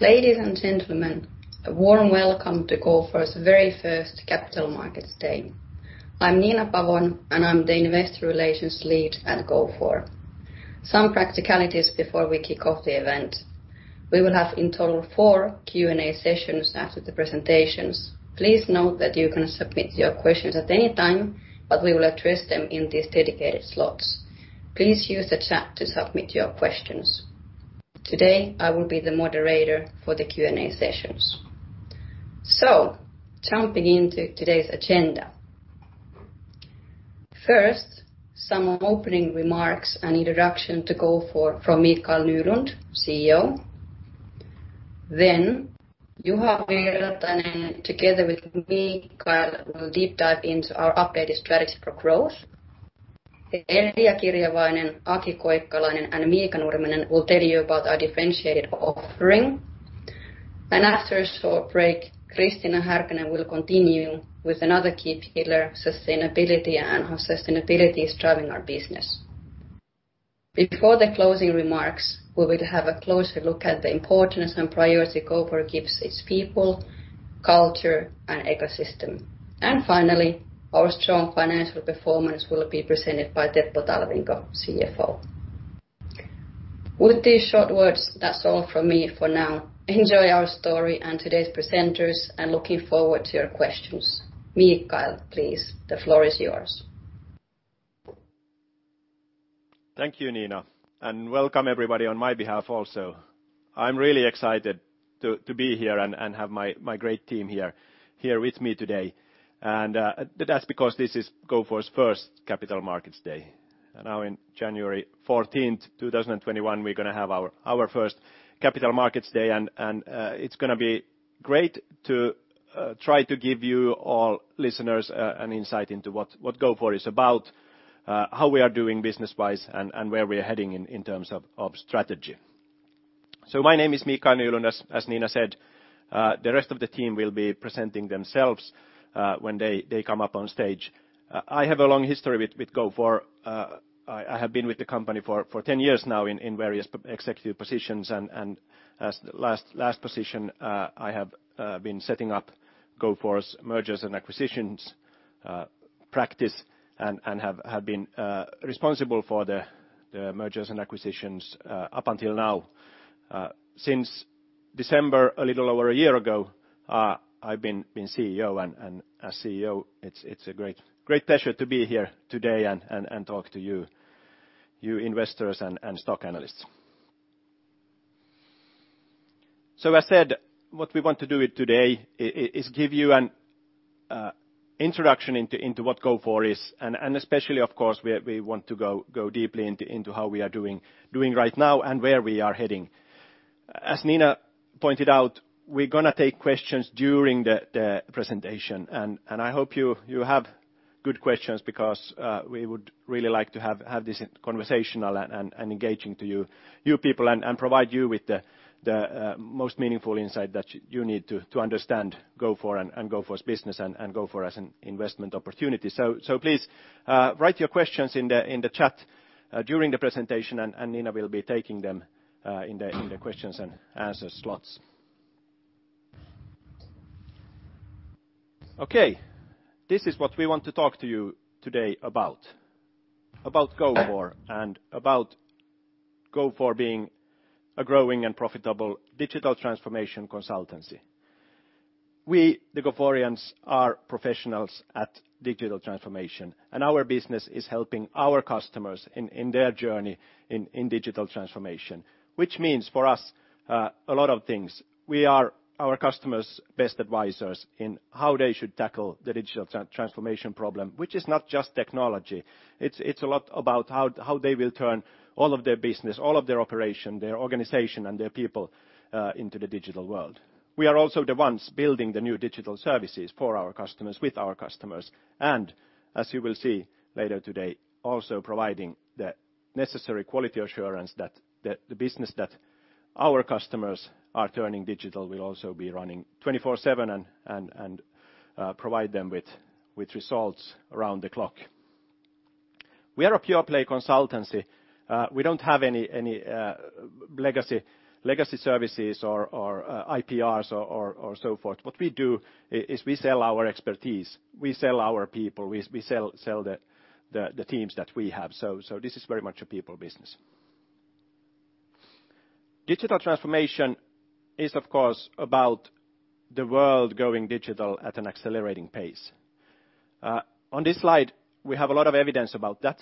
Ladies and gentlemen, a warm welcome to Gofore's very first Capital Markets Day. I'm Nina Pavén, and I'm the Investor Relations Lead at Gofore. Some practicalities before we kick off the event: We will have, in total, four Q&A sessions after the presentations. Please note that you can submit your questions at any time, but we will address them in these dedicated slots. Please use the chat to submit your questions. Today, I will be the moderator for the Q&A sessions. So jumping into today's agenda, first, some opening remarks and introduction to Gofore from Mikael Nylund, CEO. Then Juha Virtanen, together with Mikael, will deep dive into our updated strategy for growth. Elja Kirjavainen, Aki Koikkalainen, and Miika Nurminen will tell you about our differentiated offering. After a short break, Kristiina Härkönen will continue with another key pillar, sustainability, and how sustainability is driving our business. Before the closing remarks, we will have a closer look at the importance and priority Gofore gives its people, culture, and ecosystem. Finally, our strong financial performance will be presented by Teppo Talvinko, CFO. With these short words, that's all from me for now. Enjoy our story and today's presenters, and looking forward to your questions. Mikael, please, the floor is yours. Thank you, Nina, and welcome, everybody, on my behalf also. I'm really excited to be here and have my great team here with me today, and that's because this is Gofore's first Capital Markets Day. Now in January 14th, 2021, we're gonna have our first Capital Markets Day, and it's gonna be great to try to give you all listeners an insight into what Gofore is about, how we are doing business-wise, and where we are heading in terms of strategy. So my name is Mikael Nylund, as Nina said. The rest of the team will be presenting themselves when they come up on stage. I have a long history with Gofore. I have been with the company for ten years now in various executive positions, and as last position, I have been setting up Gofore's mergers and acquisitions practice and have been responsible for the mergers and acquisitions up until now. Since December, a little over a year ago, I've been CEO, and as CEO, it's a great pleasure to be here today and talk to you investors and stock analysts. So as I said, what we want to do today is give you an introduction into what Gofore is, and especially, of course, we want to go deeply into how we are doing right now and where we are heading. As Nina pointed out, we're gonna take questions during the presentation, and I hope you have good questions because we would really like to have this conversational and engaging to you people, and provide you with the most meaningful insight that you need to understand Gofore and Gofore's business and Gofore as an investment opportunity. So please write your questions in the chat during the presentation, and Nina will be taking them in the questions and answer slots. Okay, this is what we want to talk to you today about, about Gofore and about Gofore being a growing and profitable digital transformation consultancy. We, the Goforeans, are professionals at digital transformation, and our business is helping our customers in their journey in digital transformation, which means, for us, a lot of things. We are our customers' best advisors in how they should tackle the digital transformation problem, which is not just technology. It's a lot about how they will turn all of their business, all of their operation, their organization, and their people into the digital world. We are also the ones building the new digital services for our customers, with our customers and, as you will see later today, also providing the necessary quality assurance that the business that our customers are turning digital will also be running 24/7 and provide them with results around the clock. We are a pure-play consultancy. We don't have any legacy services or IPRs or so forth. What we do is we sell our expertise. We sell our people. We sell the teams that we have. This is very much a people business. Digital transformation is, of course, about the world going digital at an accelerating pace. On this slide, we have a lot of evidence about that.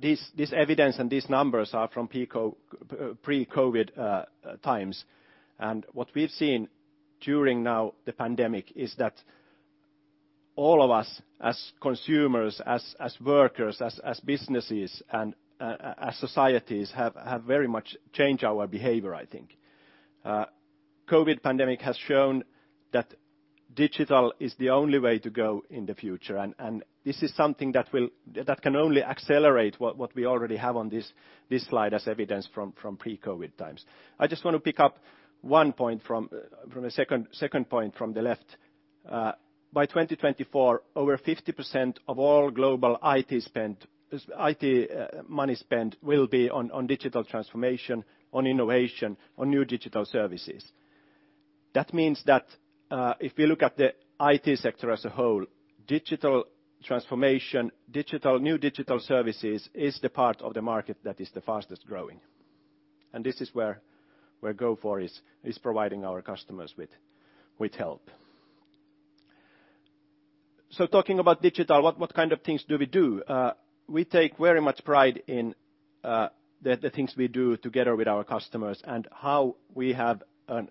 This evidence and these numbers are from pre-COVID times. What we've seen during the pandemic is that all of us as consumers, as workers, as businesses, and as societies have very much changed our behavior, I think. COVID pandemic has shown that digital is the only way to go in the future, and this is something that will... That can only accelerate what, what we already have on this, this slide as evidence from, from pre-COVID times. I just want to pick up one point from the second, second point from the left. By 2024, over 50% of all global IT spent, IT money spent will be on digital transformation, on innovation, on new digital services. That means that if you look at the IT sector as a whole, digital transformation, digital- new digital services, is the part of the market that is the fastest growing, and this is where Gofore is providing our customers with help. So talking about digital, what, what kind of things do we do? We take very much pride in the things we do together with our customers and how we have an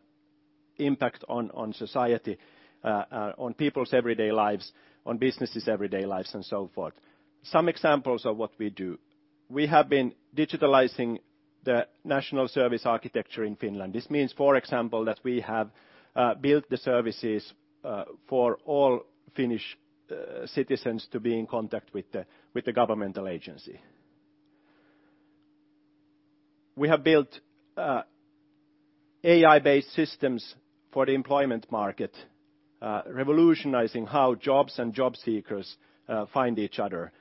impact on society, on people's everyday lives, on businesses' everyday lives, and so forth. Some examples of what we do. We have been digitalizing the National Service Architecture in Finland. This means, for example, that we have built the services for all Finnish citizens to be in contact with the governmental agency. We have built AI-based systems for the employment market, revolutionizing how jobs and job seekers find each other,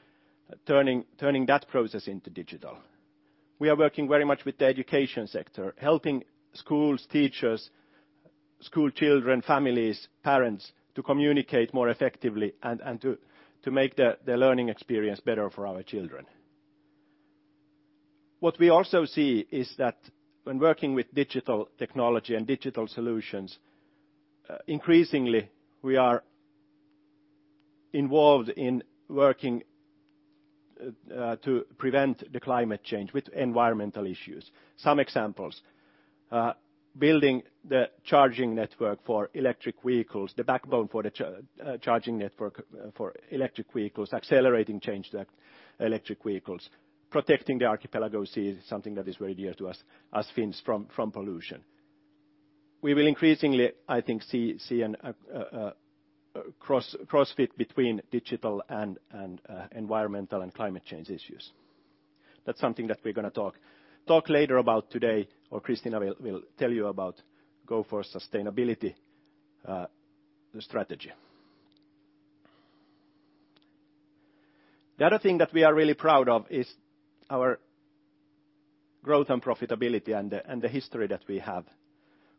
turning that process into digital. We are working very much with the education sector, helping schools, teachers, school children, families, parents, to communicate more effectively and to make the learning experience better for our children. What we also see is that when working with digital technology and digital solutions, increasingly, we are involved in working to prevent the climate change with environmental issues. Some examples: building the charging network for electric vehicles, the backbone for the charging network for electric vehicles, accelerating change the electric vehicles. Protecting the Archipelago Sea is something that is very dear to us, as Finns, from pollution. We will increasingly, I think, see a crossover between digital and environmental and climate change issues. That's something that we're gonna talk later about today, or Kristiina will tell you about Gofore sustainability, the strategy. The other thing that we are really proud of is our growth and profitability and the history that we have.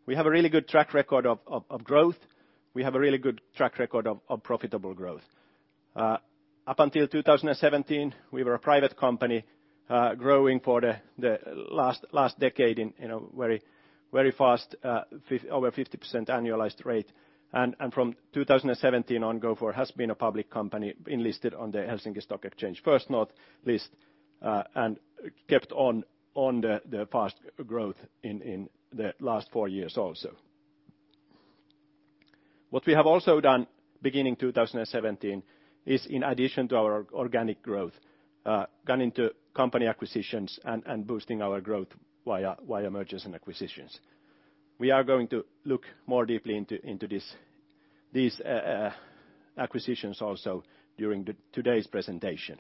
We have a really good track record of growth. We have a really good track record of profitable growth. Up until 2017, we were a private company, growing for the last decade in a very fast, over 50% annualized rate. From 2017 on, Gofore has been a public company enlisted on the Helsinki Stock Exchange, First North list, and kept on the fast growth in the last four years also. What we have also done, beginning 2017, is, in addition to our organic growth, gone into company acquisitions and boosting our growth via mergers and acquisitions. We are going to look more deeply into these acquisitions also during today's presentation.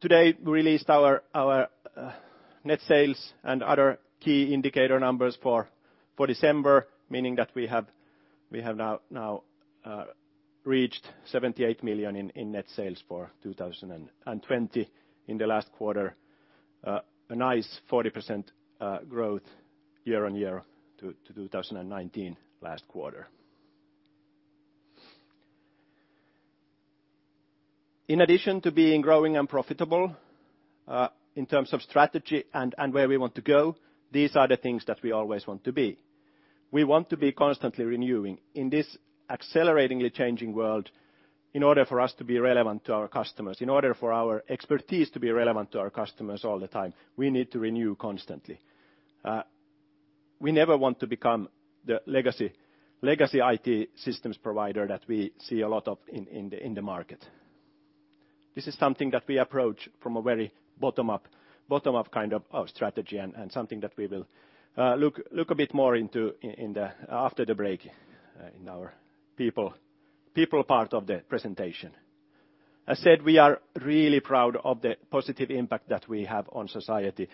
Today, we released our net sales and other key indicator numbers for December, meaning that we have now reached 78 million in net sales for 2020. In the last quarter, a nice 40% growth year on year to 2019 last quarter. In addition to being growing and profitable, in terms of strategy and where we want to go, these are the things that we always want to be. We want to be constantly renewing. In this acceleratingly changing world, in order for us to be relevant to our customers, in order for our expertise to be relevant to our customers all the time, we need to renew constantly. We never want to become the legacy IT systems provider that we see a lot of in the market. This is something that we approach from a very bottom-up, bottom-up kind of strategy, and something that we will look a bit more into in the after the break in our people part of the presentation. I said we are really proud of the positive impact that we have on society,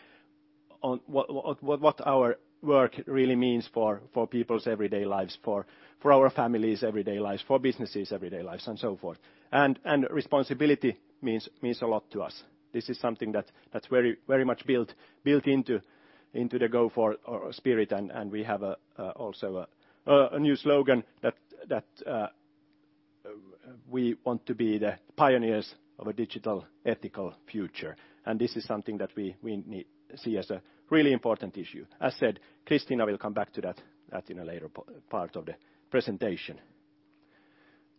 on what our work really means for people's everyday lives, for our families' everyday lives, for businesses' everyday lives, and so forth. And responsibility means a lot to us. This is something that's very much built into the Gofore spirit, and we have also a new slogan that we want to be the pioneers of a digital, ethical future. And this is something that we see as a really important issue. As said, Kristiina will come back to that in a later part of the presentation.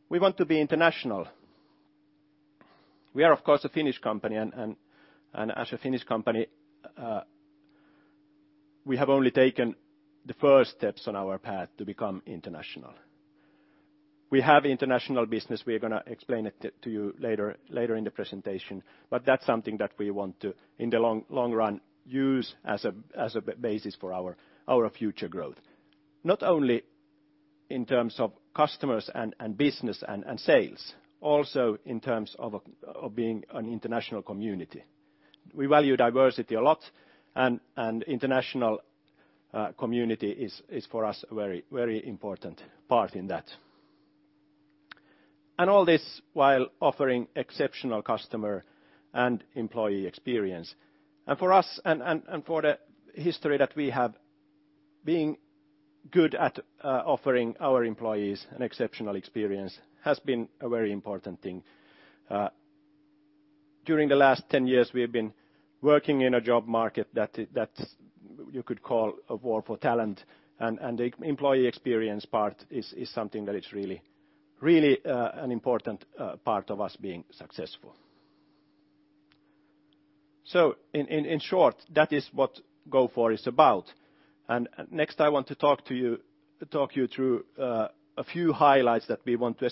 We want to be international. We are, of course, a Finnish company, and as a Finnish company, we have only taken the first steps on our path to become international. We have international business. We are gonna explain it to you later in the presentation, but that's something that we want to, in the long run, use as a basis for our future growth. Not only in terms of customers and business and sales, also in terms of being an international community.... We value diversity a lot, and international community is for us a very important part in that. And all this while offering exceptional customer and employee experience. And for us, for the history that we have, being good at offering our employees an exceptional experience has been a very important thing. During the last 10 years, we have been working in a job market that you could call a war for talent, and the employee experience part is something that is really, really an important part of us being successful. So in short, that is what Gofore is about. And next, I want to talk you through a few highlights that we want to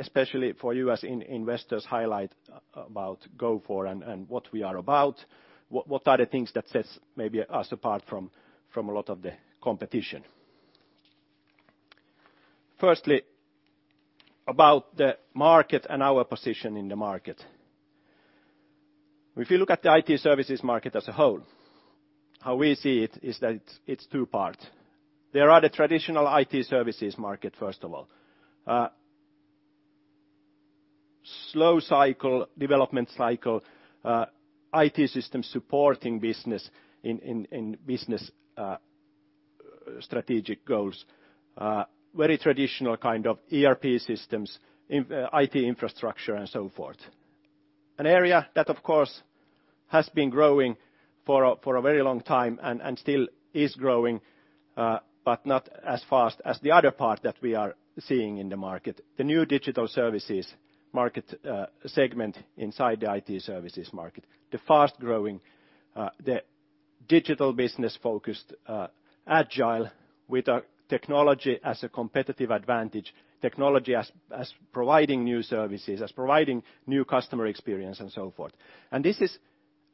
especially for you as investors highlight about Gofore and what we are about, what are the things that sets maybe us apart from a lot of the competition. Firstly, about the market and our position in the market. If you look at the IT services market as a whole, how we see it is that it's two-part. There are the traditional IT services market, first of all. Slow cycle, development cycle, IT systems supporting business in business strategic goals. Very traditional kind of ERP systems, IT infrastructure, and so forth. An area that, of course, has been growing for a very long time, and still is growing, but not as fast as the other part that we are seeing in the market, the new digital services market segment inside the IT services market. The fast-growing, the digital business-focused, agile, with a technology as a competitive advantage, technology as providing new services, as providing new customer experience, and so forth. This is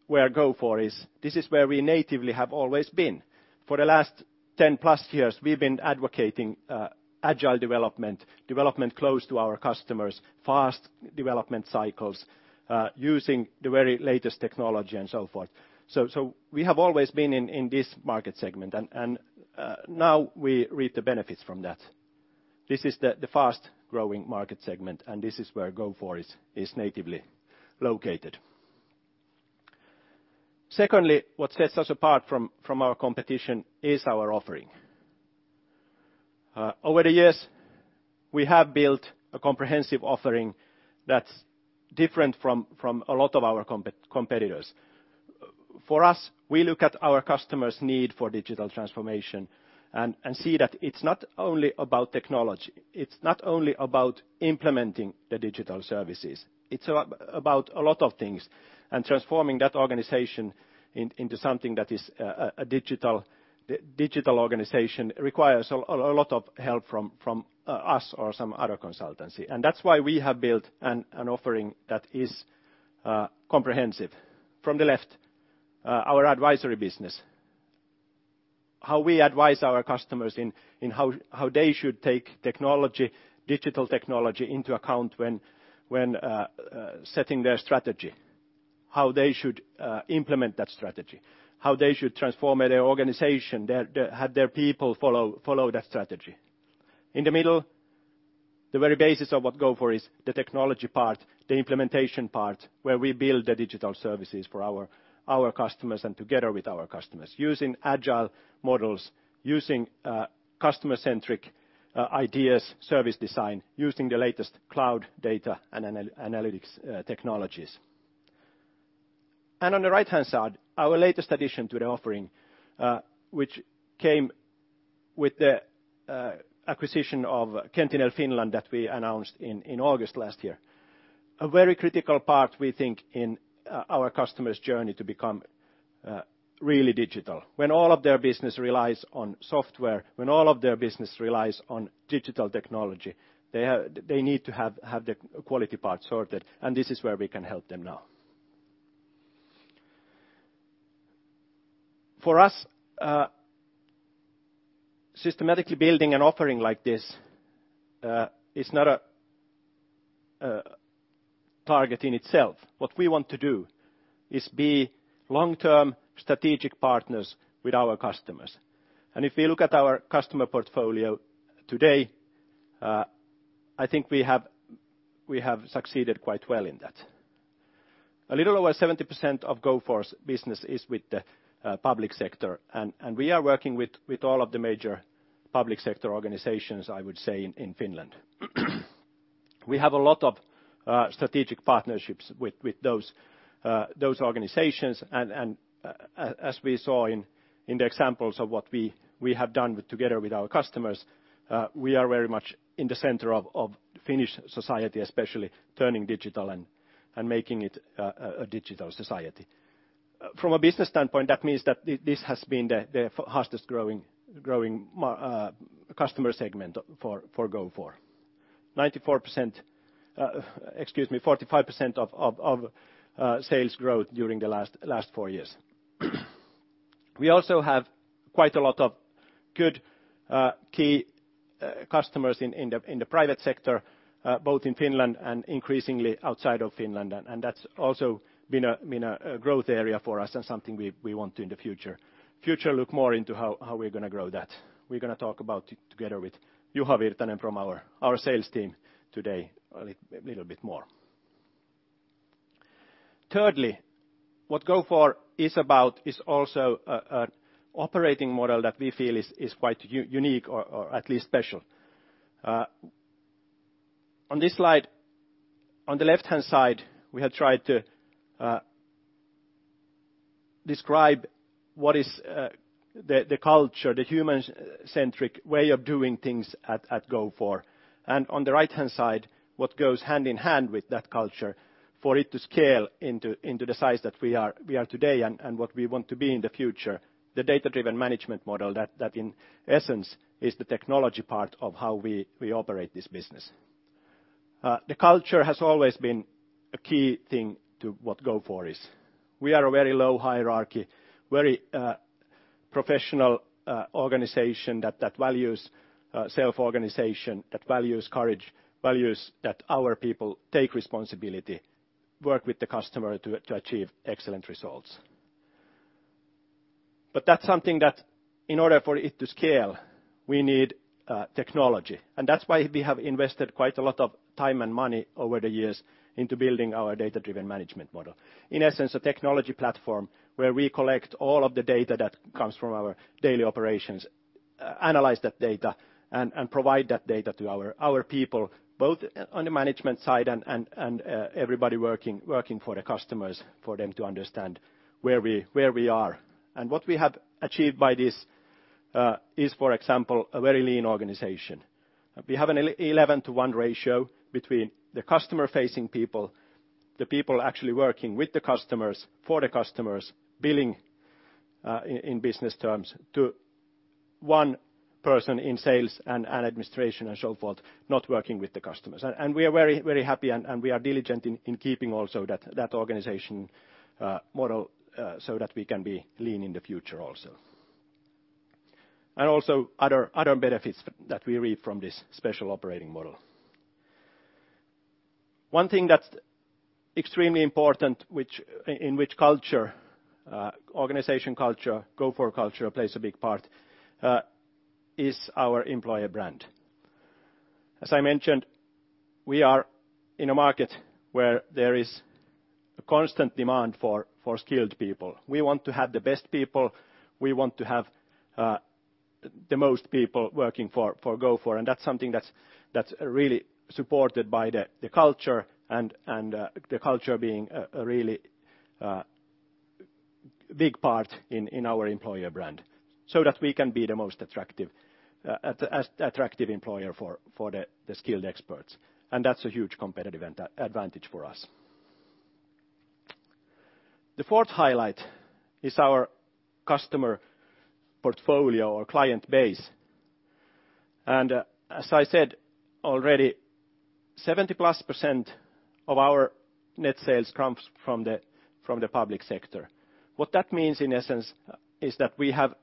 where Gofore is. This is where we natively have always been. For the last 10+ years, we've been advocating agile development, development close to our customers, fast development cycles, using the very latest technology, and so forth. So we have always been in this market segment. And now we reap the benefits from that. This is the fast-growing market segment, and this is where Gofore is natively located. Secondly, what sets us apart from our competition is our offering. Over the years, we have built a comprehensive offering that's different from a lot of our competitors. For us, we look at our customers' need for digital transformation, and see that it's not only about technology, it's not only about implementing the digital services, it's about a lot of things. And transforming that organization into something that is a digital organization requires a lot of help from us or some other consultancy, and that's why we have built an offering that is comprehensive. From the left, our advisory business, how we advise our customers in how they should take technology, digital technology into account when setting their strategy, how they should implement that strategy, how they should transform their organization, have their people follow that strategy. In the middle, the very basis of what Gofore is, the technology part, the implementation part, where we build the digital services for our customers, and together with our customers, using Agile models, using customer-centric ideas, service design, using the latest cloud data and analytics technologies. On the right-hand side, our latest addition to the offering, which came with the acquisition of Qentinel Finland that we announced in August last year. A very critical part, we think, in our customers' journey to become really digital. When all of their business relies on software, when all of their business relies on digital technology, they need to have the quality part sorted, and this is where we can help them now. For us, systematically building an offering like this is not a target in itself. What we want to do is be long-term strategic partners with our customers. And if we look at our customer portfolio today, I think we have succeeded quite well in that. A little over 70% of Gofore's business is with the public sector, and we are working with all of the major public sector organizations, I would say, in Finland. We have a lot of strategic partnerships with those organizations, and as we saw in the examples of what we have done together with our customers, we are very much in the center of Finnish society, especially turning digital and making it a digital society. From a business standpoint, that means that this has been the fastest-growing customer segment for Gofore. Ninety-four percent... Excuse me, 45% of sales growth during the last 4 years.... We also have quite a lot of good key customers in the private sector, both in Finland and increasingly outside of Finland. And that's also been a growth area for us and something we want to in the future look more into how we're gonna grow that. We're gonna talk about it together with Juha Virtanen from our sales team today, a little bit more. Thirdly, what Gofore is about is also an operating model that we feel is quite unique or at least special. On this slide, on the left-hand side, we have tried to describe what is the culture, the human-centric way of doing things at Gofore. On the right-hand side, what goes hand-in-hand with that culture, for it to scale into the size that we are today and what we want to be in the future, the data-driven management model that in essence is the technology part of how we operate this business. The culture has always been a key thing to what Gofore is. We are a very low hierarchy, very professional organization that values self-organization, that values courage, values that our people take responsibility, work with the customer to achieve excellent results. But that's something that, in order for it to scale, we need technology. And that's why we have invested quite a lot of time and money over the years into building our data-driven management model. In essence, a technology platform where we collect all of the data that comes from our daily operations, analyze that data, and provide that data to our people, both on the management side and everybody working for the customers, for them to understand where we are. And what we have achieved by this is, for example, a very lean organization. We have an 11-to-1 ratio between the customer-facing people, the people actually working with the customers, for the customers, billing, in business terms, to one person in sales and administration and so forth, not working with the customers. And we are very happy, and we are diligent in keeping also that organization model so that we can be lean in the future also. And also other benefits that we reap from this special operating model. One thing that's extremely important, in which culture, organization culture, Gofore culture, plays a big part, is our employer brand. As I mentioned, we are in a market where there is a constant demand for skilled people. We want to have the best people. We want to have the most people working for Gofore, and that's something that's really supported by the culture, and the culture being a really big part in our employer brand, so that we can be the most attractive as attractive employer for the skilled experts, and that's a huge competitive advantage for us. The fourth highlight is our customer portfolio or client base. And as I said already, 70%+ of our net sales comes from the public sector. What that means, in essence, is that we have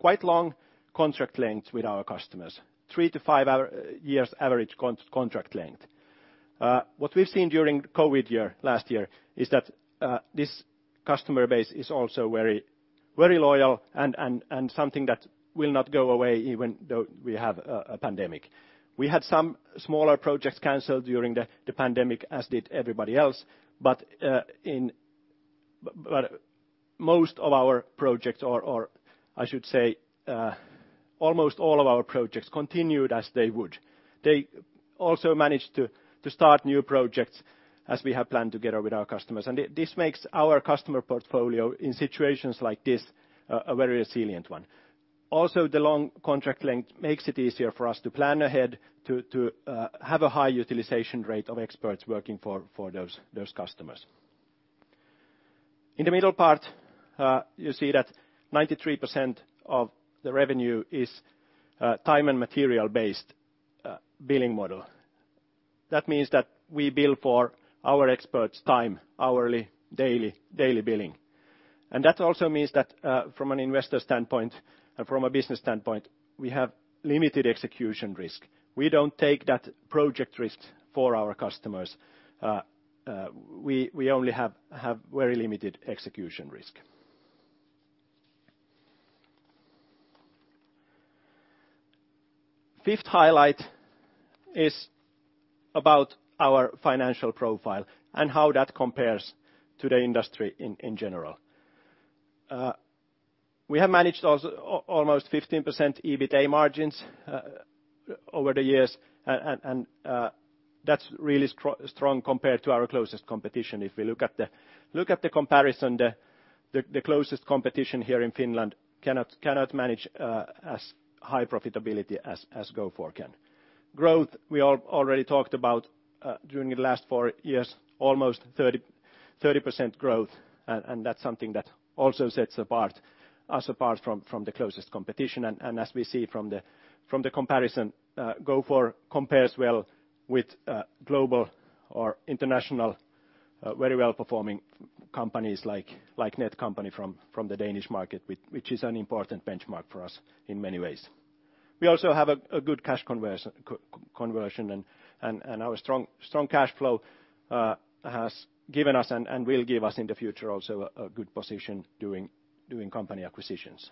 quite long contract lengths with our customers, 3-5 years average contract length. What we've seen during COVID year, last year, is that this customer base is also very, very loyal and something that will not go away even though we have a pandemic. We had some smaller projects canceled during the pandemic, as did everybody else, but most of our projects, or I should say, almost all of our projects continued as they would. They also managed to start new projects as we have planned together with our customers, and this makes our customer portfolio, in situations like this, a very resilient one. Also, the long contract length makes it easier for us to plan ahead, to have a high utilization rate of experts working for those customers. In the middle part, you see that 93% of the revenue is time and material-based billing model. That means that we bill for our experts' time, hourly, daily billing. And that also means that, from an investor standpoint and from a business standpoint, we have limited execution risk. We don't take that project risk for our customers. We only have very limited execution risk. Fifth highlight is about our financial profile and how that compares to the industry in general. We have managed almost 15% EBITA margins over the years, and that's really strong compared to our closest competition. If we look at the comparison, the closest competition here in Finland cannot manage as high profitability as Gofore can. Growth, we already talked about, during the last four years, almost 30% growth, and that's something that also sets us apart from the closest competition. And as we see from the comparison, Gofore compares well with global or international very well-performing companies like Netcompany from the Danish market, which is an important benchmark for us in many ways. We also have a good cash conversion and our strong cash flow has given us and will give us in the future also a good position doing company acquisitions.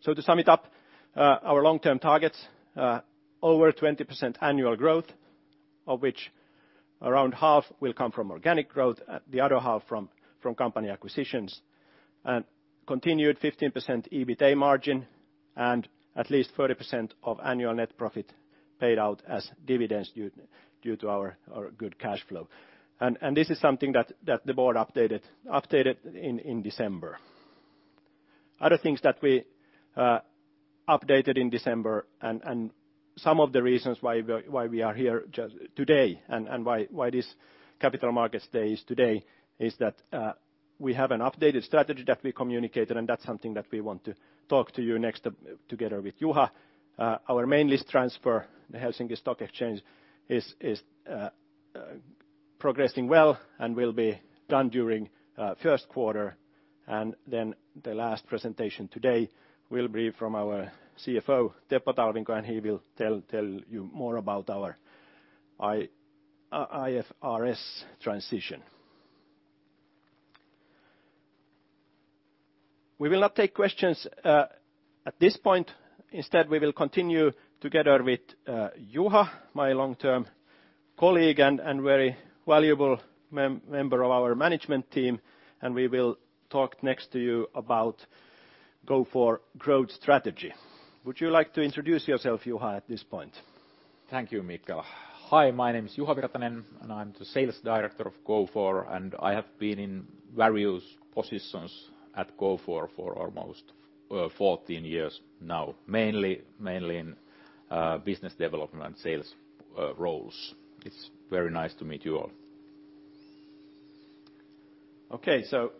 So to sum it up, our long-term targets, over 20% annual growth, of which around half will come from organic growth, the other half from company acquisitions, and continued 15% EBITA margin, and at least 30% of annual net profit paid out as dividends due to our good cash flow. And this is something that the board updated in December. Other things that we updated in December, and some of the reasons why we are here today, and why this Capital Markets Day is today, is that we have an updated strategy that we communicated, and that's something that we want to talk to you next, together with Juha. Our main list transfer, the Helsinki Stock Exchange, is progressing well and will be done during first quarter. And then the last presentation today will be from our CFO, Teppo Talvinko, and he will tell you more about our IFRS transition. We will not take questions at this point. Instead, we will continue together with Juha, my long-term colleague and very valuable member of our management team, and we will talk next to you about Gofore growth strategy. Would you like to introduce yourself, Juha, at this point? Thank you, Mikael. Hi, my name is Juha Virtanen, and I'm the sales director of Gofore, and I have been in various positions at Gofore for almost 14 years now, mainly in business development sales roles. It's very nice to meet you all. Okay, so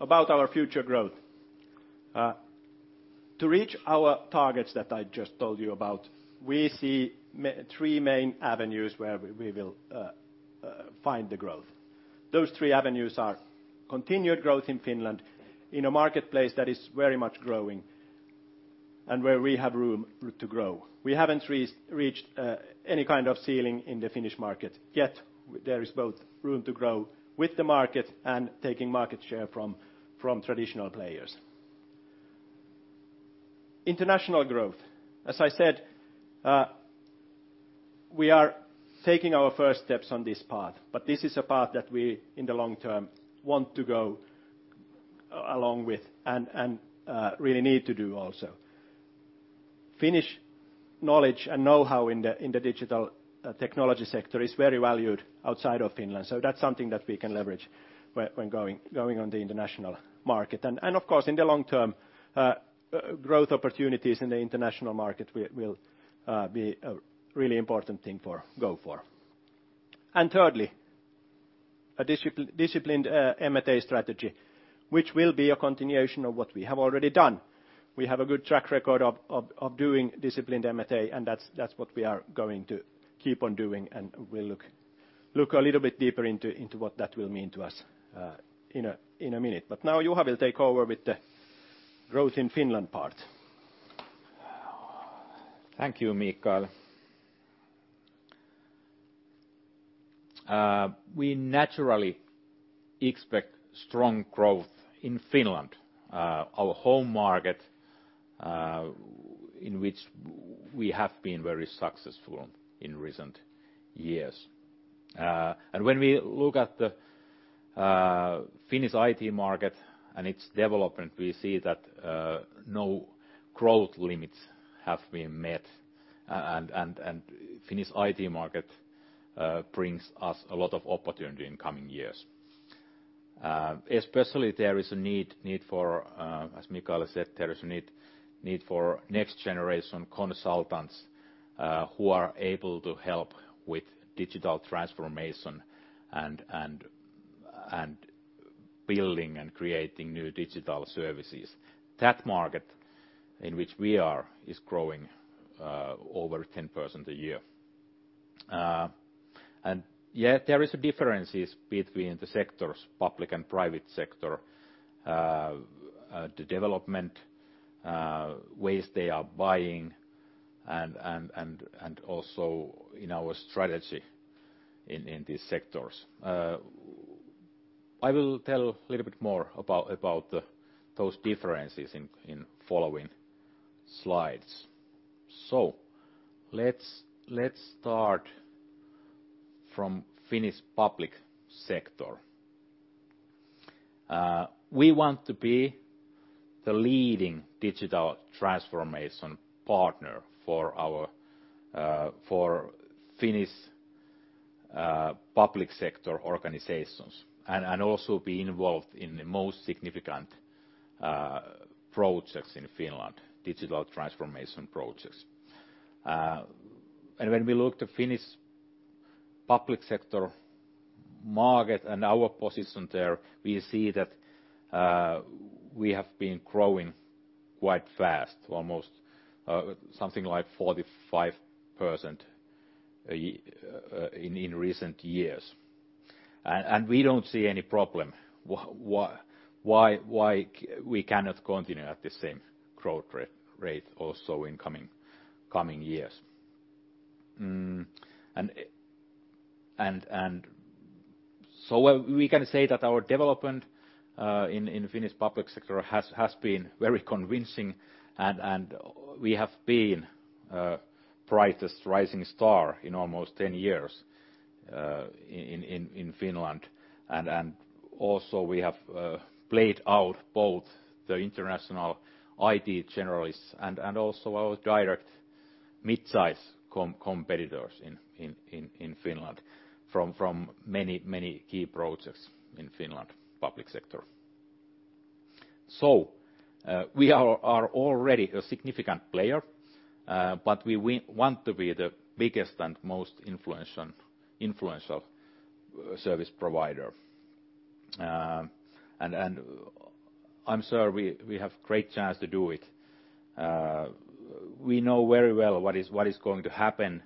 about our future growth. To reach our targets that I just told you about, we see three main avenues where we will find the growth. Those three avenues are: continued growth in Finland, in a marketplace that is very much growing and where we have room to grow. We haven't reached any kind of ceiling in the Finnish market yet. There is both room to grow with the market and taking market share from traditional players. International growth. As I said, we are taking our first steps on this path, but this is a path that we, in the long term, want to go along with, and really need to do also. Finnish knowledge and know-how in the digital technology sector is very valued outside of Finland, so that's something that we can leverage when going on the international market. And of course, in the long term, growth opportunities in the international market will be a really important thing for Gofore. And thirdly, a disciplined M&A strategy, which will be a continuation of what we have already done. We have a good track record of doing disciplined M&A, and that's what we are going to keep on doing, and we'll look a little bit deeper into what that will mean to us in a minute. But now Juha will take over with the growth in Finland part. Thank you, Mikael. We naturally expect strong growth in Finland, our home market, in which we have been very successful in recent years. And when we look at the Finnish IT market and its development, we see that no growth limits have been met, and the Finnish IT market brings us a lot of opportunity in coming years. Especially, there is a need for, as Mikael said, there is a need for next-generation consultants who are able to help with digital transformation and building and creating new digital services. That market, in which we are, is growing over 10% a year. And yet there are differences between the sectors, public and private sector, the development, ways they are buying, and also in our strategy in these sectors. I will tell a little bit more about those differences in following slides. So let's start from Finnish public sector. We want to be the leadin digital transformation partner for our for Finnish public sector organizations, and also be involved in the most significant projects in Finland, digital transformation projects. And when we look to Finnish public sector market and our position there, we see that we have been growing quite fast, almost something like 45%, in recent years. We don't see any problem why we cannot continue at the same growth rate also in coming years. So we can say that our development in Finnish public sector has been very convincing, and we have been brightest rising star in almost 10 years in Finland. And also we have played out both the international IT generalists and also our direct mid-size competitors in Finland from many key projects in Finland public sector. So we are already a significant player, but we want to be the biggest and most influential service provider. And I'm sure we have great chance to do it. We know very well what is going to happen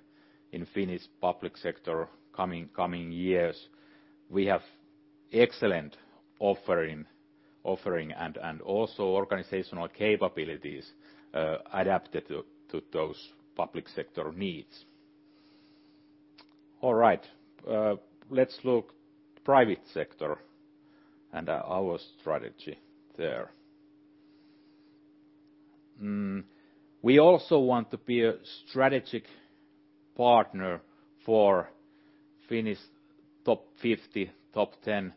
in Finnish public sector coming years. We have excellent offering and also organizational capabilities adapted to those public sector needs. All right. Let's look private sector and our strategy there. We also want to be a strategic partner for Finnish top 50, top 10,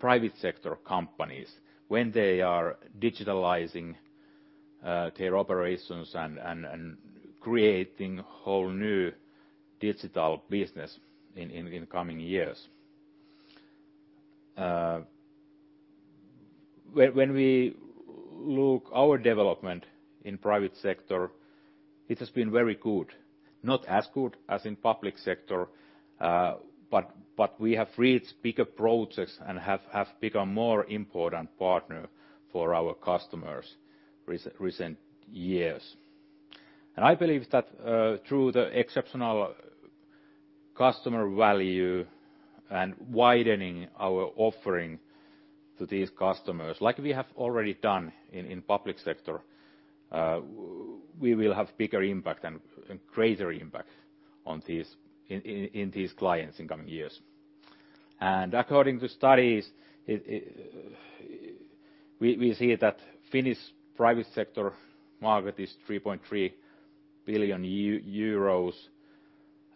private sector companies when they are digitalizing their operations and creating whole new digital business in coming years. When we look our development in private sector, it has been very good. Not as good as in public sector, but we have reached bigger projects and have become more important partner for our customers recent years. I believe that through the exceptional customer value and widening our offering to these customers, like we have already done in public sector, we will have bigger impact and greater impact on these clients in coming years. According to studies, we see that Finnish private sector market is 3.3 billion euros,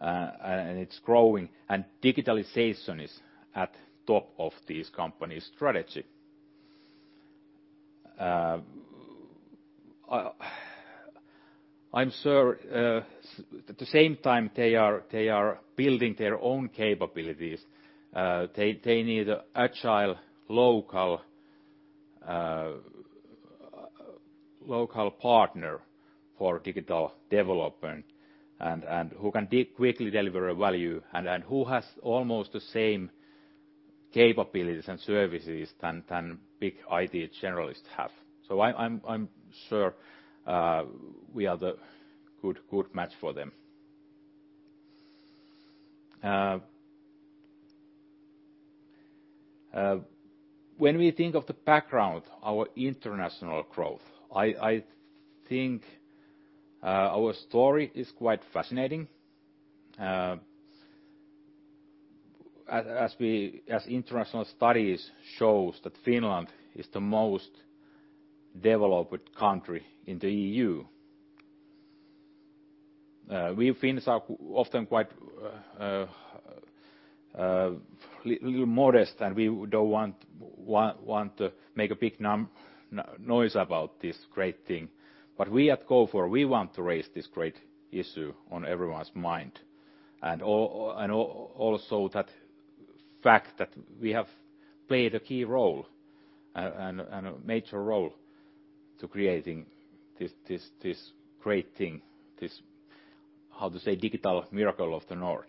and it's growing, and digitalization is at top of these companies' strategy. I'm sure, at the same time, they are building their own capabilities, they need an agile, local partner for digital development and who can quickly deliver a value and who has almost the same capabilities and services than big IT generalists have. So I'm sure, we are the good match for them. When we think of the background, our international growth, I think our story is quite fascinating. As international studies shows that Finland is the most developed country in the EU, we Finns are often quite little modest, and we don't want to make a big noise about this great thing. But we at Gofore, we want to raise this great issue on everyone's mind and also that fact that we have played a key role and a major role to creating this great thing, this, how to say, digital miracle of the North.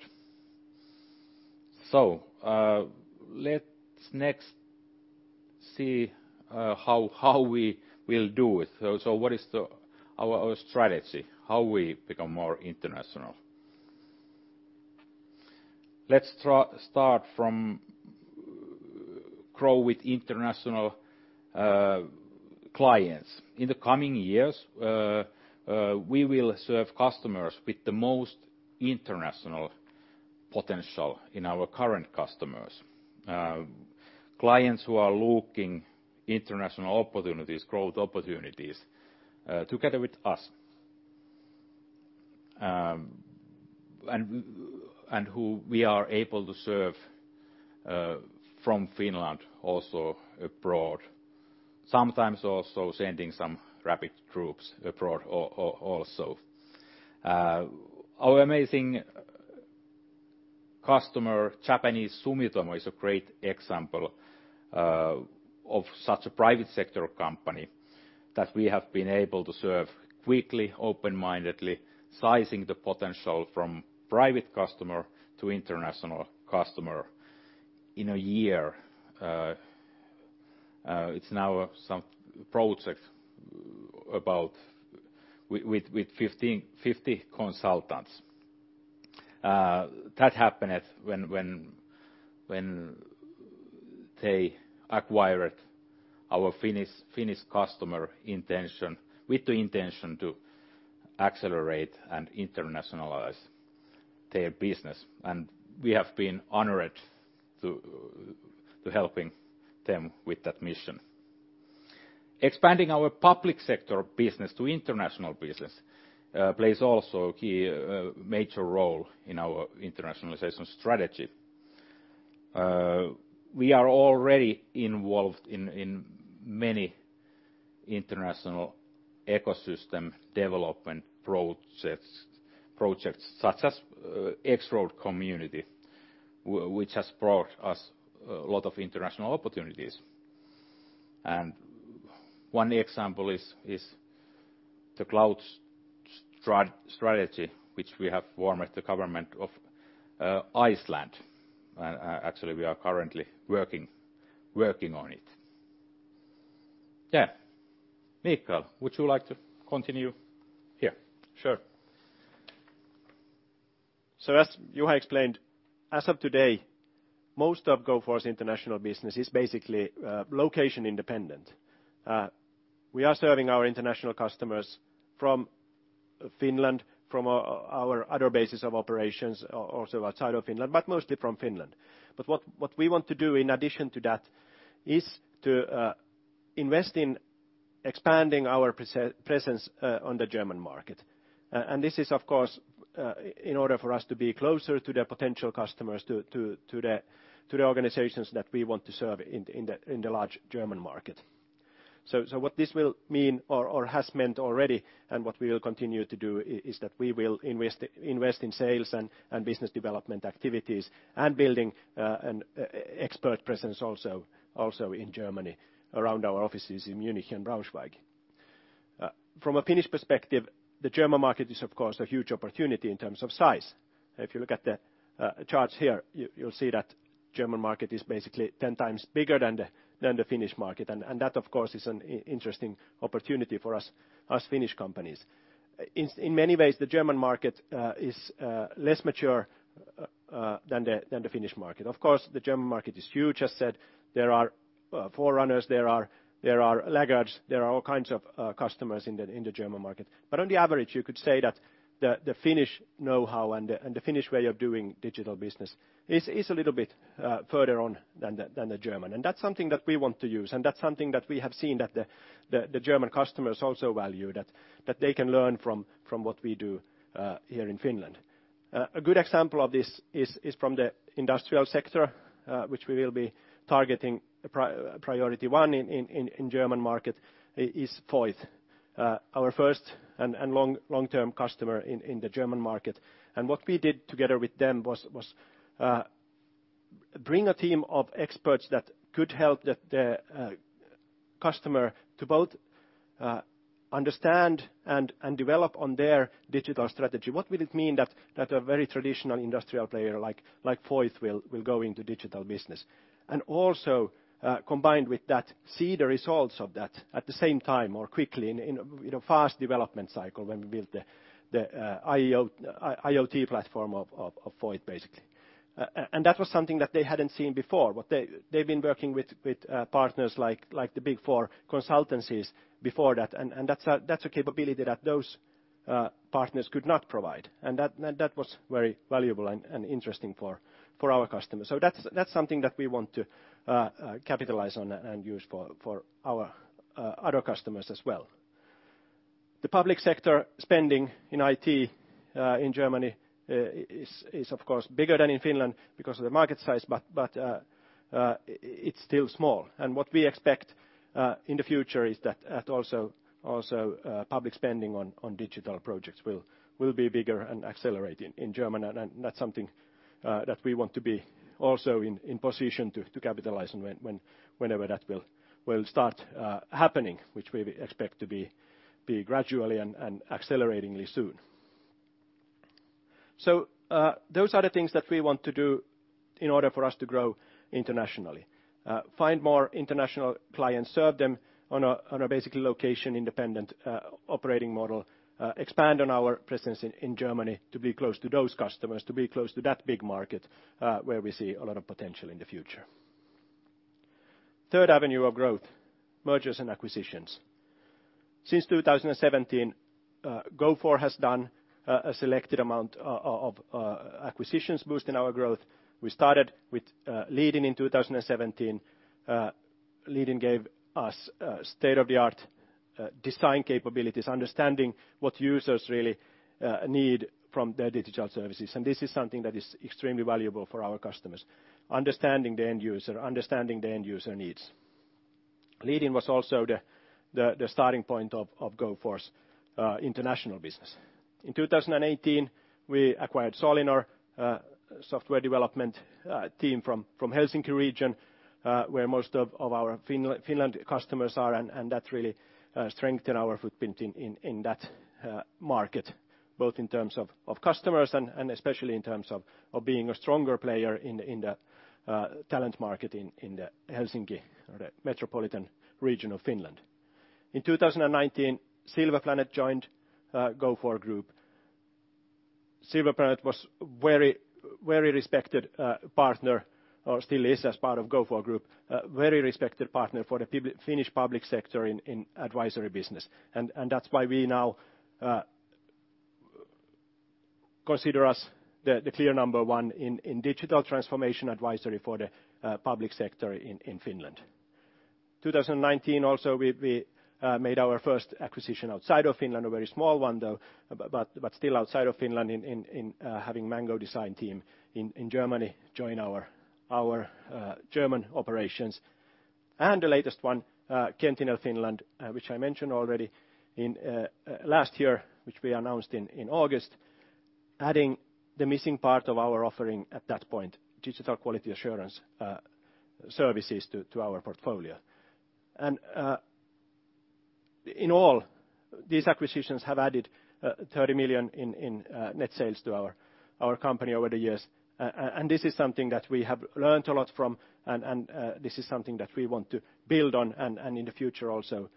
Let's next see how we will do it. So what is our strategy, how we become more international? Let's start from grow with international clients. In the coming years, we will serve customers with the most international potential in our current customers. Clients who are looking international opportunities, growth opportunities, together with us. And who we are able to serve from Finland, also abroad. Sometimes also sending some rapid troops abroad also. Our amazing customer, Japanese Sumitomo, is a great example of such a private sector company that we have been able to serve quickly, open-mindedly, sizing the potential from private customer to international customer. In a year, it's now some project with 150 consultants. That happened when they acquired our Finnish customer MyLender, with the MyL to accelerate and internationalize their business, and we have been honored to helping them with that mission. Expanding our public sector business to international business plays also a key, major role in our internationalization strategy. We are already involved in many international ecosystem development projects, such as X-Road Community, which has brought us a lot of international opportunities. And one example is the cloud strategy, which we have formed with the Government of Iceland. Actually, we are currently working on it. Yeah. Mikael, would you like to continue? Yeah, sure. So as Juha explained, as of today, most of Gofore's international business is basically location-independent. We are serving our international customers from Finland, from our other bases of operations, also outside of Finland, but mostly from Finland. But what we want to do in addition to that is to invest in expanding our presence on the German market. And this is, of course, in order for us to be closer to their potential customers, to the organizations that we want to serve in the large German market. So, what this will mean or has meant already, and what we will continue to do, is that we will invest in sales and business development activities, and building an expert presence also in Germany, around our offices in Munich and Braunschweig. From a Finnish perspective, the German market is, of course, a huge opportunity in terms of size. If you look at the charts here, you'll see that German market is basically 10 times bigger than the Finnish market, and that, of course, is an interesting opportunity for us Finnish companies. In many ways, the German market is less mature than the Finnish market. Of course, the German market is huge, as said, there are forerunners, there are laggards, there are all kinds of customers in the German market. But on the average, you could say that the Finnish know-how and the Finnish way of doing digital business is a little bit further on than the German. And that's something that we want to use, and that's something that we have seen that the German customers also value, that they can learn from what we do here in Finland. A good example of this is from the industrial sector, which we will be targeting priority one in the German market, is Voith, our first and long-term customer in the German market. And what we did together with them was bring a team of experts that could help the customer to both understand and develop on their digital strategy. What would it mean that a very traditional industrial player, like Voith will go into digital business? And also, combined with that, see the results of that at the same time or quickly in a fast development cycle when we built the IoT platform of Voith, basically. And that was something that they hadn't seen before, what they... They've been working with partners like the Big Four consultancies before that, and that's a capability that those partners could not provide. And that was very valuable and interesting for our customers. So that's something that we want to capitalize on and use for our other customers as well. The public sector spending in IT in Germany is, of course, bigger than in Finland because of the market size, but it's still small. And what we expect in the future is that also public spending on digital projects will be bigger and accelerating in Germany, and that's something that we want to be also in position to capitalize on when whenever that will start happening, which we expect to be gradually and acceleratingly soon. So those are the things that we want to do in order for us to grow internationally. Find more international clients, serve them on a basically location-independent operating model, expand on our presence in Germany to be close to those customers, to be close to that big market, where we see a lot of potential in the future. Third avenue of growth, mergers and acquisitions. Since 2017, Gofore has done a selected amount of acquisitions boosting our growth. We started with Leading in 2017. Leading gave us state-of-the-art design capabilities, understanding what users really need from their digital services, and this is something that is extremely valuable for our customers: understanding the end user, understanding the end user needs. Leadin was also the starting point of Gofore's international business. In 2018, we acquired Solinor, software development team from Helsinki region, where most of our Finnish customers are, and that really strengthened our footprint in that market, both in terms of customers and especially in terms of being a stronger player in the talent market in the Helsinki or the metropolitan region of Finland. In 2019, Silver Planet joined Gofore Group. Silver Planet was very respected partner, or still is as part of Gofore Group, very respected partner for the Finnish public sector in advisory business. And that's why we now consider us the clear number one in digital transformation advisory for the public sector in Finland. 2019 also, we made our first acquisition outside of Finland, a very small one, though, but still outside of Finland in having Mangodesign Team in Germany join our German operations. And the latest one, Qentinel Finland, which I mentioned already, in last year, which we announced in August, adding the missing part of our offering at that point, digital quality assurance services to our portfolio. And in all, these acquisitions have added 30 million in net sales to our company over the years. This is something that we have learned a lot from, and this is something that we want to build on, and in the future also,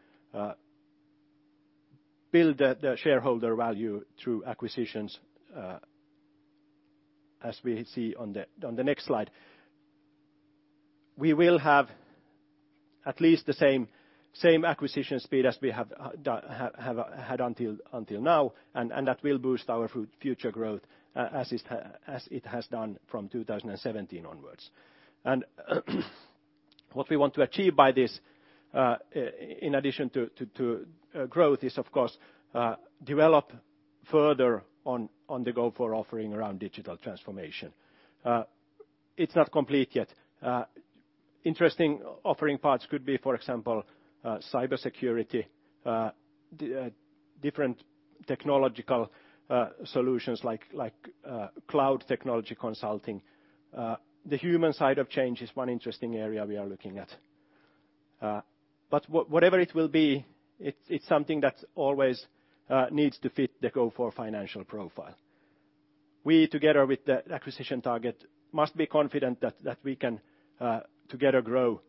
build the shareholder value through acquisitions, as we see on the next slide. We will have at least the same acquisition speed as we have done—have had until now, and that will boost our future growth, as it has done from 2017 onwards. And what we want to achieve by this, in addition to growth, is, of course, develop further on the Gofore offering around digital transformation. It's not complete yet. Interesting offering parts could be, for example, cybersecurity, different technological solutions like cloud technology consulting. The human side of change is one interesting area we are looking at. But whatever it will be, it's something that always needs to fit the Gofore financial profile. We, together with the acquisition target, must be confident that we can together grow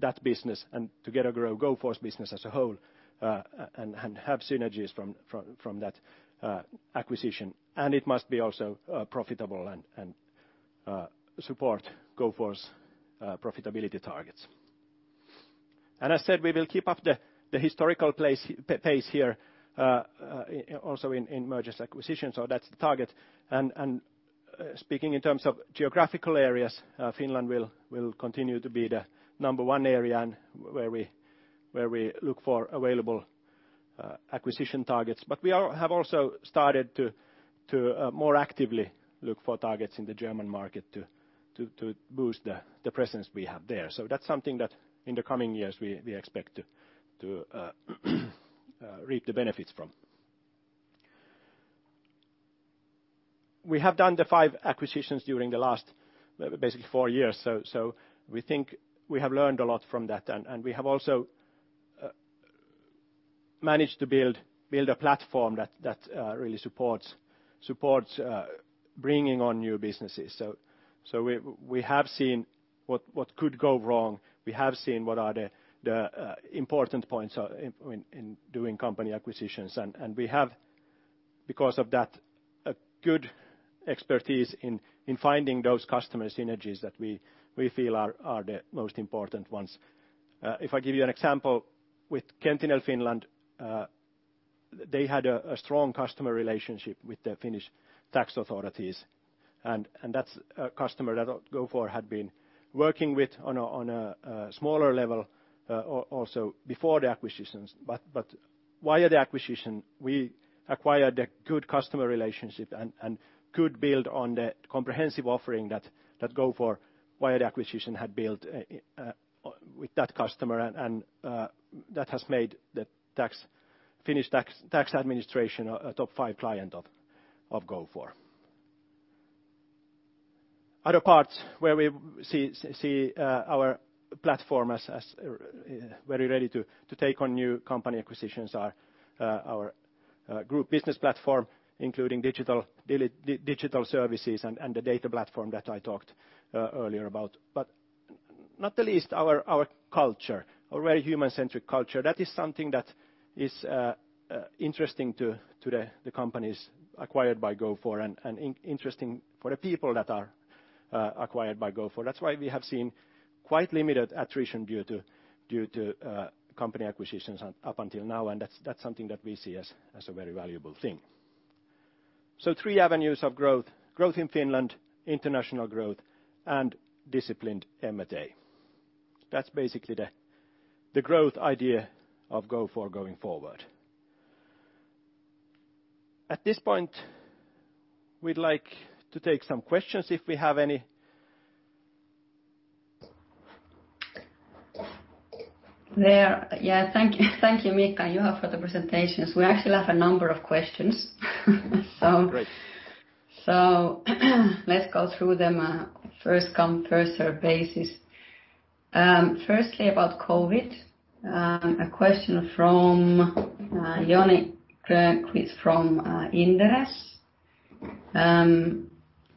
that business and together grow Gofore's business as a whole, and have synergies from that acquisition. And it must be also profitable and support Gofore's profitability targets. And I said we will keep up the historical pace here also in mergers, acquisitions, so that's the target. And speaking in terms of geographical areas, Finland will continue to be the number one area and where we look for available acquisition targets. But we are, have also started to more actively look for targets in the German market to boost the presence we have there. So that's something that in the coming years, we expect to reap the benefits from. We have done the five acquisitions during the last basically four years, so we think we have learned a lot from that. And we have also managed to build a platform that really supports bringing on new businesses. So we have seen what could go wrong, we have seen what the important points are in doing company acquisitions. And we have, because of that, a good expertise in finding those customer synergies that we feel are the most important ones. If I give you an example, with Qentinel Finland, they had a strong customer relationship with the Finnish tax authorities, and that's a customer that Gofore had been working with on a smaller level, also before the acquisitions. But via the acquisition, we acquired a good customer relationship and could build on the comprehensive offering that Gofore, via the acquisition, had built with that customer. And that has made the Finnish Tax Administration a top five client of Gofore. Other parts where we see our platform as very ready to take on new company acquisitions are our group business platform, including digital services and the data platform that I talked earlier about. But not the least, our, our culture, our very human-centric culture, that is something that is, interesting to, to the, the companies acquired by Gofore and, and interesting for the people that are, acquired by Gofore. That's why we have seen quite limited attrition due to, due to, company acquisitions up until now, and that's, that's something that we see as, as a very valuable thing. So three avenues of growth: growth in Finland, international growth, and disciplined M&A. That's basically the, the growth idea of Gofore going forward. At this point, we'd like to take some questions, if we have any. Yeah, thank you. Thank you, Miika and Juha, for the presentations. We actually have a number of questions. So- Great.... So, let's go through them, first come, first serve basis. Firstly, about COVID, a question from, Joni Grönqvist from, Inderes.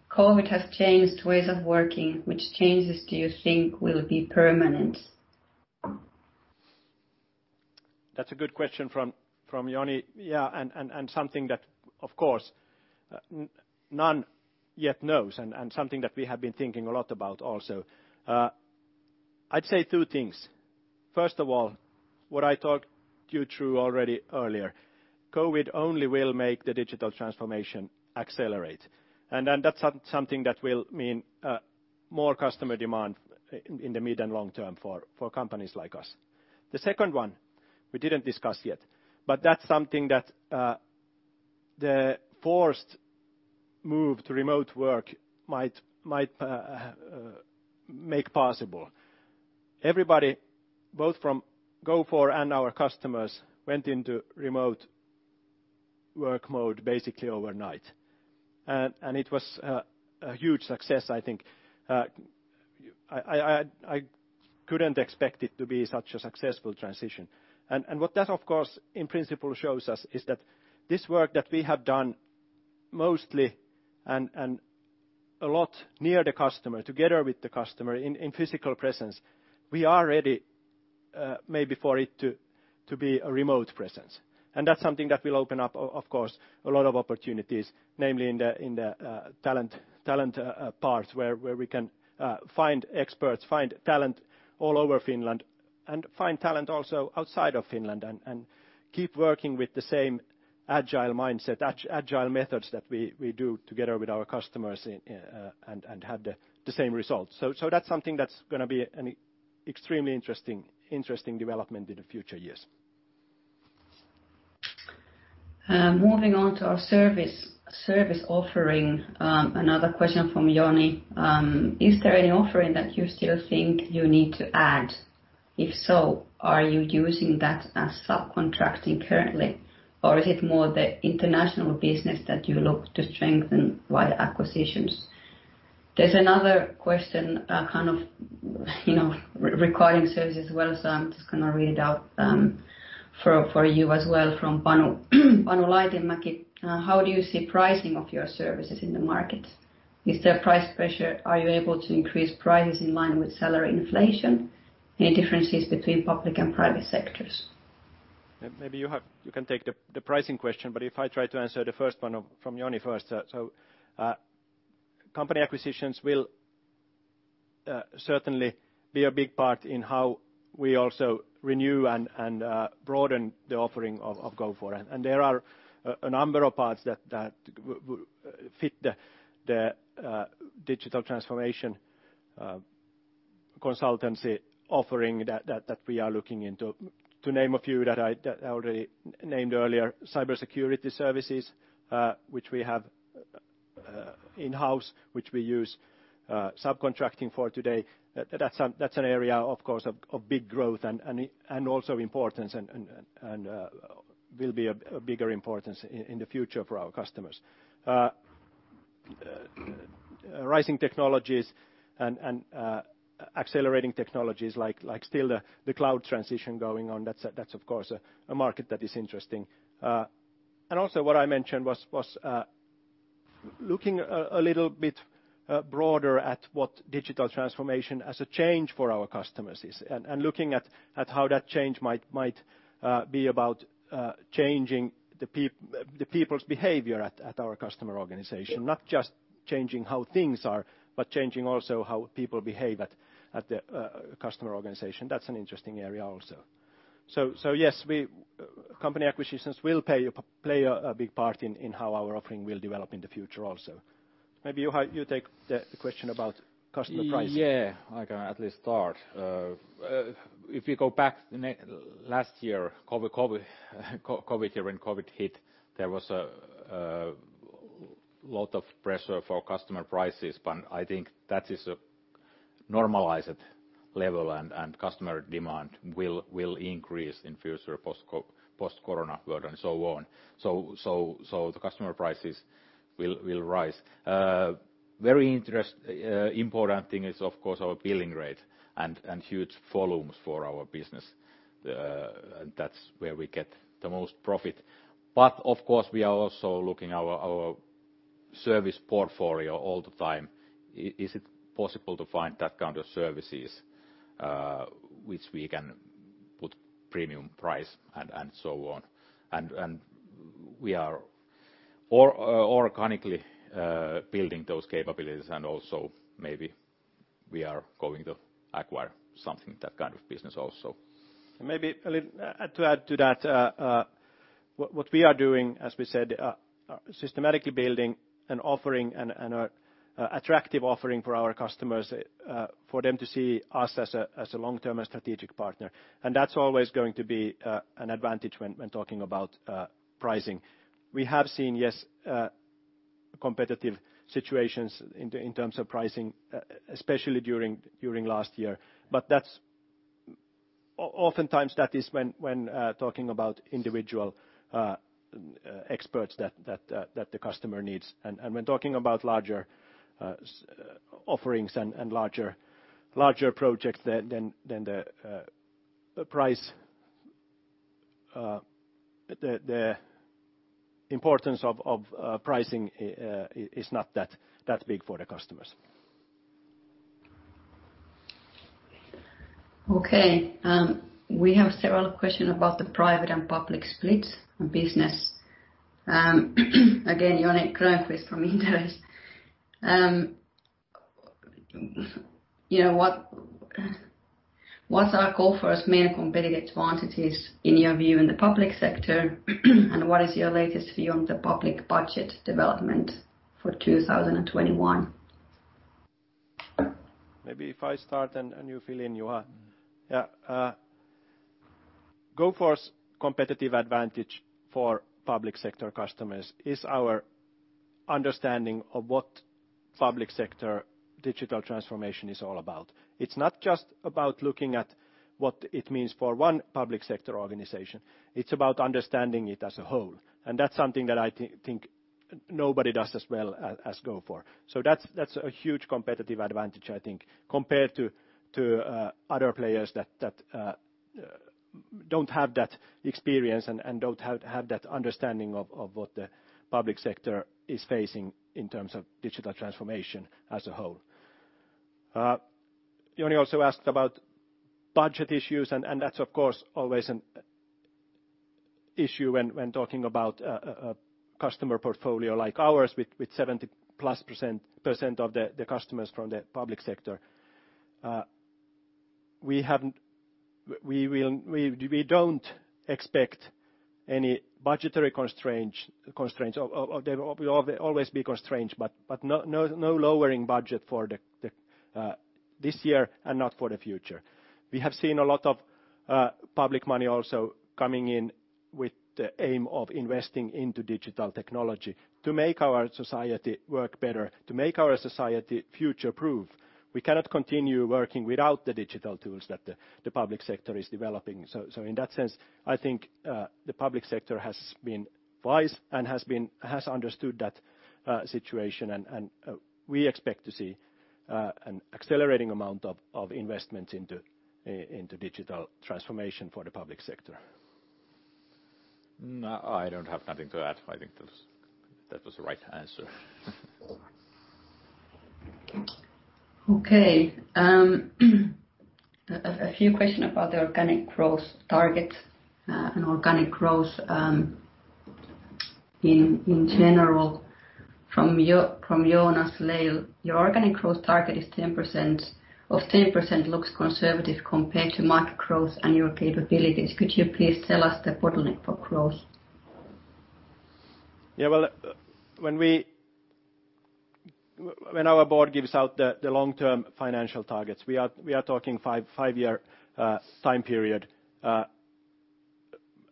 COVID has changed ways of working, which changes do you think will be permanent? That's a good question from Joni. Yeah, and something that, of course, none yet knows, and something that we have been thinking a lot about also. I'd say two things: first of all, what I talked you through already earlier, COVID only will make the digital transformation accelerate. And then that's something that will mean more customer demand in the mid and long term for companies like us. The second one, we didn't discuss yet, but that's something that the forced move to remote work might make possible. Everybody, both from Gofore and our customers, went into remote work mode, basically overnight. And it was a huge success, I think. I couldn't expect it to be such a successful transition. And what that, of course, in principle, shows us is that this work that we have done mostly and a lot near the customer, together with the customer in physical presence, we are ready, maybe for it to be a remote presence. And that's something that will open up, of course, a lot of opportunities, namely in the talent part, where we can find experts, find talent all over Finland, and find talent also outside of Finland, and keep working with the same agile mindset, agile methods that we do together with our customers, and have the same results. So that's something that's gonna be an extremely interesting development in the future years. Moving on to our service offering, another question from Joni: Is there any offering that you still think you need to add? If so, are you using that as subcontracting currently, or is it more the international business that you look to strengthen via acquisitions? There's another question, kind of, you know, regarding services as well, so I'm just gonna read it out for you as well from Panu Laitinmäki: How do you see pricing of your services in the market? Is there price pressure? Are you able to increase prices in line with salary inflation? Any differences between public and private sectors? Maybe you have-- You can take the pricing question, but if I try to answer the first one from Johnny first. So, company acquisitions will certainly be a big part in how we also renew and broaden the offering of Gofore. And there are a number of parts that fit the digital transformation consultancy offering that we are looking into. To name a few that I already named earlier, cybersecurity services, which we have in-house, which we use subcontracting for today. That's an area, of course, of big growth and also importance and will be a bigger importance in the future for our customers. Rising technologies and accelerating technologies like still the cloud transition going on, that's of course a market that is interesting. And also what I mentioned was looking a little bit broader at what digital transformation as a change for our customers is, and looking at how that change might be about changing the people's behavior at our customer organization. Not just changing how things are, but changing also how people behave at the customer organization. That's an interesting area also. So yes, company acquisitions will play a big part in how our offering will develop in the future also. Maybe you take the question about customer pricing. Yeah, I can at least start. If you go back last year, COVID year, when COVID hit, there was a lot of pressure for customer prices, but I think that is a normalized level, and customer demand will increase in future post-COVID world and so on. So the customer prices will rise. Very important thing is, of course, our billing rate and huge volumes for our business. And that's where we get the most profit. But of course, we are also looking our service portfolio all the time. Is it possible to find that kind of services, which we can put premium price and so on? And we are organically building those capabilities, and also, maybe we are going to acquire something, that kind of business also. Maybe a little... To add to that, what we are doing, as we said, systematically building an offering and an attractive offering for our customers, for them to see us as a long-term strategic partner. And that's always going to be an advantage when talking about pricing. We have seen, yes, competitive situations in the- in terms of pricing, especially during last year, but that's-... Oftentimes, that is when talking about individual experts that the customer needs. And when talking about larger offerings and larger projects, then the price, the importance of pricing is not that big for the customers. Okay, we have several questions about the private and public split in business. Again, Joni Grönqvist from Inderes. You know, what, what's our Gofore's main competitive advantages, in your view, in the public sector? And what is your latest view on the public budget development for 2021? Maybe if I start, and you fill in, Juha. Yeah, Gofore's competitive advantage for public sector customers is our understanding of what public sector digital transformation is all about. It's not just about looking at what it means for one public sector organization. It's about understanding it as a whole, and that's something that I think nobody does as well as Gofore. So that's a huge competitive advantage, I think, compared to other players that don't have that experience and don't have that understanding of what the public sector is facing in terms of digital transformation as a whole. Joni also asked about budget issues, and that's, of course, always an issue when talking about a customer portfolio like ours, with 70+% of the customers from the public sector. We will, we don't expect any budgetary constraint, constraints. There will always be constraints, but no lowering budget for this year and not for the future. We have seen a lot of public money also coming in with the aim of investing into digital technology to make our society work better, to make our society future-proof. We cannot continue working without the digital tools that the public sector is developing. So in that sense, I think the public sector has been wise and has understood that situation. And we expect to see an accelerating amount of investment into digital transformation for the public sector. No, I don't have nothing to add. I think that was, that was the right answer. Okay, a few question about the organic growth target and organic growth in general. From Joni Grönqvist: "Your organic growth target is 10%, of 10% looks conservative compared to market growth and your capabilities. Could you please tell us the bottleneck for growth? Yeah, well, when our board gives out the long-term financial targets, we are talking five-year time period.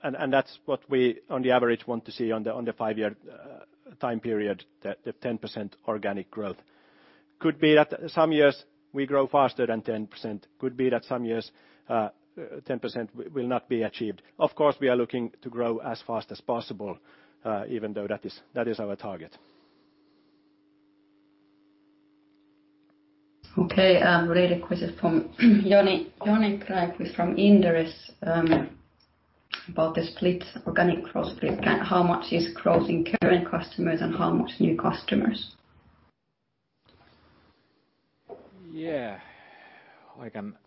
That's what we, on the average, want to see on the five-year time period, the 10% organic growth. Could be that some years we grow faster than 10%, could be that some years 10% will not be achieved. Of course, we are looking to grow as fast as possible, even though that is our target. Okay, related question from Joni Grönqvist from Inderes, about the split, organic growth split. How much is growth in current customers and how much new customers? Yeah, I can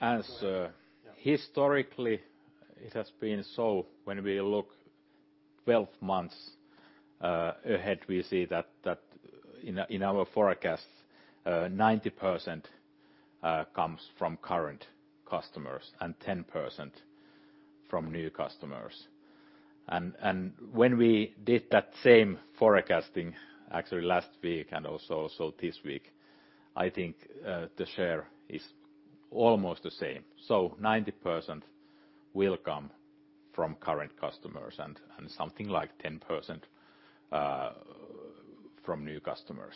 answer. Yeah. Historically, it has been, so when we look 12 months ahead, we see that in our forecasts 90% comes from current customers and 10% from new customers. And when we did that same forecasting, actually last week and also this week, I think the share is almost the same. So 90% will come from current customers and something like 10% from new customers.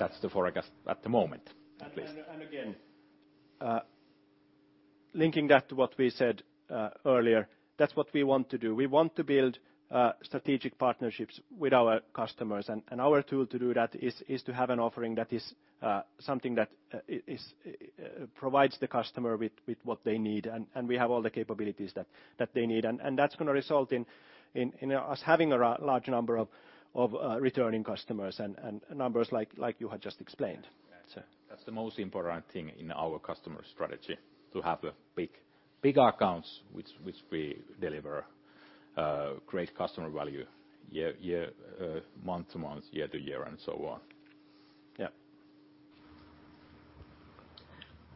That's the forecast at the moment, at least. Again, linking that to what we said earlier, that's what we want to do. We want to build strategic partnerships with our customers, and our tool to do that is to have an offering that is something that provides the customer with what they need, and we have all the capabilities that they need. And that's gonna result in us having a large number of returning customers and numbers like you had just explained. That's, that's the most important thing in our customer strategy, to have big, big accounts which, which we deliver great customer value year, year, month to month, year to year, and so on.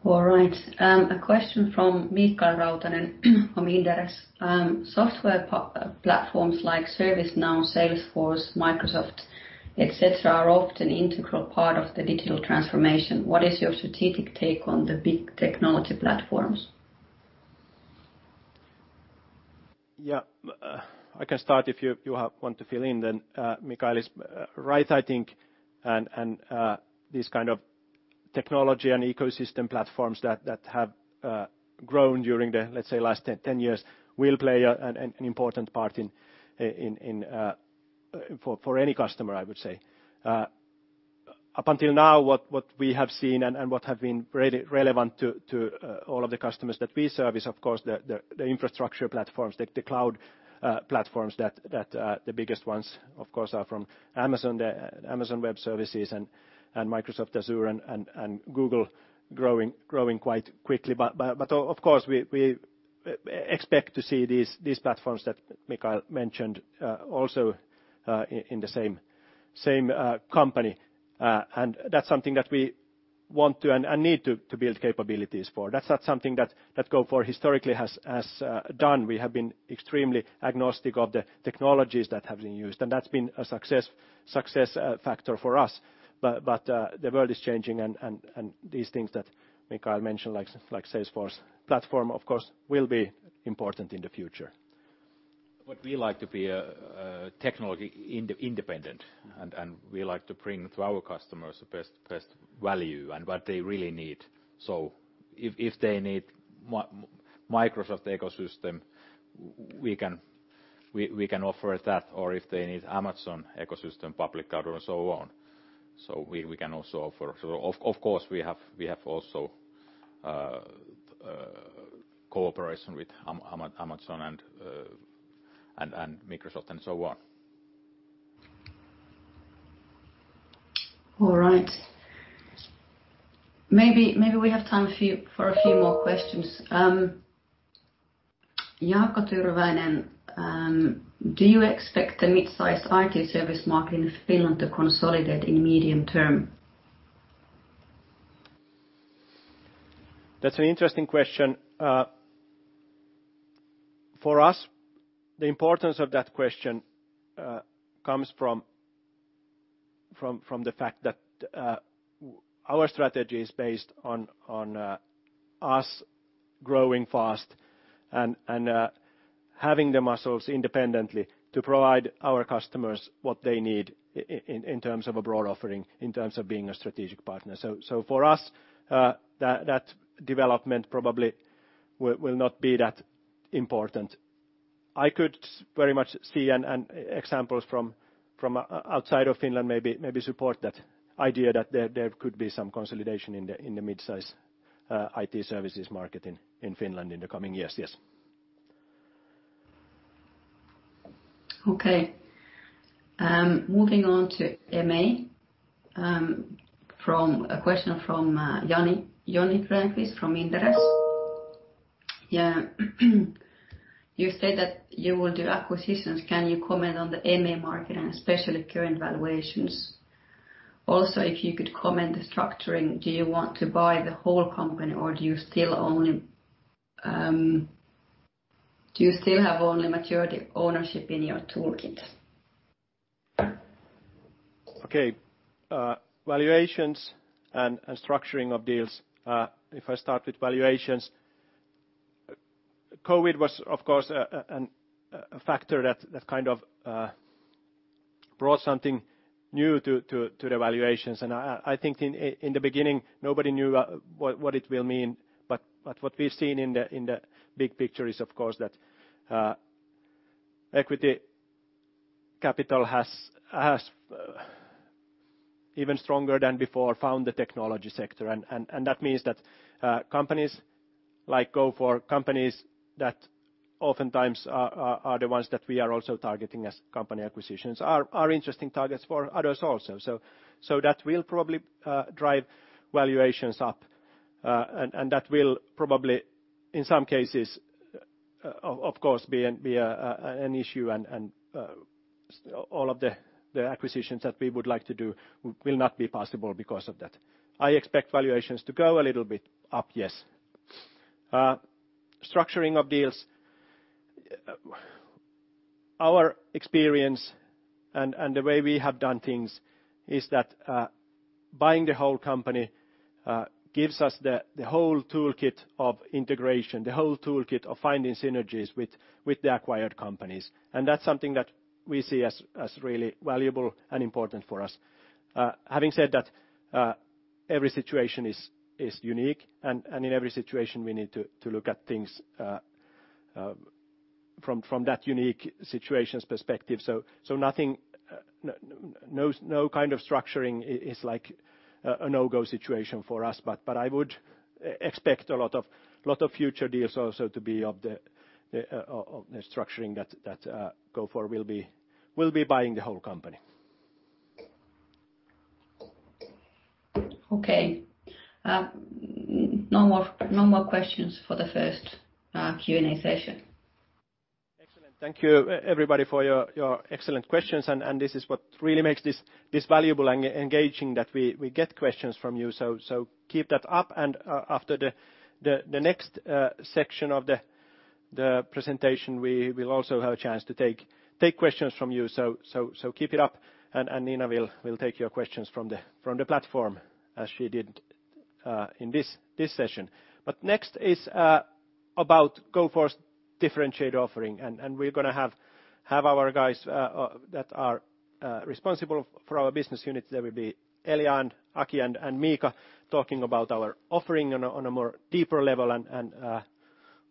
Yeah. All right, a question from Mikael Rautanen from Inderes. "Software platforms like ServiceNow, Salesforce, Microsoft, et cetera, are often integral part of the digital transformation. What is your strategic take on the big technology platforms?... Yeah, I can start if you want to fill in then. Mikael is right, I think, and this kind of technology and ecosystem platforms that have grown during the, let's say, last 10 years, will play an important part in for any customer, I would say. Up until now, what we have seen and what have been relevant to all of the customers that we service, of course, the infrastructure platforms, the cloud platforms that the biggest ones, of course, are from Amazon, the Amazon Web Services and Microsoft Azure, and Google growing quite quickly. But of course, we expect to see these platforms that Mikael mentioned, also in the same company. And that's something that we want to and need to build capabilities for. That's not something that Gofore historically has done. We have been extremely agnostic of the technologies that have been used, and that's been a success factor for us. But the world is changing, and these things that Mikael mentioned, like Salesforce platform, of course, will be important in the future. But we like to be technology independent, and we like to bring to our customers the best value and what they really need. So if they need Microsoft ecosystem, we can offer that, or if they need Amazon ecosystem, public cloud, and so on, so we can also offer. So of course, we have also cooperation with Amazon and Microsoft and so on. All right. Maybe, maybe we have time for you- for a few more questions. Jaakko Tyrväinen, do you expect the midsize IT service market in Finland to consolidate in medium term? That's an interesting question. For us, the importance of that question comes from the fact that our strategy is based on us growing fast and having the muscles independently to provide our customers what they need in terms of a broad offering, in terms of being a strategic partner. So for us, that development probably will not be that important. I could very much see examples from outside of Finland maybe support that idea that there could be some consolidation in the midsize IT services market in Finland in the coming years. Yes. Okay, moving on to M&A, from a question from Joni Grönqvist from Inderes. Yeah, you said that you will do acquisitions. Can you comment on the M&A market and especially current valuations? Also, if you could comment on the structuring, do you want to buy the whole company, or do you still only, do you still have only majority ownership in your toolkit? Okay, valuations and structuring of deals. If I start with valuations, COVID was, of course, a factor that kind of brought something new to the valuations. And I think in the beginning, nobody knew what it will mean, but what we've seen in the big picture is, of course, that equity capital has even stronger than before found the technology sector. And that means that companies like Gofore, companies that oftentimes are the ones that we are also targeting as company acquisitions, are interesting targets for others also. So, that will probably drive valuations up, and that will probably, in some cases, of course, be an issue, and all of the acquisitions that we would like to do will not be possible because of that. I expect valuations to go a little bit up, yes. Structuring of deals, our experience and the way we have done things is that buying the whole company gives us the whole toolkit of integration, the whole toolkit of finding synergies with the acquired companies. And that's something that we see as really valuable and important for us. Having said that, every situation is unique, and in every situation, we need to look at things from that unique situation's perspective. So, nothing—no kind of structuring—is like a no-go situation for us. But I would expect a lot of future deals also to be of the structuring that Gofore will be buying the whole company. Okay, no more, no more questions for the first Q&A session. Excellent. Thank you, everybody, for your excellent questions. And this is what really makes this valuable and engaging, that we get questions from you. So keep that up. And after the next section of the presentation, we will also have a chance to take questions from you. So keep it up, and Nina will take your questions from the platform, as she did today in this session. But next is about Gofore's differentiated offering, and we're gonna have our guys that are responsible for our business units. There will be Elja and Aki and Miika talking about our offering on a more deeper level, and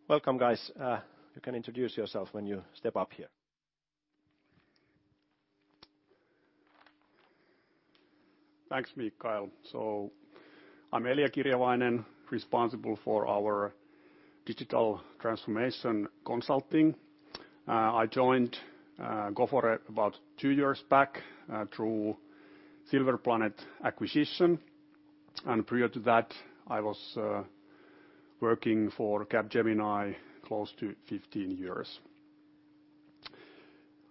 welcome, guys. You can introduce yourself when you step up here. Thanks, Mikael. So I'm Elja Kirjavainen, responsible for our digital transformation consulting. I joined Gofore about two years back through Silver Planet acquisition, and prior to that, I was working for Capgemini close to fifteen years.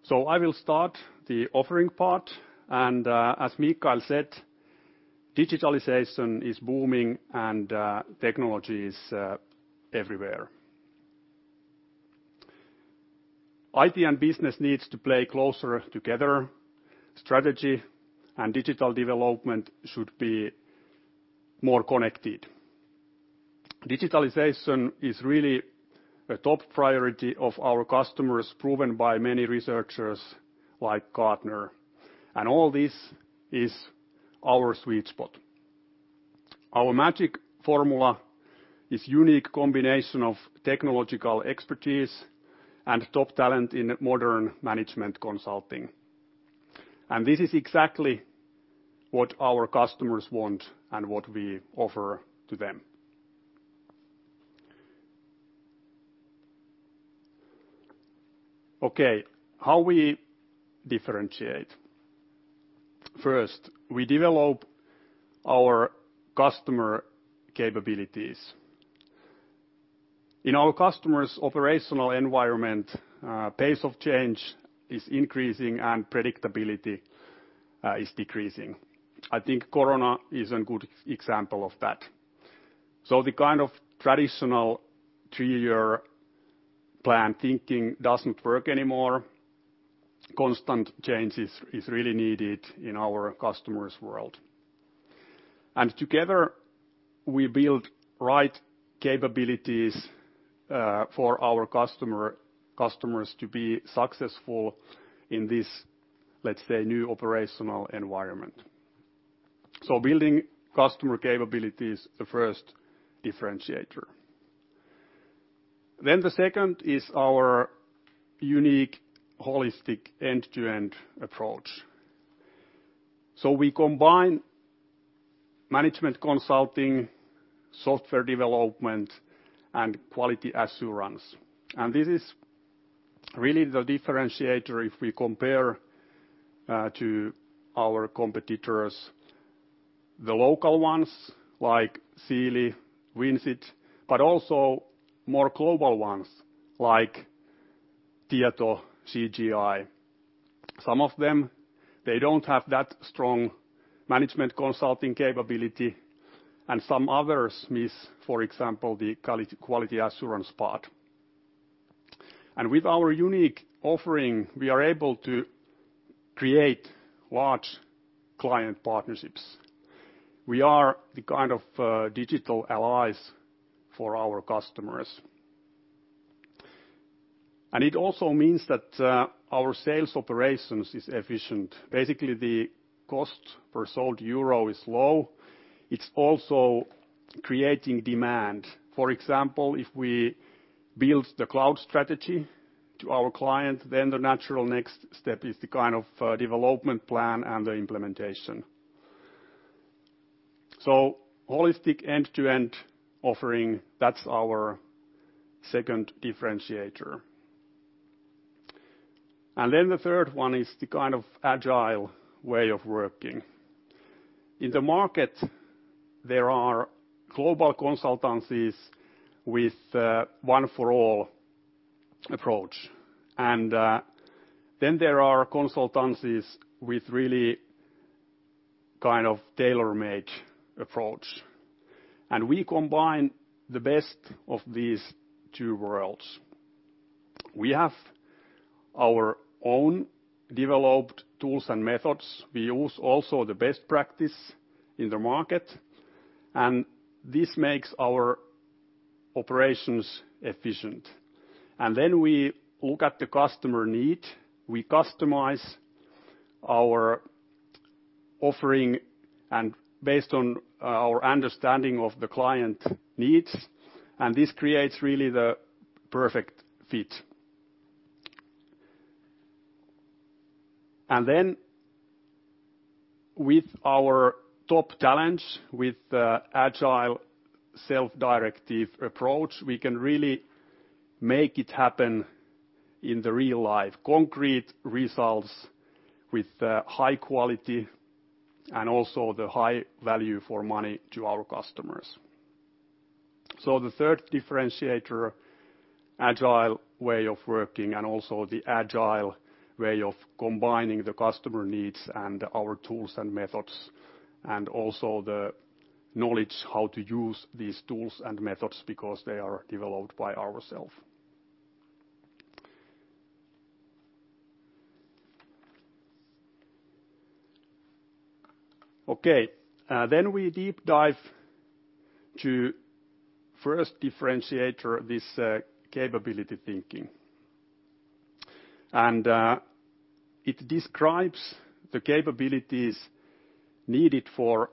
So I will start the offering part, and as Mikael said, digitalization is booming, and technology is everywhere. IT and business needs to play closer together. Strategy and digital development should be more connected. Digitalization is really a top priority of our customers, proven by many researchers like Gartner, and all this is our sweet spot. Our magic formula is unique combination of technological expertise and top talent in modern management consulting, and this is exactly what our customers want and what we offer to them. Okay, how we differentiate? First, we develop our customer capabilities. In our customers' operational environment, pace of change is increasing and predictability is decreasing. I think corona is a good example of that. So the kind of traditional three-year plan thinking doesn't work anymore. Constant changes is really needed in our customers' world. And together, we build right capabilities for our customer, customers to be successful in this, let's say, new operational environment. So building customer capability is the first differentiator. Then the second is our unique, holistic end-to-end approach. So we combine management consulting, software development, and quality assurance, and this is really the differentiator if we compare to our competitors, the local ones like Siili, Vincit, but also more global ones like Tieto, CGI. Some of them, they don't have that strong management consulting capability, and some others miss, for example, the quality assurance part. With our unique offering, we are able to create large client partnerships. We are the kind of digital allies for our customers. It also means that our sales operations is efficient. Basically, the cost per sold euro is low. It's also creating demand. For example, if we build the cloud strategy to our client, then the natural next step is the kind of development plan and the implementation. So holistic end-to-end offering, that's our second differentiator. Then the third one is the kind of agile way of working. In the market, there are global consultancies with one-for-all approach, and then there are consultancies with really kind of tailor-made approach, and we combine the best of these two worlds. We have our own developed tools and methods. We use also the best practice in the market, and this makes our operations efficient. Then we look at the customer need, we customize our offering, and based on our understanding of the client needs, and this creates really the perfect fit. Then with our top talents, with the Agile, self-directive approach, we can really make it happen in real life, concrete results with high quality and also the high value for money to our customers. So the third differentiator, Agile way of working and also the Agile way of combining the customer needs and our tools and methods, and also the knowledge how to use these tools and methods because they are developed by ourselves. Okay, then we deep dive to first differentiator, this capability thinking. And it describes the capabilities needed for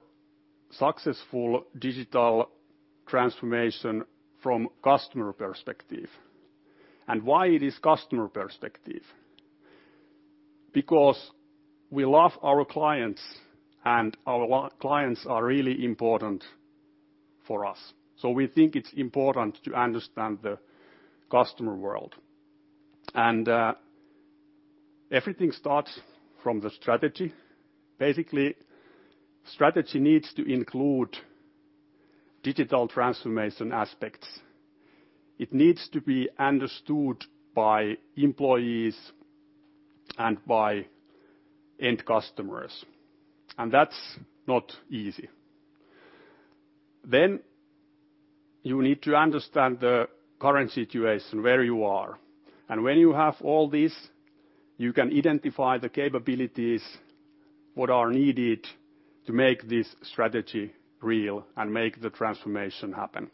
successful digital transformation from customer perspective. And why it is customer perspective? Because we love our clients, and our clients are really important for us, so we think it's important to understand the customer world. And everything starts from the strategy. Basically, strategy needs to include digital transformation aspects. It needs to be understood by employees and by end customers, and that's not easy. Then, you need to understand the current situation, where you are, and when you have all this, you can identify the capabilities, what are needed to make this strategy real and make the transformation happen.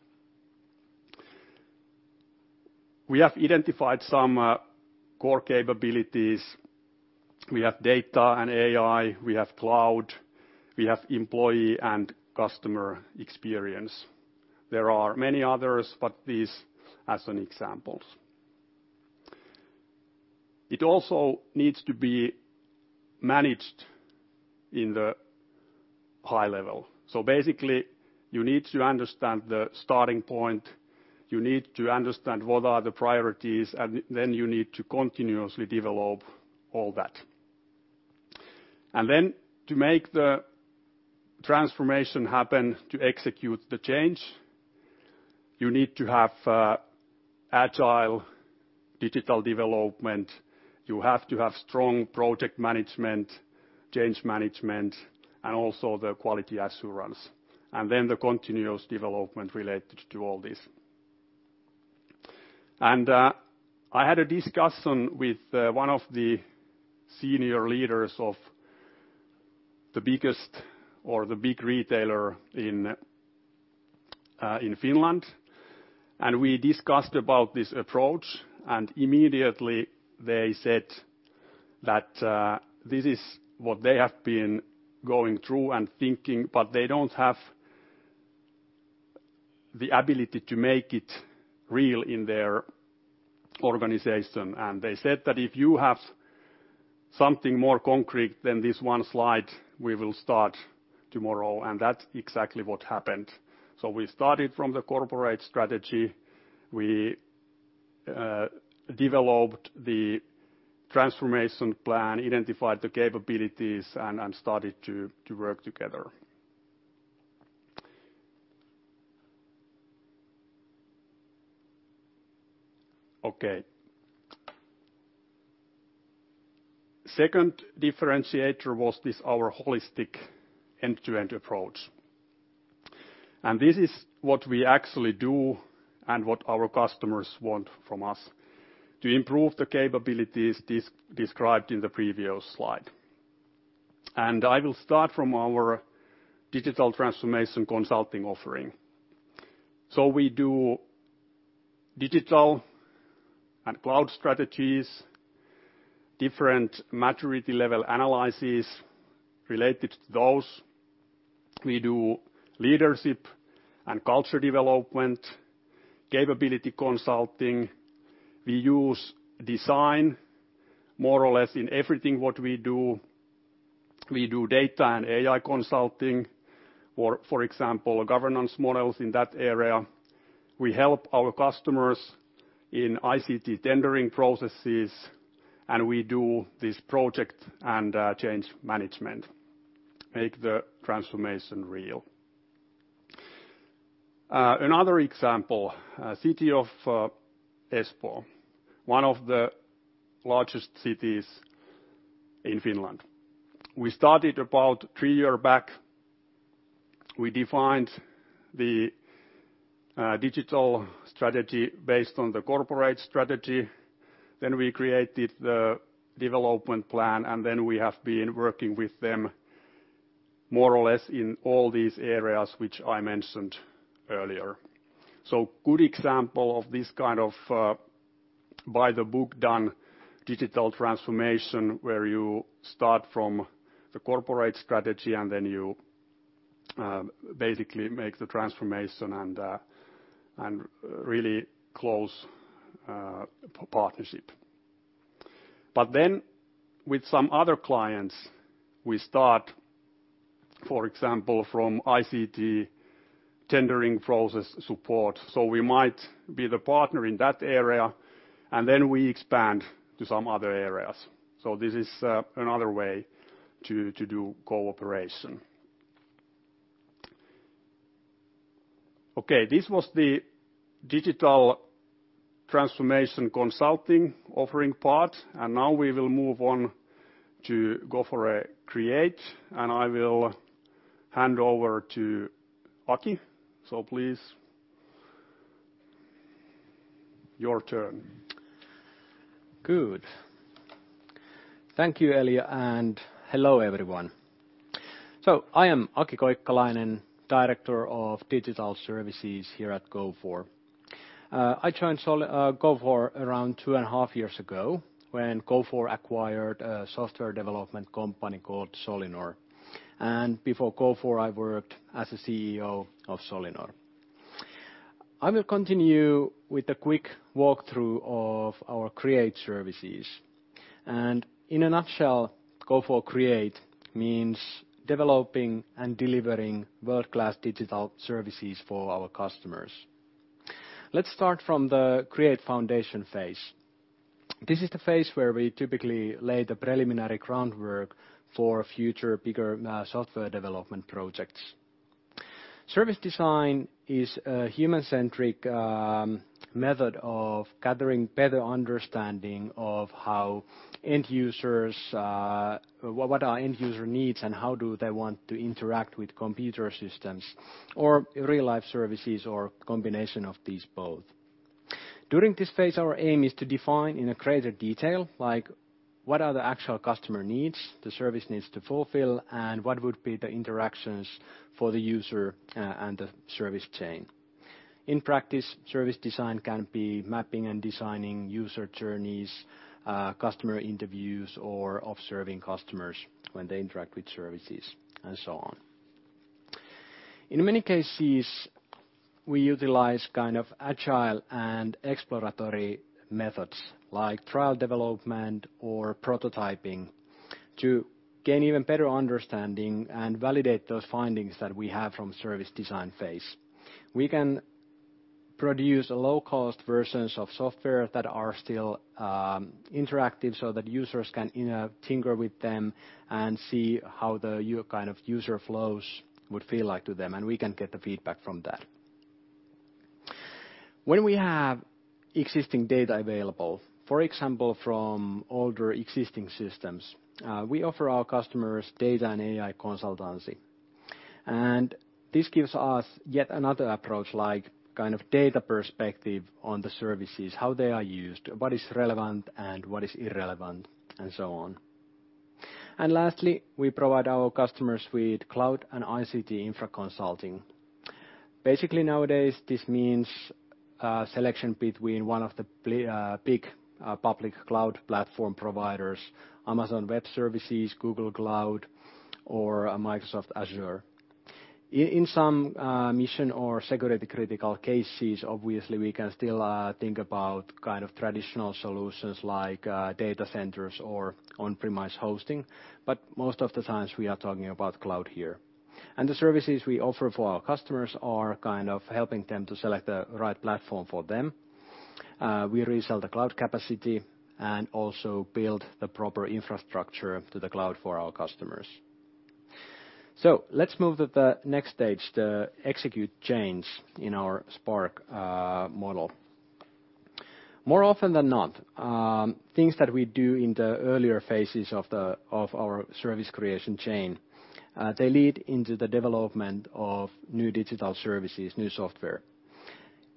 We have identified some core capabilities. We have data and AI, we have cloud, we have employee and customer experience. There are many others, but these as examples. It also needs to be managed in the high level, so basically, you need to understand the starting point, you need to understand what are the priorities, and then you need to continuously develop all that. And then to make the transformation happen, to execute the change, you need to have Agile digital development, you have to have strong project management, change management, and also the quality assurance, and then the continuous development related to all this. And I had a discussion with one of the senior leaders of the biggest or the big retailer in Finland, and we discussed about this approach, and immediately they said that this is what they have been going through and thinking, but they don't have the ability to make it real in their organization. They said that if you have something more concrete than this one slide, we will start tomorrow, and that's exactly what happened. We started from the corporate strategy, we developed the transformation plan, identified the capabilities, and started to work together. Okay. Second differentiator was this, our holistic end-to-end approach. This is what we actually do and what our customers want from us: to improve the capabilities described in the previous slide. I will start from our digital transformation consulting offering. We do digital and cloud strategies, different maturity level analyses related to those. We do leadership and culture development, capability consulting. We use design more or less in everything what we do. We do data and AI consulting, for example, governance models in that area. We help our customers in ICT tendering processes, and we do this project and change management, make the transformation real. Another example, City of Espoo, one of the largest cities in Finland. We started about three year back. We defined the digital strategy based on the corporate strategy, then we created the development plan, and then we have been working with them more or less in all these areas, which I mentioned earlier. So good example of this kind of by-the-book done digital transformation, where you start from the corporate strategy, and then you basically make the transformation and really close partnership. But then, with some other clients, we start, for example, from ICT tendering process support, so we might be the partner in that area, and then we expand to some other areas. So this is another way to do cooperation. Okay, this was the digital transformation consulting offering part, and now we will move on to Gofore Create, and I will hand over to Aki. So please.... your turn. Good. Thank you, Elja, and hello, everyone. I am Aki Koikkalainen, Director of Digital Services here at Gofore. I joined Gofore around 2.5 years ago, when Gofore acquired a software development company called Solinor. And before Gofore, I worked as a CEO of Solinor. I will continue with a quick walkthrough of our Create services. And in a nutshell, Gofore Create means developing and delivering world-class digital services for our customers. Let's start from the Create Foundation phase. This is the phase where we typically lay the preliminary groundwork for future bigger software development projects. Service design is a human-centric method of gathering better understanding of how end users... What are end user needs, and how do they want to interact with computer systems or real-life services, or combination of these both? During this phase, our aim is to define in a greater detail, like, what are the actual customer needs the service needs to fulfill, and what would be the interactions for the user, and the service chain. In practice, service design can be mapping and designing user journeys, customer interviews, or observing customers when they interact with services, and so on. In many cases, we utilize kind of agile and exploratory methods, like trial development or prototyping, to gain even better understanding and validate those findings that we have from service design phase. We can produce low-cost versions of software that are still, interactive, so that users can, you know, tinker with them and see how the kind of user flows would feel like to them, and we can get the feedback from that. When we have existing data available, for example, from older existing systems, we offer our customers data and AI consultancy. And this gives us yet another approach, like kind of data perspective on the services, how they are used, what is relevant, and what is irrelevant, and so on. And lastly, we provide our customers with cloud and ICT infra consulting. Basically, nowadays, this means selection between one of the big public cloud platform providers: Amazon Web Services, Google Cloud, or Microsoft Azure. In some mission or security critical cases, obviously, we can still think about kind of traditional solutions, like data centers or on-premise hosting, but most of the times, we are talking about cloud here. And the services we offer for our customers are kind of helping them to select the right platform for them. We resell the cloud capacity and also build the proper infrastructure to the cloud for our customers. So let's move to the next stage, the execute change in our SPARK model. More often than not, things that we do in the earlier phases of the, of our service creation chain, they lead into the development of new digital services, new software.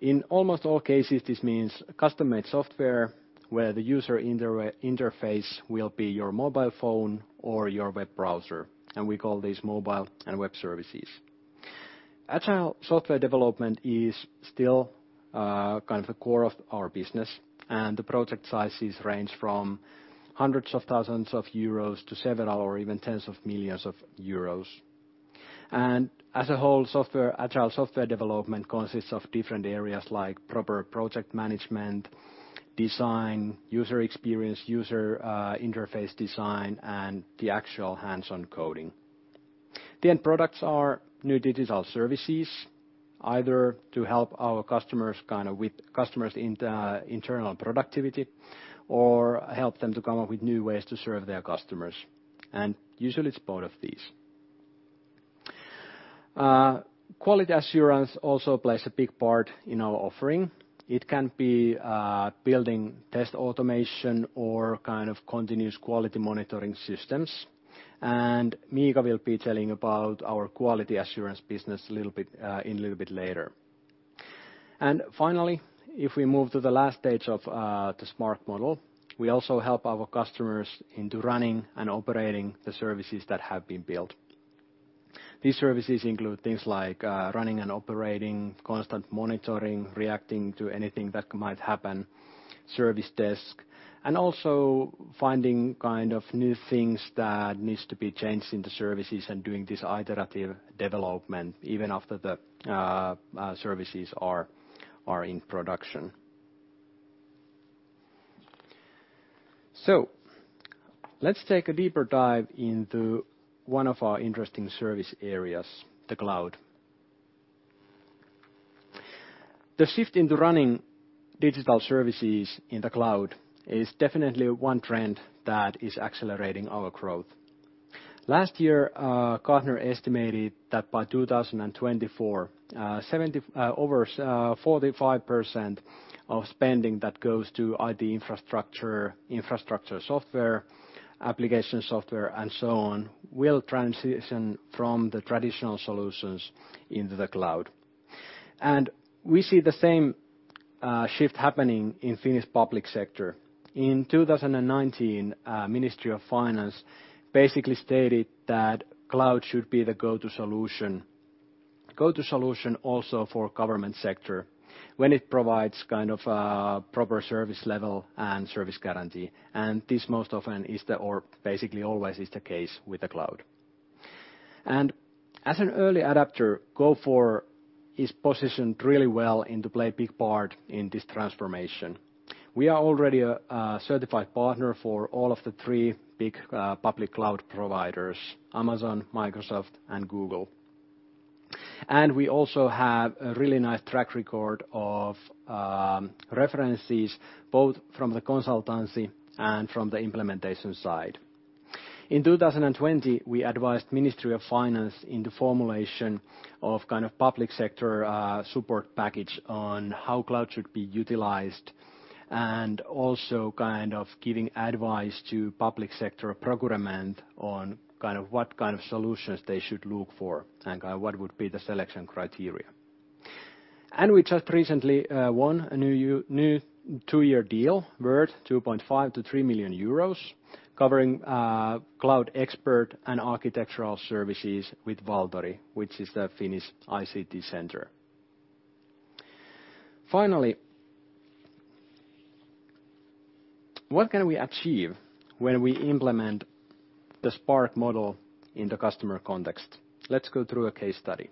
In almost all cases, this means custom-made software, where the user interface will be your mobile phone or your web browser, and we call these mobile and web services. Agile software development is still kind of the core of our business, and the project sizes range from hundreds of thousands of EUR to several or even tens of millions of EUR. As a whole software, agile software development consists of different areas, like proper project management, design, user experience, user interface design, and the actual hands-on coding. The end products are new digital services, either to help our customers kind of with customers' internal productivity or help them to come up with new ways to serve their customers, and usually it's both of these. Quality assurance also plays a big part in our offering. It can be building test automation or kind of continuous quality monitoring systems, and Miika will be telling about our quality assurance business a little bit in a little bit later. And finally, if we move to the last stage of the SPARK model, we also help our customers into running and operating the services that have been built. These services include things like running and operating, constant monitoring, reacting to anything that might happen, service desk, and also finding kind of new things that needs to be changed in the services and doing this iterative development, even after the services are in production. So let's take a deeper dive into one of our interesting service areas, the cloud. The shift into running digital services in the cloud is definitely one trend that is accelerating our growth. Last year, Gartner estimated that by 2024, over 45% of spending that goes to IT infrastructure, infrastructure software, application software, and so on, will transition from the traditional solutions into the cloud... And we see the same shift happening in Finnish public sector. In 2019, Ministry of Finance basically stated that cloud should be the go-to solution, go-to solution also for government sector when it provides kind of proper service level and service guarantee, and this most often is the, or basically always is the case with the cloud. And as an early adopter, Gofore is positioned really well into play a big part in this transformation. We are already a certified partner for all of the three big public cloud providers: Amazon, Microsoft, and Google. And we also have a really nice track record of references, both from the consultancy and from the implementation side. In 2020, we advised Ministry of Finance in the formulation of kind of public sector support package on how cloud should be utilized, and also kind of giving advice to public sector procurement on kind of what kind of solutions they should look for, and what would be the selection criteria. We just recently won a new two-year deal worth 2.5 million-3 million euros, covering cloud expert and architectural services with Valtori, which is the Finnish ICT center. Finally, what can we achieve when we implement the SPARK model in the customer context? Let's go through a case study.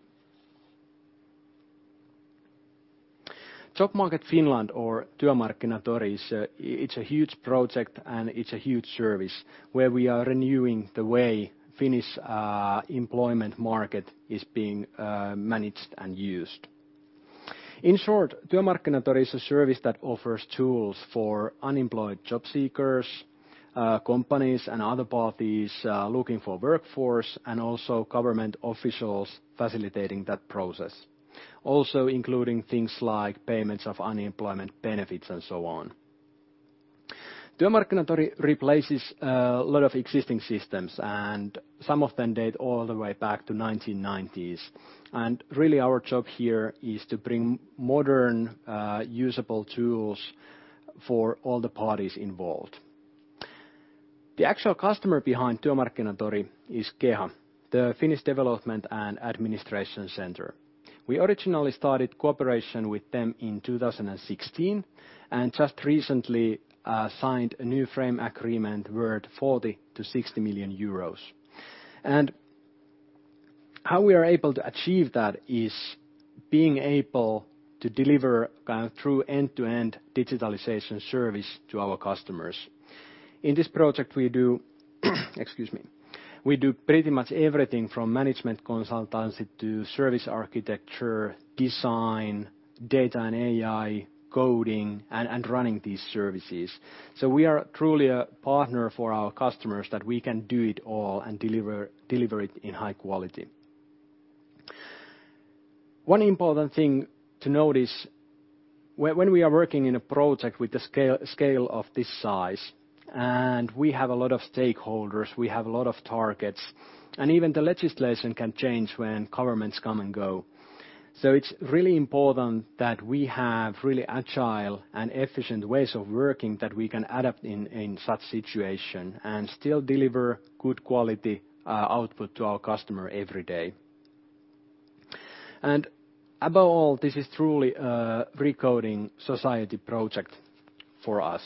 Job Market Finland or Työmarkkinatori is a huge project, and it's a huge service, where we are renewing the way Finnish employment market is being managed and used. In short, Työmarkkinatori is a service that offers tools for unemployed job seekers, companies and other parties looking for workforce, and also government officials facilitating that process, also including things like payments of unemployment benefits and so on. Työmarkkinatori replaces a lot of existing systems, and some of them date all the way back to 1990s. And really, our job here is to bring modern, usable tools for all the parties involved. The actual customer behind Työmarkkinatori is KEHA, the Finnish Development and Administration Center. We originally started cooperation with them in 2016, and just recently signed a new frame agreement worth 40 million-60 million euros. And how we are able to achieve that is being able to deliver kind of true end-to-end digitalization service to our customers. In this project, we do, excuse me, we do pretty much everything from management consultancy to service architecture, design, data and AI, coding, and running these services. So we are truly a partner for our customers, that we can do it all and deliver it in high quality. One important thing to note is when we are working in a project with the scale of this size, and we have a lot of stakeholders, we have a lot of targets, and even the legislation can change when governments come and go, so it's really important that we have really agile and efficient ways of working, that we can adapt in such situation and still deliver good quality output to our customer every day. And above all, this is truly a recoding society project for us.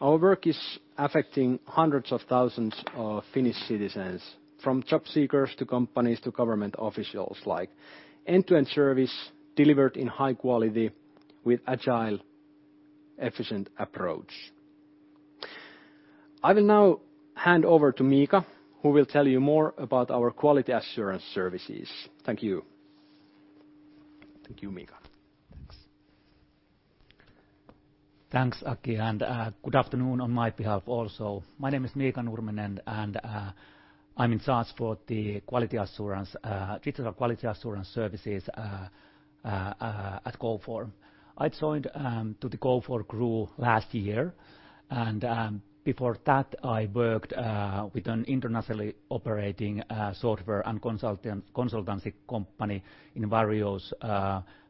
Our work is affecting hundreds of thousands of Finnish citizens, from job seekers to companies to government officials, like end-to-end service delivered in high quality with agile, efficient approach. I will now hand over to Miika, who will tell you more about our quality assurance services. Thank you. Thank you, Miika. Thanks. Thanks, Aki, and good afternoon on my behalf also. My name is Miika Nurminen, and I'm in charge for the quality assurance, digital quality assurance services at Gofore. I joined to the Gofore group last year, and before that, I worked with an internationally operating software and consultancy company in various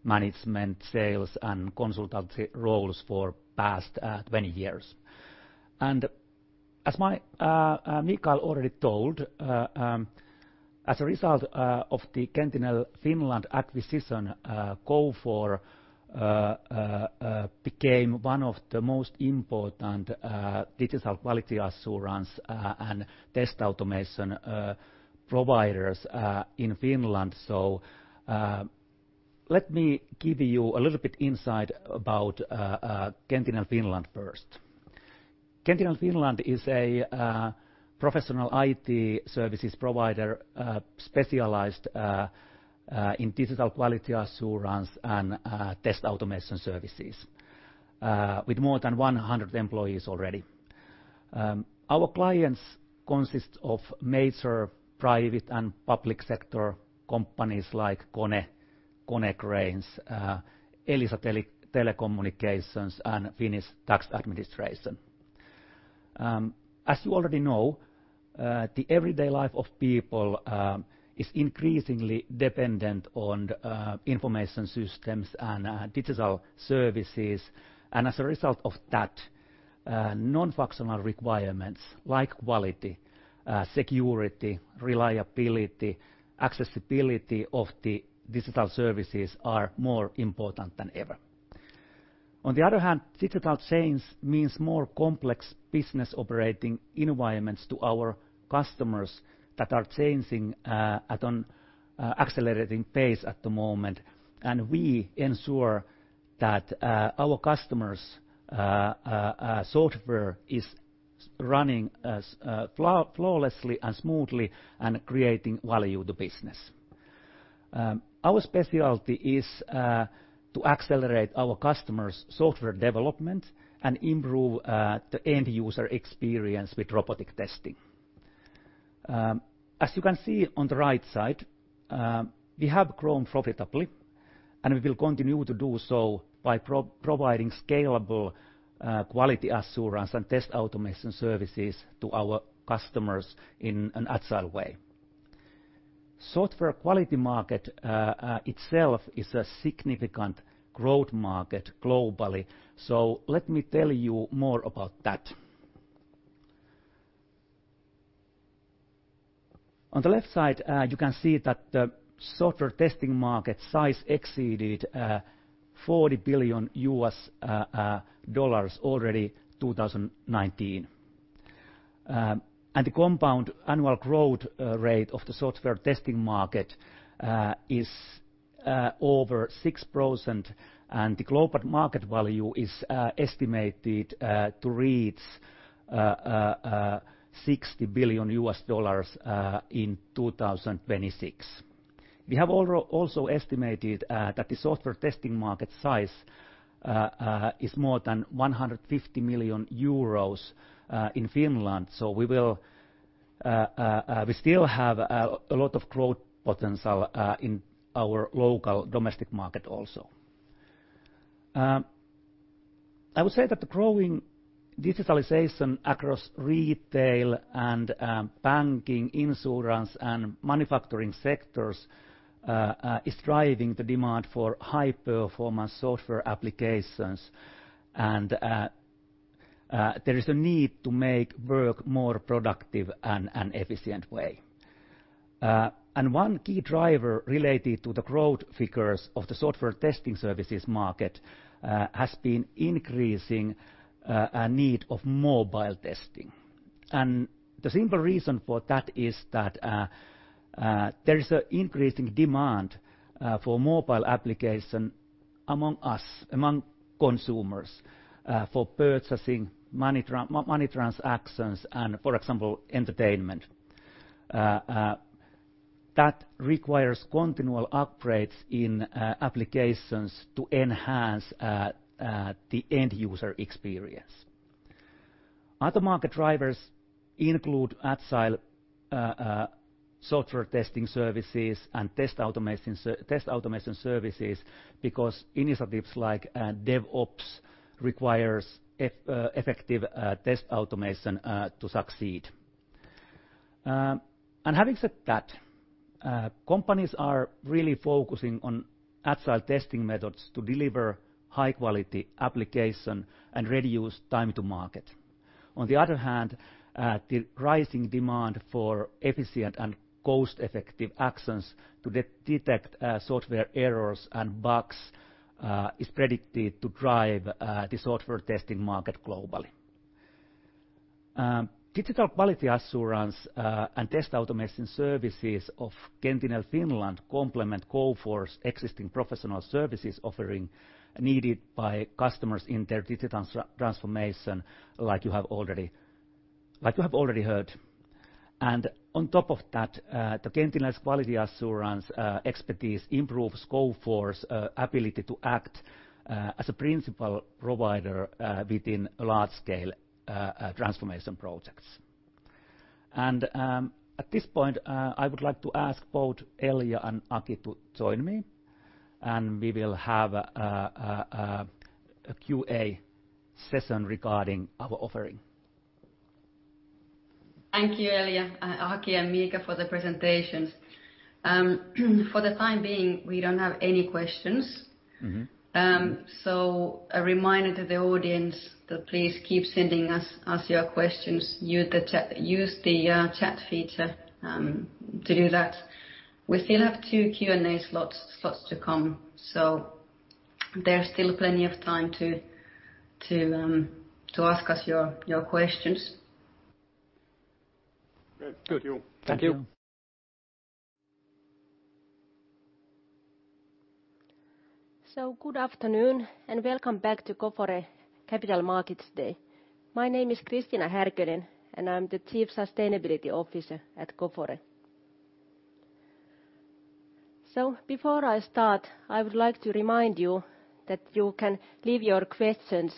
management, sales, and consultancy roles for past 20 years. And as Mikael already told, as a result of the Qentinel Finland acquisition, Gofore became one of the most important digital quality assurance and test automation providers in Finland. So let me give you a little bit insight about Qentinel Finland first. Qentinel Finland is a professional IT services provider specialized in digital quality assurance and test automation services with more than 100 employees already. Our clients consists of major private and public sector companies like KONE, Konecranes, Elisa Telecommunications, and Finnish Tax Administration. As you already know, the everyday life of people is increasingly dependent on information systems and digital services. And as a result of that, non-functional requirements, like quality, security, reliability, accessibility of the digital services are more important than ever. On the other hand, digital change means more complex business operating environments to our customers that are changing at an accelerating pace at the moment, and we ensure that our customers' software is running as flawlessly and smoothly, and creating value to business. Our specialty is to accelerate our customers' software development and improve the end-user experience with robotic testing. As you can see on the right side, we have grown profitably, and we will continue to do so by providing scalable quality assurance and test automation services to our customers in an agile way. Software quality market itself is a significant growth market globally, so let me tell you more about that. On the left side, you can see that the software testing market size exceeded $40 billion already in 2019. And the compound annual growth rate of the software testing market is over 6%, and the global market value is estimated to reach $60 billion in 2026. We have also, also estimated that the software testing market size is more than 150 million euros in Finland, so we will, we still have a lot of growth potential in our local domestic market also. I would say that the growing digitalization across retail and banking, insurance, and manufacturing sectors is driving the demand for high-performance software applications, and there is a need to make work more productive and an efficient way. One key driver related to the growth figures of the software testing services market has been increasing a need of mobile testing. The simple reason for that is that there is an increasing demand for mobile application among us, among consumers for purchasing, money transactions, and for example, entertainment. That requires continual upgrades in applications to enhance the end-user experience. Other market drivers include Agile software testing services and test automation services, because initiatives like DevOps requires effective test automation to succeed. And having said that, companies are really focusing on Agile testing methods to deliver high-quality application and reduce time to market. On the other hand, the rising demand for efficient and cost-effective actions to detect software errors and bugs is predicted to drive the software testing market globally. Digital quality assurance and test automation services of Qentinel Finland complement Gofore's existing professional services offering needed by customers in their digital transformation, like you have already—like you have already heard. And on top of that, the Qentinel's quality assurance expertise improves Gofore's ability to act as a principal provider within large-scale transformation projects. And at this point, I would like to ask both Elja and Aki to join me, and we will have a QA session regarding our offering. Thank you, Elja, Aki, and Miika, for the presentations. For the time being, we don't have any questions. Mm-hmm. So a reminder to the audience that please keep sending us your questions, use the chat feature to do that. We still have two Q&A slots to come, so there's still plenty of time to ask us your questions. Great. Thank you. Thank you. So good afternoon, and welcome back to Gofore Capital Markets Day. My name is Kristiina Härkönen, and I'm the Chief Sustainability Officer at Gofore. So before I start, I would like to remind you that you can leave your questions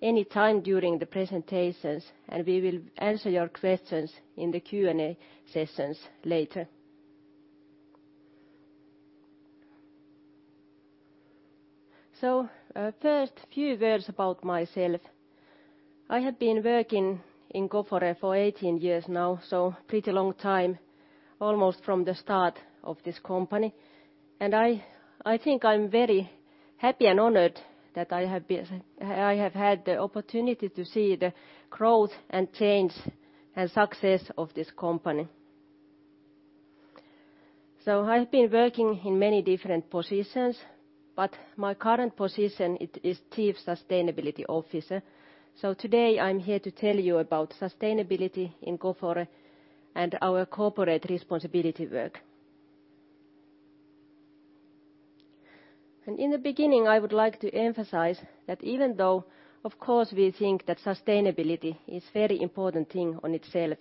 any time during the presentations, and we will answer your questions in the Q&A sessions later. So, first, a few words about myself. I have been working in Gofore for 18 years now, so pretty long time, almost from the start of this company. And I think I'm very happy and honored that I have had the opportunity to see the growth and change and success of this company. So I've been working in many different positions, but my current position, it is Chief Sustainability Officer. So today, I'm here to tell you about sustainability in Gofore and our corporate responsibility work. In the beginning, I would like to emphasize that even though, of course, we think that sustainability is a very important thing on itself,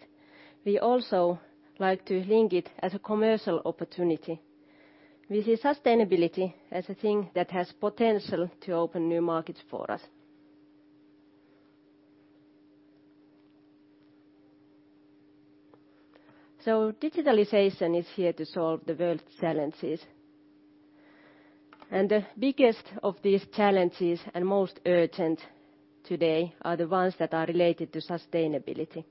we also like to link it as a commercial opportunity. We see sustainability as a thing that has potential to open new markets for us. Digitalization is here to solve the world's challenges. The biggest of these challenges, and most urgent today, are the ones that are related to sustainability.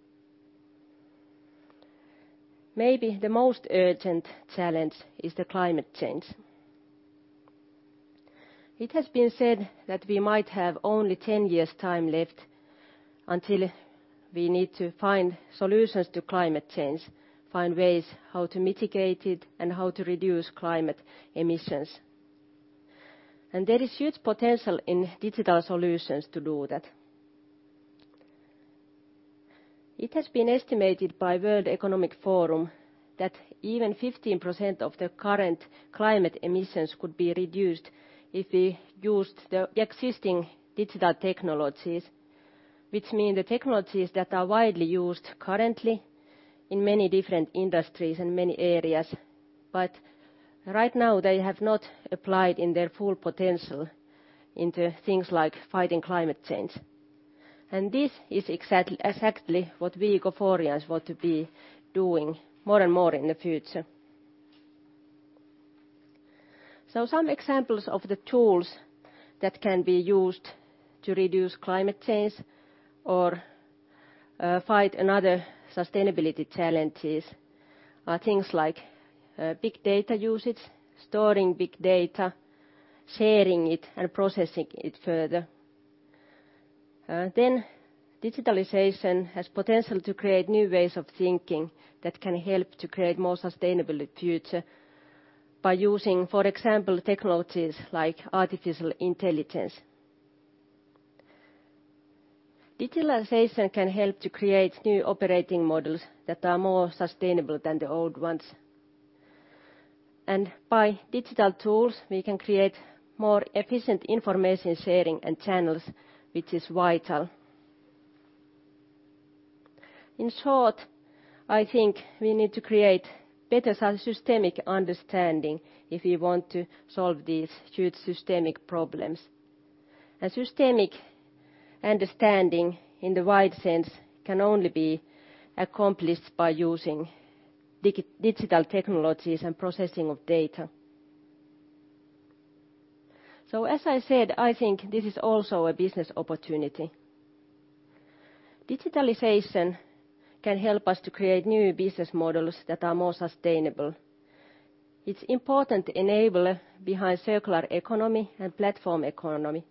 Maybe the most urgent challenge is climate change. It has been said that we might have only 10 years time left until we need to find solutions to climate change, find ways how to mitigate it, and how to reduce climate emissions. There is huge potential in digital solutions to do that. It has been estimated by World Economic Forum that even 15% of the current climate emissions could be reduced if we used the existing digital technologies, which mean the technologies that are widely used currently in many different industries and many areas, but right now, they have not applied in their full potential into things like fighting climate change. This is exactly what we Goforeans want to be doing more and more in the future. Some examples of the tools that can be used to reduce climate change or fight another sustainability challenges are things like big data usage, storing big data, sharing it, and processing it further. Digitalization has potential to create new ways of thinking that can help to create more sustainable future by using, for example, technologies like artificial intelligence. Digitalization can help to create new operating models that are more sustainable than the old ones. By digital tools, we can create more efficient information sharing and channels, which is vital. In short, I think we need to create better systemic understanding if we want to solve these huge systemic problems. A systemic understanding, in the wide sense, can only be accomplished by using digital technologies and processing of data. As I said, I think this is also a business opportunity. Digitalization can help us to create new business models that are more sustainable. It's important enabler behind circular economy and platform economy.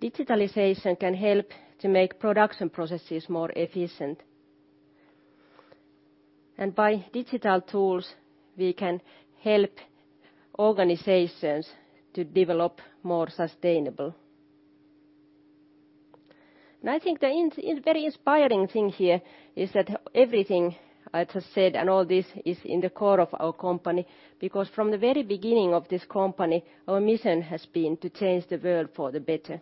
Digitalization can help to make production processes more efficient. By digital tools, we can help organizations to develop more sustainable. And I think very inspiring thing here is that everything I just said, and all this is in the core of our company, because from the very beginning of this company, our mission has been to change the world for the better.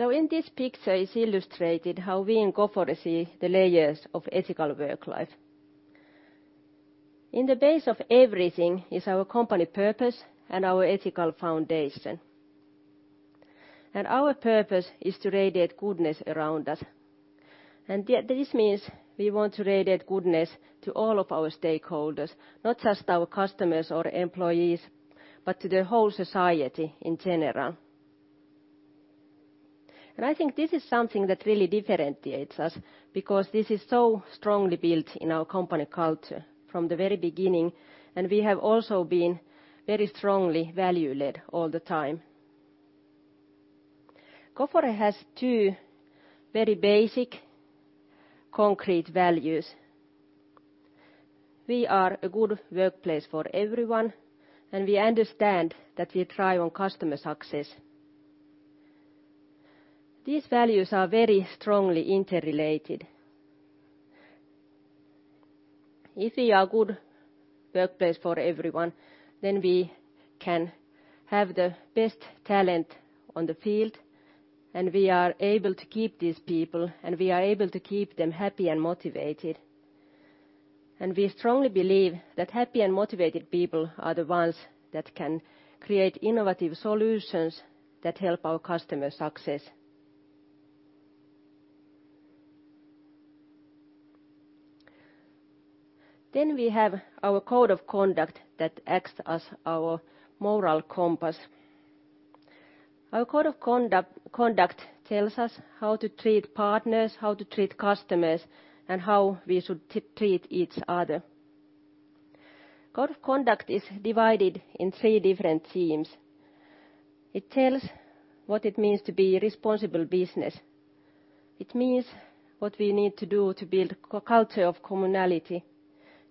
So in this picture, is illustrated how we in Gofore see the layers of ethical work life. In the base of everything is our company purpose and our ethical foundation. And our purpose is to radiate goodness around us. And this means we want to radiate goodness to all of our stakeholders, not just our customers or employees, but to the whole society in general. And I think this is something that really differentiates us, because this is so strongly built in our company culture from the very beginning, and we have also been very strongly value-led all the time. Gofore has two very basic concrete values: We are a good workplace for everyone, and we understand that we thrive on customer success. These values are very strongly interrelated. If we are a good workplace for everyone, then we can have the best talent on the field, and we are able to keep these people, and we are able to keep them happy and motivated. And we strongly believe that happy and motivated people are the ones that can create innovative solutions that help our customer success.... Then we have our code of conduct that acts as our moral compass. Our code of conduct tells us how to treat partners, how to treat customers, and how we should treat each other. Code of conduct is divided in three different themes. It tells what it means to be a responsible business. It means what we need to do to build a culture of communality,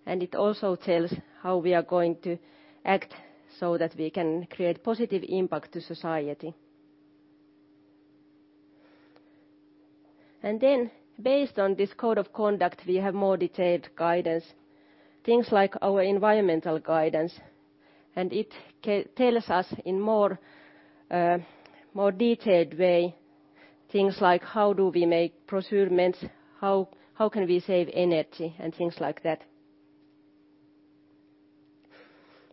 and it also tells how we are going to act so that we can create positive impact to society. Then based on this code of conduct, we have more detailed guidance, things like our environmental guidance, and it tells us in more detailed way, things like how do we make procurements, how can we save energy, and things like that.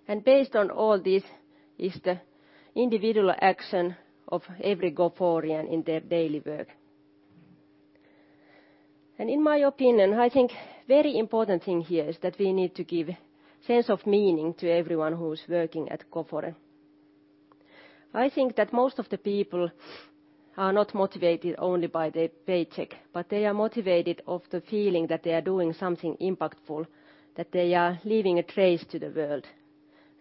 And based on all this, is the individual action of every Goforean in their daily work. And in my opinion, I think very important thing here is that we need to give sense of meaning to everyone who is working at Gofore. I think that most of the people are not motivated only by their paycheck, but they are motivated of the feeling that they are doing something impactful, that they are leaving a trace to the world.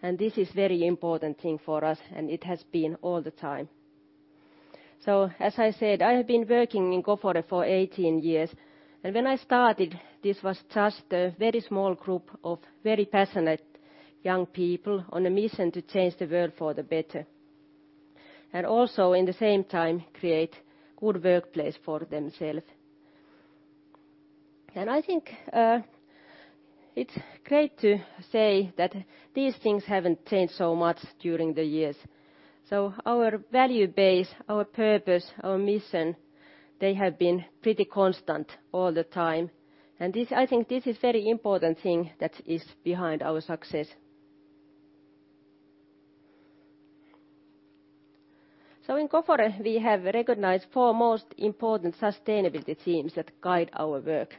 And this is very important thing for us, and it has been all the time. So as I said, I have been working in Gofore for 18 years, and when I started, this was just a very small group of very passionate young people on a mission to change the world for the better, and also, in the same time, create good workplace for themselves. And I think, it's great to say that these things haven't changed so much during the years. So our value base, our purpose, our mission, they have been pretty constant all the time, and this—I think this is very important thing that is behind our success. So in Gofore, we have recognized four most important sustainability teams that guide our work.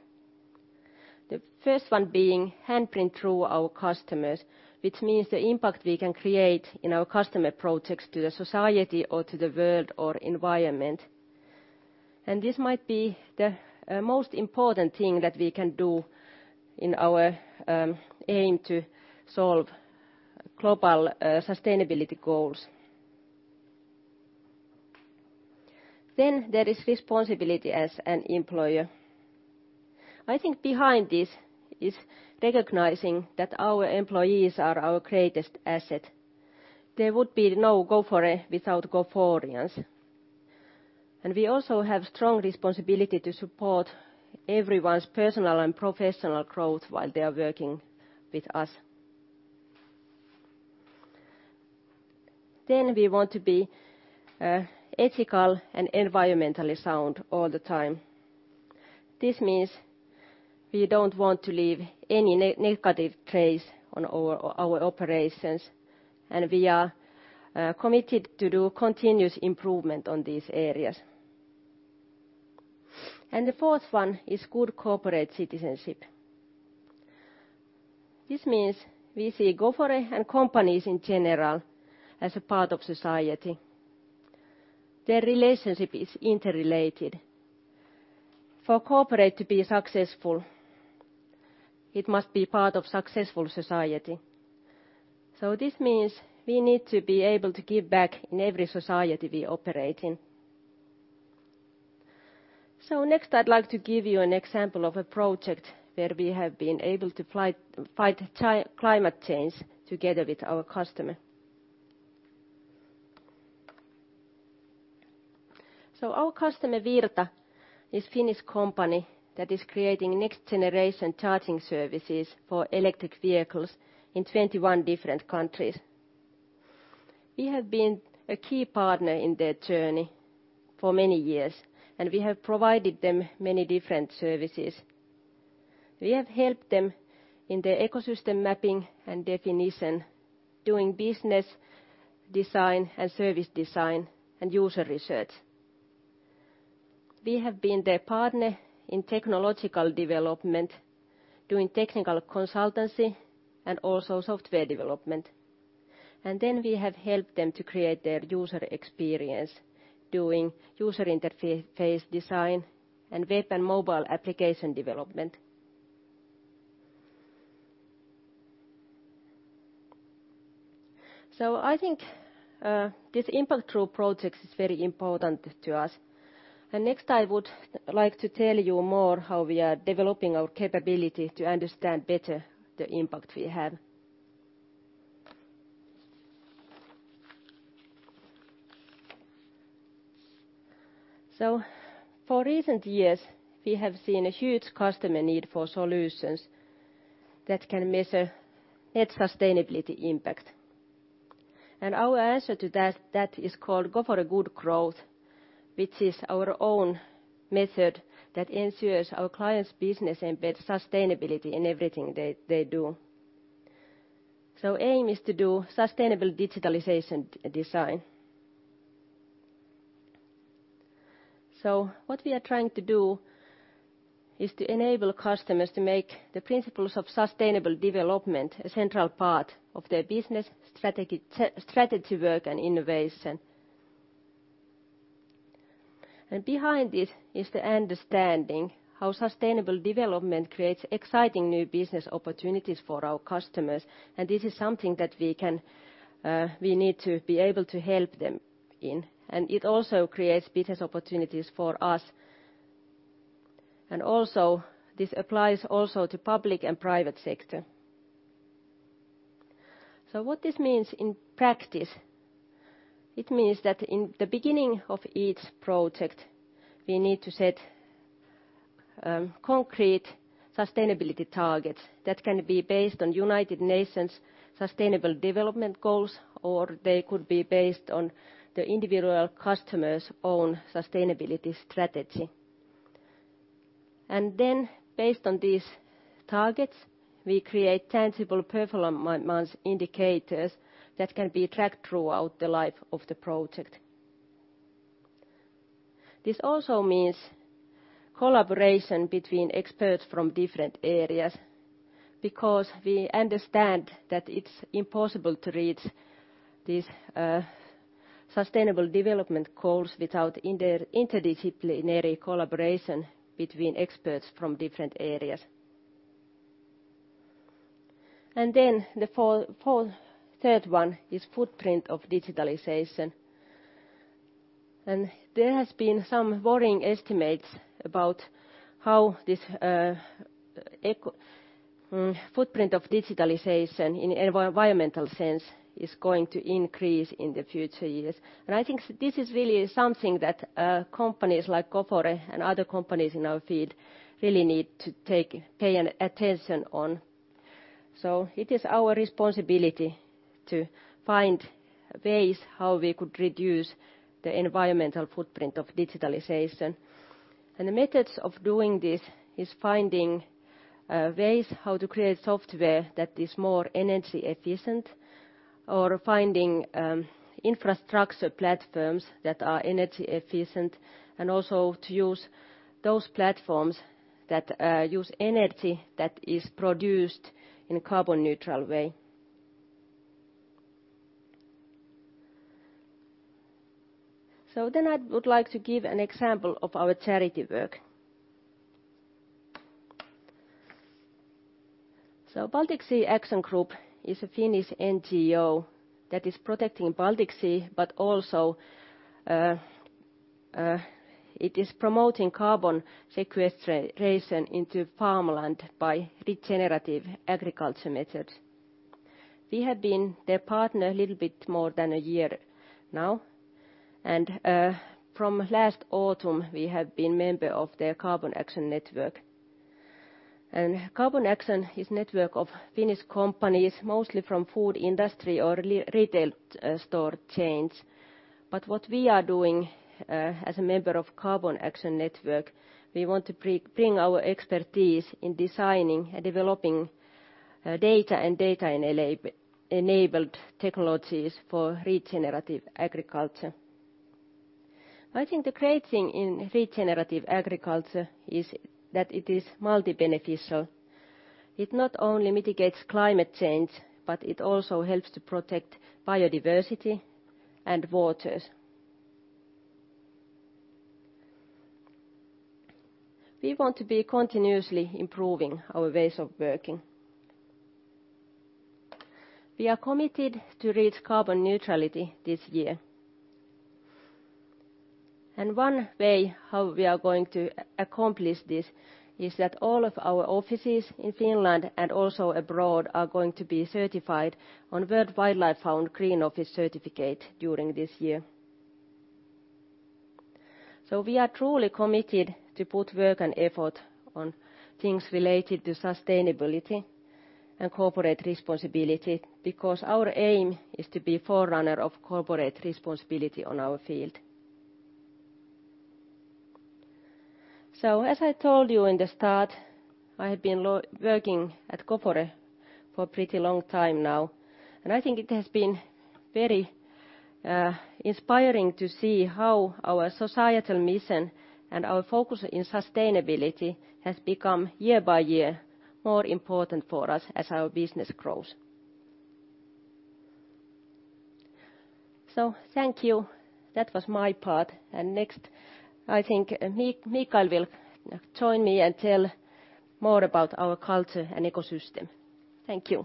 The first one being handprint through our customers, which means the impact we can create in our customer projects to the society or to the world or environment. And this might be the most important thing that we can do in our aim to solve global sustainability goals. Then there is responsibility as an employer. I think behind this is recognizing that our employees are our greatest asset. There would be no Gofore without Goforeans. And we also have strong responsibility to support everyone's personal and professional growth while they are working with us. Then we want to be ethical and environmentally sound all the time. This means we don't want to leave any negative trace on our operations, and we are committed to do continuous improvement on these areas. The fourth one is good corporate citizenship. This means we see Gofore and companies in general as a part of society. Their relationship is interrelated. For corporate to be successful, it must be part of successful society. This means we need to be able to give back in every society we operate in. Next, I'd like to give you an example of a project where we have been able to fight climate change together with our customer. Our customer, Virta, this Finnish company that is creating next-generation charging services for electric vehicles in 21 different countries. We have been a key partner in their journey for many years, and we have provided them many different services. We have helped them in their ecosystem mapping and definition, doing business design and service design and user research. We have been their partner in technological development, doing technical consultancy and also software development. And then we have helped them to create their user experience, doing user interface design and web and mobile application development. So I think, this impactful project is very important to us. And next, I would like to tell you more how we are developing our capability to understand better the impact we have. So for recent years, we have seen a huge customer need for solutions that can measure its sustainability impact. And our answer to that, that is called Gofore Good Growth, which is our own method that ensures our clients' business embed sustainability in everything they, they do. So aim is to do sustainable digitalization, design. So what we are trying to do is to enable customers to make the principles of sustainable development a central part of their business strategy, strategy, work, and innovation. And behind it is the understanding how sustainable development creates exciting new business opportunities for our customers, and this is something that we can, we need to be able to help them in, and it also creates business opportunities for us. And also, this applies also to public and private sector. So what this means in practice, it means that in the beginning of each project, we need to set concrete sustainability targets that can be based on United Nations Sustainable Development Goals, or they could be based on the individual customer's own sustainability strategy. And then based on these targets, we create tangible performance indicators that can be tracked throughout the life of the project. This also means collaboration between experts from different areas, because we understand that it's impossible to reach these sustainable development goals without interdisciplinary collaboration between experts from different areas. Then the third one is footprint of digitalization. There has been some worrying estimates about how this footprint of digitalization in environmental sense is going to increase in the future years. I think this is really something that companies like Gofore and other companies in our field really need to pay attention to. So it is our responsibility to find ways how we could reduce the environmental footprint of digitalization. The methods of doing this is finding ways how to create software that is more energy efficient or finding infrastructure platforms that are energy efficient, and also to use those platforms that use energy that is produced in a carbon neutral way. Then I would like to give an example of our charity work. Baltic Sea Action Group is a Finnish NGO that is protecting Baltic Sea, but also it is promoting carbon sequestration into farmland by regenerative agriculture methods. We have been their partner a little bit more than a year now, and from last autumn, we have been member of their Carbon Action Network. Carbon Action is network of Finnish companies, mostly from food industry or retail store chains. But what we are doing, as a member of Carbon Action Network, we want to pre-bring our expertise in designing and developing, data and data-enable-enabled technologies for regenerative agriculture. I think the great thing in regenerative agriculture is that it is multi-beneficial. It not only mitigates climate change, but it also helps to protect biodiversity and waters. We want to be continuously improving our ways of working. We are committed to reach carbon neutrality this year. And one way how we are going to accomplish this is that all of our offices in Finland and also abroad, are going to be certified on World Wildlife Fund Green Office Certificate during this year. So we are truly committed to put work and effort on things related to sustainability and corporate responsibility, because our aim is to be forerunner of corporate responsibility on our field. So, as I told you in the start, I have been working at Gofore for a pretty long time now, and I think it has been very inspiring to see how our societal mission and our focus in sustainability has become, year by year, more important for us as our business grows. So thank you. That was my part. And next, I think Mikael will join me and tell more about our culture and ecosystem. Thank you.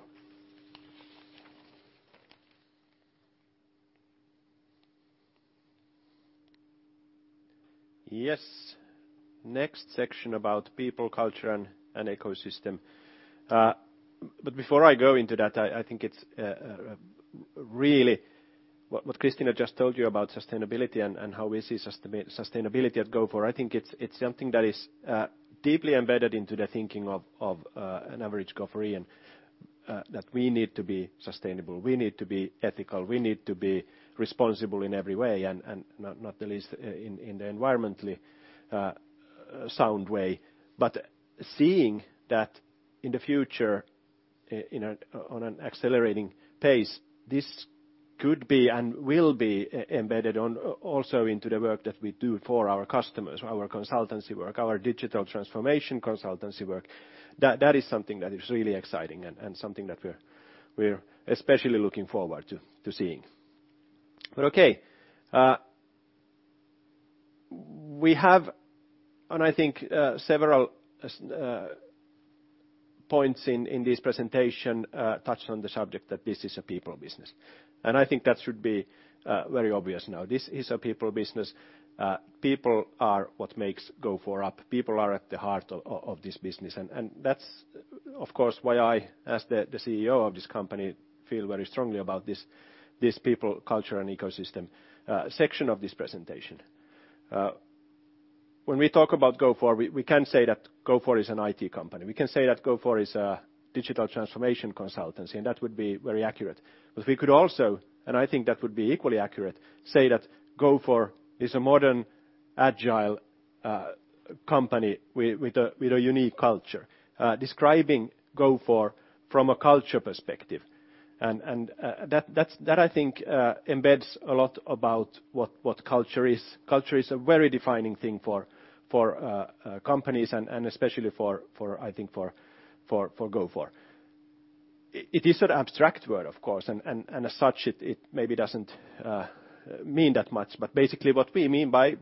Yes. Next section about people, culture, and ecosystem. But before I go into that, I think it's really what Kristiina just told you about sustainability and how we see sustainability at Gofore. I think it's something that is deeply embedded into the thinking of an average Goforean, that we need to be sustainable, we need to be ethical, we need to be responsible in every way and not the least in the environmentally sound way. But seeing that in the future, on an accelerating pace, this could be and will be embedded also into the work that we do for our customers, our consultancy work, our digital transformation consultancy work. That is something that is really exciting and something that we're especially looking forward to seeing. But okay, we have, and I think several points in this presentation touched on the subject that this is a people business. And I think that should be very obvious now. This is a people business. People are what makes Gofore up. People are at the heart of this business, and that's, of course, why I, as the CEO of this company, feel very strongly about this people, culture, and ecosystem section of this presentation. When we talk about Gofore, we can say that Gofore is an IT company. We can say that Gofore is a digital transformation consultancy, and that would be very accurate. But we could also, and I think that would be equally accurate, say that Gofore is a modern, agile, company with a unique culture. Describing Gofore from a culture perspective, and that I think embeds a lot about what culture is. Culture is a very defining thing for companies and especially for, I think for Gofore. It is an abstract word, of course, and as such, it maybe doesn't mean that much. But basically, what we mean by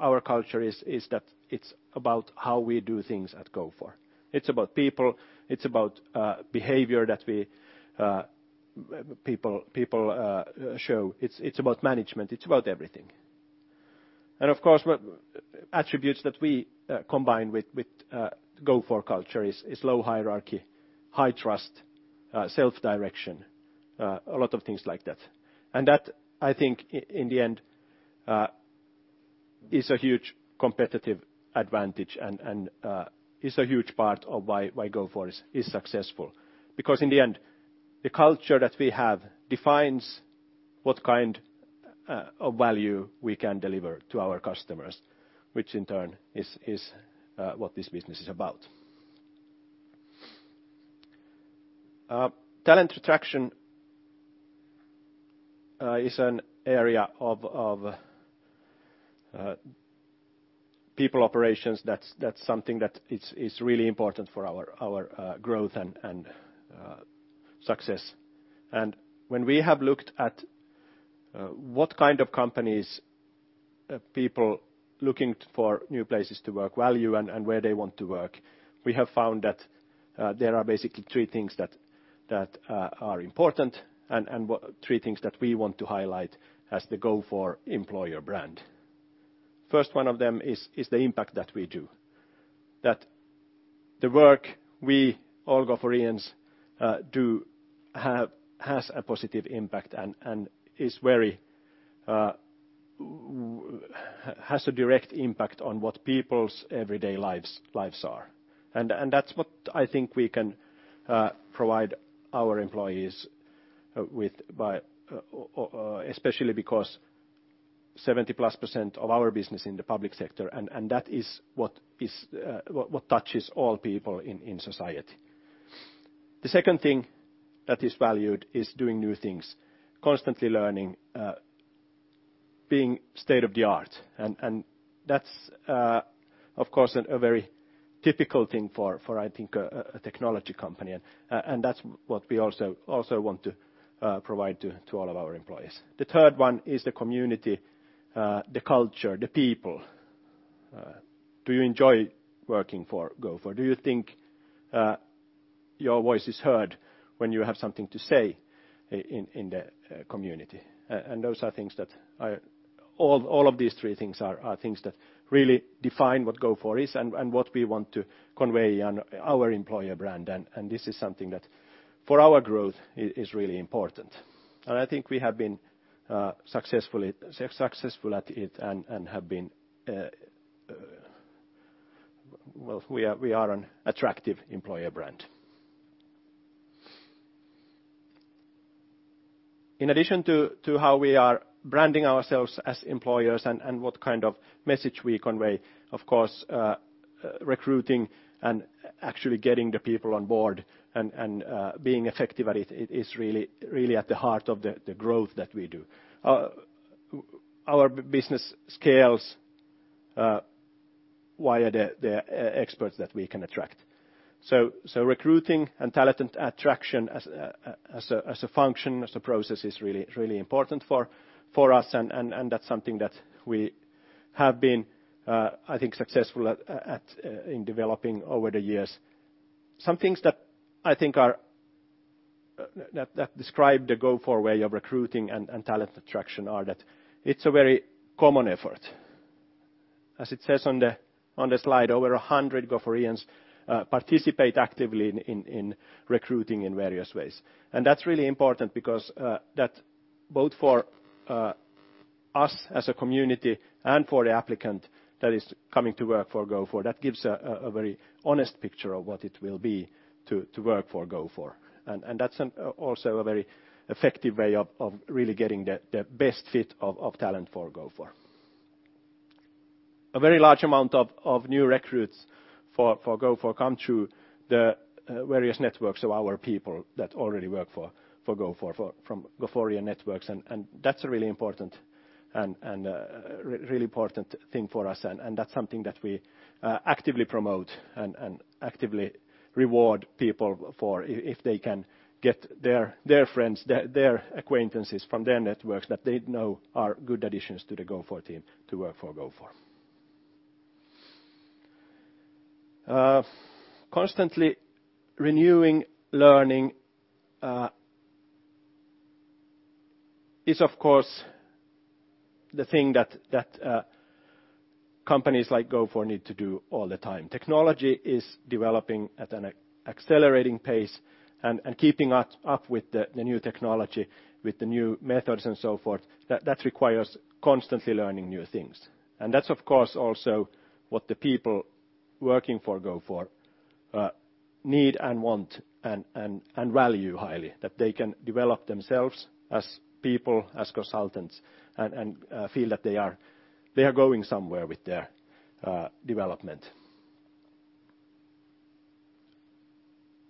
our culture is that it's about how we do things at Gofore. It's about people, it's about behavior that people show. It's about management, it's about everything. And of course, what attributes that we combine with Gofore culture is low hierarchy, high trust, self-direction, a lot of things like that. And that, I think, in the end, is a huge competitive advantage, and is a huge part of why Gofore is successful. Because in the end, the culture that we have defines what kind of value we can deliver to our customers, which in turn is what this business is about. Talent attraction is an area of people operations that's something that it is really important for our growth and success. And when we have looked at what kind of companies people looking for new places to work value, and where they want to work, we have found that there are basically three things that are important, and three things that we want to highlight as the Gofore employer brand. First one of them is the impact that we do. That the work we all Goforeans do has a positive impact and is very has a direct impact on what people's everyday lives are. And that's what I think we can provide our employees with by especially because 70%+ of our business in the public sector, and that is what is what touches all people in society. The second thing that is valued is doing new things, constantly learning, being state-of-the-art, and that's of course a very typical thing for, I think, a technology company. And that's what we also want to provide to all of our employees. The third one is the community, the culture, the people. Do you enjoy working for Gofore? Do you think your voice is heard when you have something to say in the community? And those are things that are... All of these three things are things that really define what Gofore is and what we want to convey on our employer brand. And this is something that for our growth is really important. I think we have been successful at it, and we are an attractive employer brand. In addition to how we are branding ourselves as employers and what kind of message we convey, of course, recruiting and actually getting the people on board and being effective at it is really, really at the heart of the growth that we do. Our business scales via the experts that we can attract. So recruiting and talent attraction as a function, as a process is really, really important for us, and that's something that we have been, I think, successful at in developing over the years. Some things that I think are that describe the Gofore way of recruiting and talent attraction are that it's a very common effort. As it says on the slide, over 100 Goforeans participate actively in recruiting in various ways. And that's really important because that both for us as a community and for the applicant that is coming to work for Gofore, that gives a very honest picture of what it will be to work for Gofore. And that's also a very effective way of really getting the best fit of talent for Gofore. A very large amount of new recruits for Gofore come through the various networks of our people that already work for Gofore, from Goforeans' networks. That's really important, a really important thing for us, and that's something that we actively promote and actively reward people for if they can get their friends, their acquaintances from their networks that they know are good additions to the Gofore team to work for Gofore. Constantly renewing learning is of course the thing that companies like Gofore need to do all the time. Technology is developing at an accelerating pace, and keeping up with the new technology, with the new methods and so forth, that requires constantly learning new things. And that's, of course, also what the people working for Gofore need and want and value highly, that they can develop themselves as people, as consultants, and feel that they are going somewhere with their development.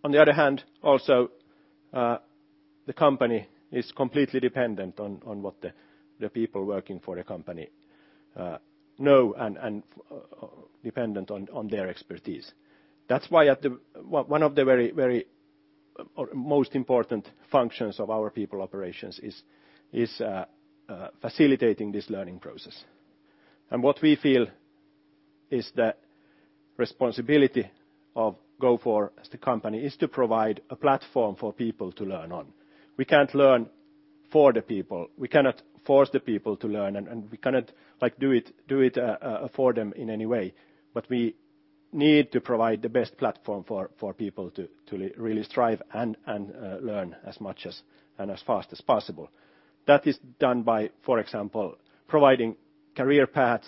On the other hand, also, the company is completely dependent on what the people working for the company know, and dependent on their expertise. That's why at the... Well, one of the very, very or most important functions of our people operations is facilitating this learning process. And what we feel is the responsibility of Gofore as the company, is to provide a platform for people to learn on. We can't learn for the people. We cannot force the people to learn, and we cannot, like, do it for them in any way. But we need to provide the best platform for people to really strive and learn as much as and as fast as possible. That is done by, for example, providing career paths,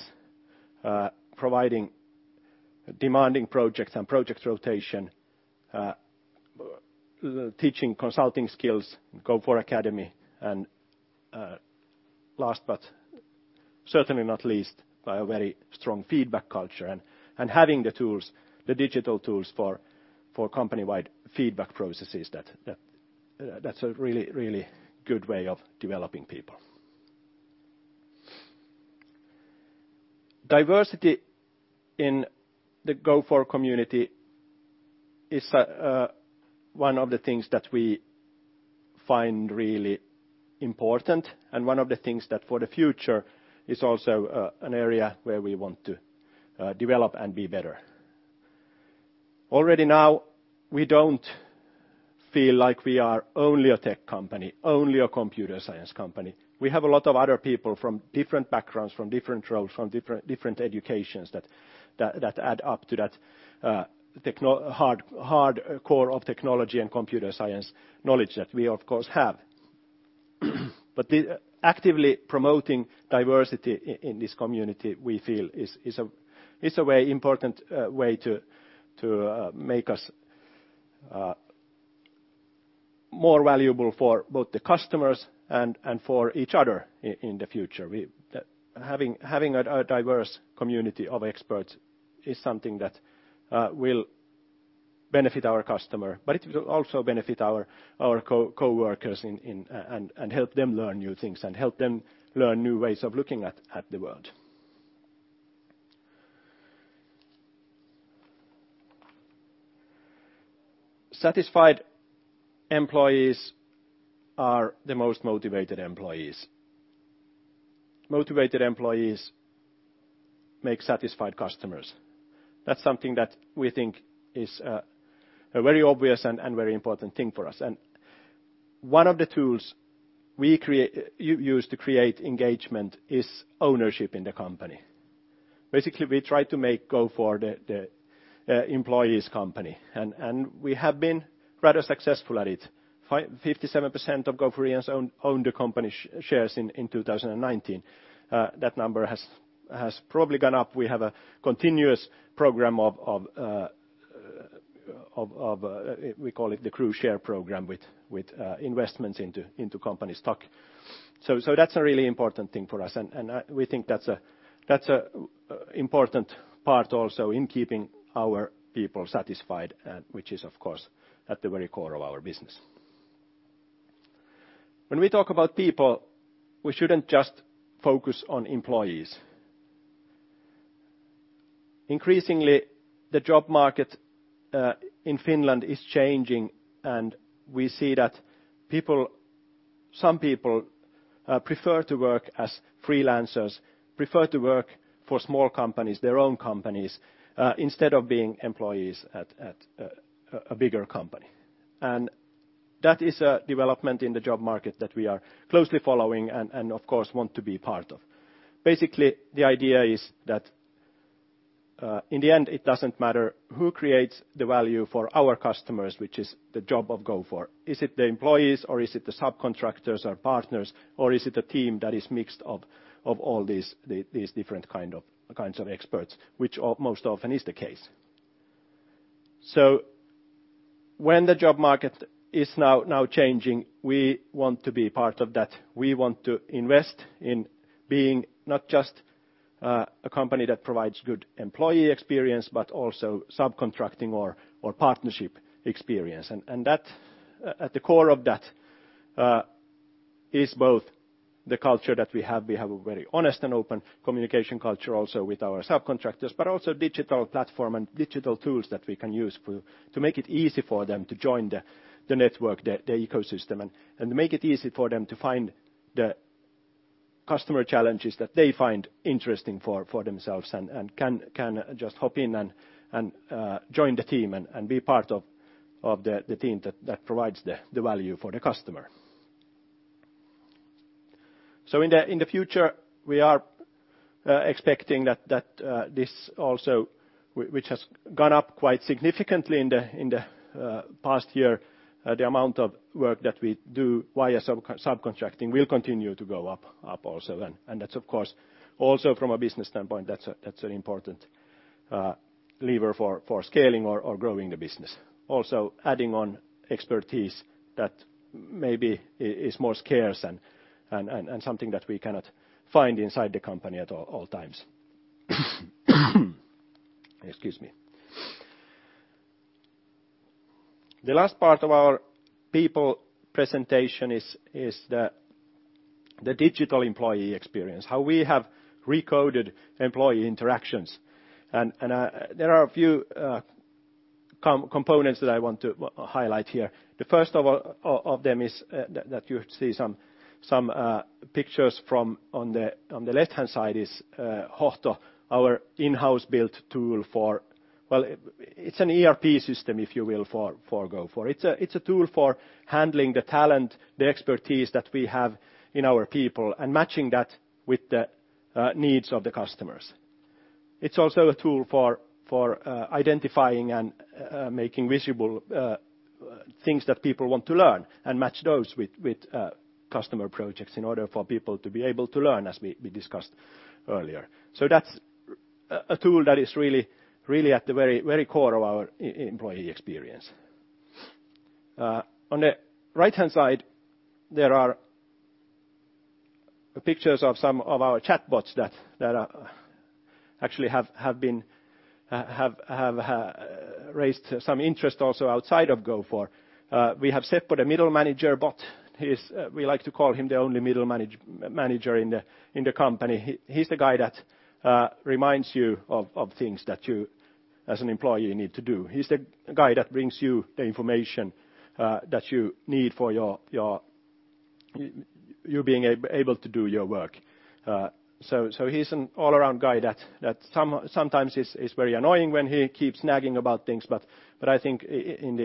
providing demanding projects and project rotation, teaching consulting skills, Gofore Academy, and last but certainly not least, by a very strong feedback culture, and having the tools, the digital tools, for company-wide feedback processes that... That's a really, really good way of developing people. Diversity in the Gofore community is one of the things that we find really important, and one of the things that for the future is also an area where we want to develop and be better. Already now, we don't feel like we are only a tech company, only a computer science company. We have a lot of other people from different backgrounds, from different roles, from different educations, that add up to that technology hard core of technology and computer science knowledge that we, of course, have. But actively promoting diversity in this community, we feel is a very important way to make us more valuable for both the customers and for each other in the future. We... Having a diverse community of experts is something that will benefit our customer, but it will also benefit our coworkers and help them learn new things, and help them learn new ways of looking at the world. Satisfied employees are the most motivated employees. Motivated employees make satisfied customers. That's something that we think is a very obvious and very important thing for us. One of the tools we use to create engagement is ownership in the company. Basically, we try to make Gofore the employees' company, and we have been rather successful at it. 57% of Goforeans owned the company shares in 2019. That number has probably gone up. We have a continuous program, we call it the CrewShare Program, with investments into company stock. So that's a really important thing for us, and we think that's a important part also in keeping our people satisfied, which is, of course, at the very core of our business. When we talk about people, we shouldn't just focus on employees. Increasingly, the job market in Finland is changing, and we see that people, some people, prefer to work as freelancers, prefer to work for small companies, their own companies, instead of being employees at a bigger company. And that is a development in the job market that we are closely following and, of course, want to be part of. Basically, the idea is that in the end, it doesn't matter who creates the value for our customers, which is the job of Gofore. Is it the employees, or is it the subcontractors or partners, or is it a team that is mixed of all these, these different kinds of experts, which most often is the case?... So when the job market is now changing, we want to be part of that. We want to invest in being not just a company that provides good employee experience, but also subcontracting or partnership experience. And that at the core of that is both the culture that we have, we have a very honest and open communication culture also with our subcontractors, but also digital platform and digital tools that we can use to make it easy for them to join the network, the ecosystem. And make it easy for them to find the customer challenges that they find interesting for themselves, and can just hop in and join the team, and be part of the team that provides the value for the customer. So in the future, we are expecting that this also, which has gone up quite significantly in the past year, the amount of work that we do via subcontracting will continue to go up also. And that's, of course, also from a business standpoint, that's an important lever for scaling or growing the business. Also, adding on expertise that maybe is more scarce and something that we cannot find inside the company at all times. Excuse me. The last part of our people presentation is the digital employee experience, how we have recoded employee interactions. And there are a few components that I want to highlight here. First of all, one of them is that you see some pictures from... On the left-hand side is Hohto, our in-house built tool for, well, it's an ERP system, if you will, for Gofore. It's a tool for handling the talent, the expertise that we have in our people, and matching that with the needs of the customers. It's also a tool for identifying and making visible things that people want to learn, and match those with customer projects in order for people to be able to learn, as we discussed earlier. So that's a tool that is really, really at the very, very core of our employee experience. On the right-hand side, there are pictures of some of our chatbots that actually have raised some interest also outside of Gofore. We have Seppo, the middle manager bot. He's—we like to call him the only middle manager in the company. He's the guy that reminds you of things that you, as an employee, need to do. He's the guy that brings you the information that you need for your... You being able to do your work. So, he's an all-around guy that sometimes is very annoying when he keeps nagging about things, but I think in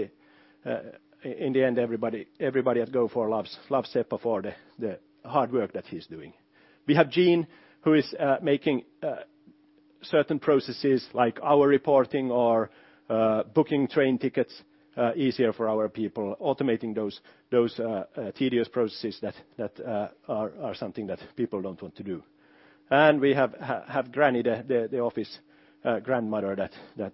the end, everybody at Gofore loves Seppo for the hard work that he's doing. We have Gene, who is making certain processes, like our reporting or booking train tickets, easier for our people, automating those tedious processes that are something that people don't want to do. And we have Granny, the office grandmother that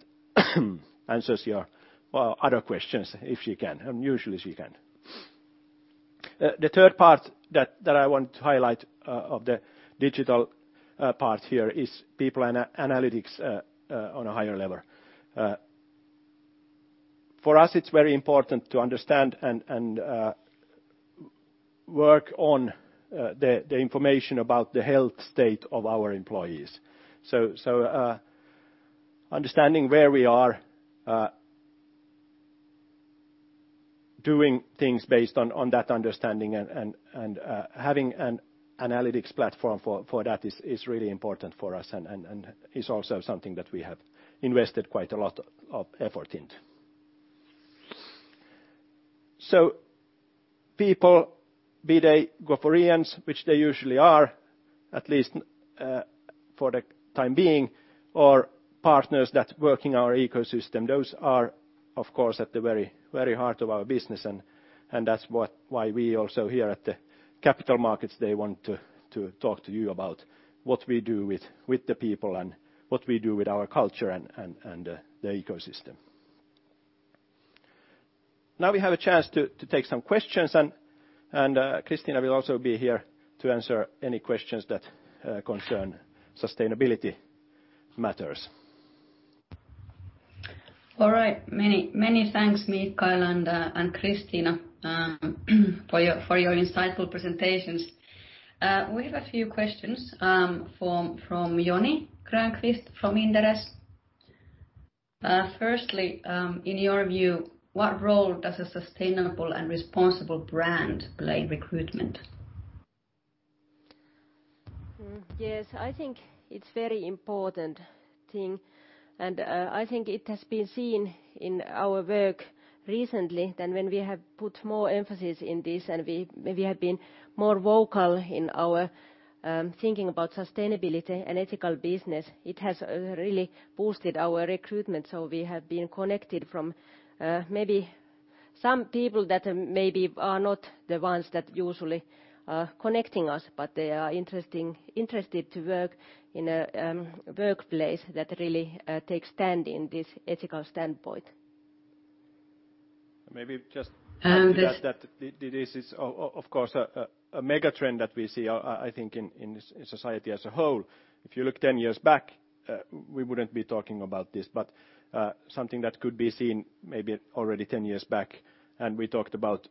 answers your other questions, if she can, and usually she can. The third part that I want to highlight of the digital part here is people analytics on a higher level. For us, it's very important to understand and work on the information about the health state of our employees. So, understanding where we are, doing things based on that understanding, and having an analytics platform for that is really important for us, and is also something that we have invested quite a lot of effort into. So people, be they Goforeans, which they usually are, at least, for the time being, or partners that work in our ecosystem, those are, of course, at the very, very heart of our business. And that's what—why we also here at the Capital Markets Day want to talk to you about what we do with the people and what we do with our culture and the ecosystem. Now, we have a chance to take some questions and Kristiina will also be here to answer any questions that concern sustainability matters. All right. Many, many thanks, Mikael and and Kristiina, for your, for your insightful presentations. We have a few questions, from, from Joni Grönqvist from Inderes. Firstly, in your view, what role does a sustainable and responsible brand play in recruitment? Yes, I think it's very important thing, and I think it has been seen in our work recently than when we have put more emphasis in this and we have been more vocal in our thinking about sustainability and ethical business. It has really boosted our recruitment, so we have been connected from maybe some people that maybe are not the ones that usually connecting us, but they are interested to work in a workplace that really takes stand in this ethical standpoint. Maybe just- Um- that this is of course a mega trend that we see, I think in society as a whole. If you look 10 years back, we wouldn't be talking about this, but something that could be seen maybe already 10 years back, and we talked about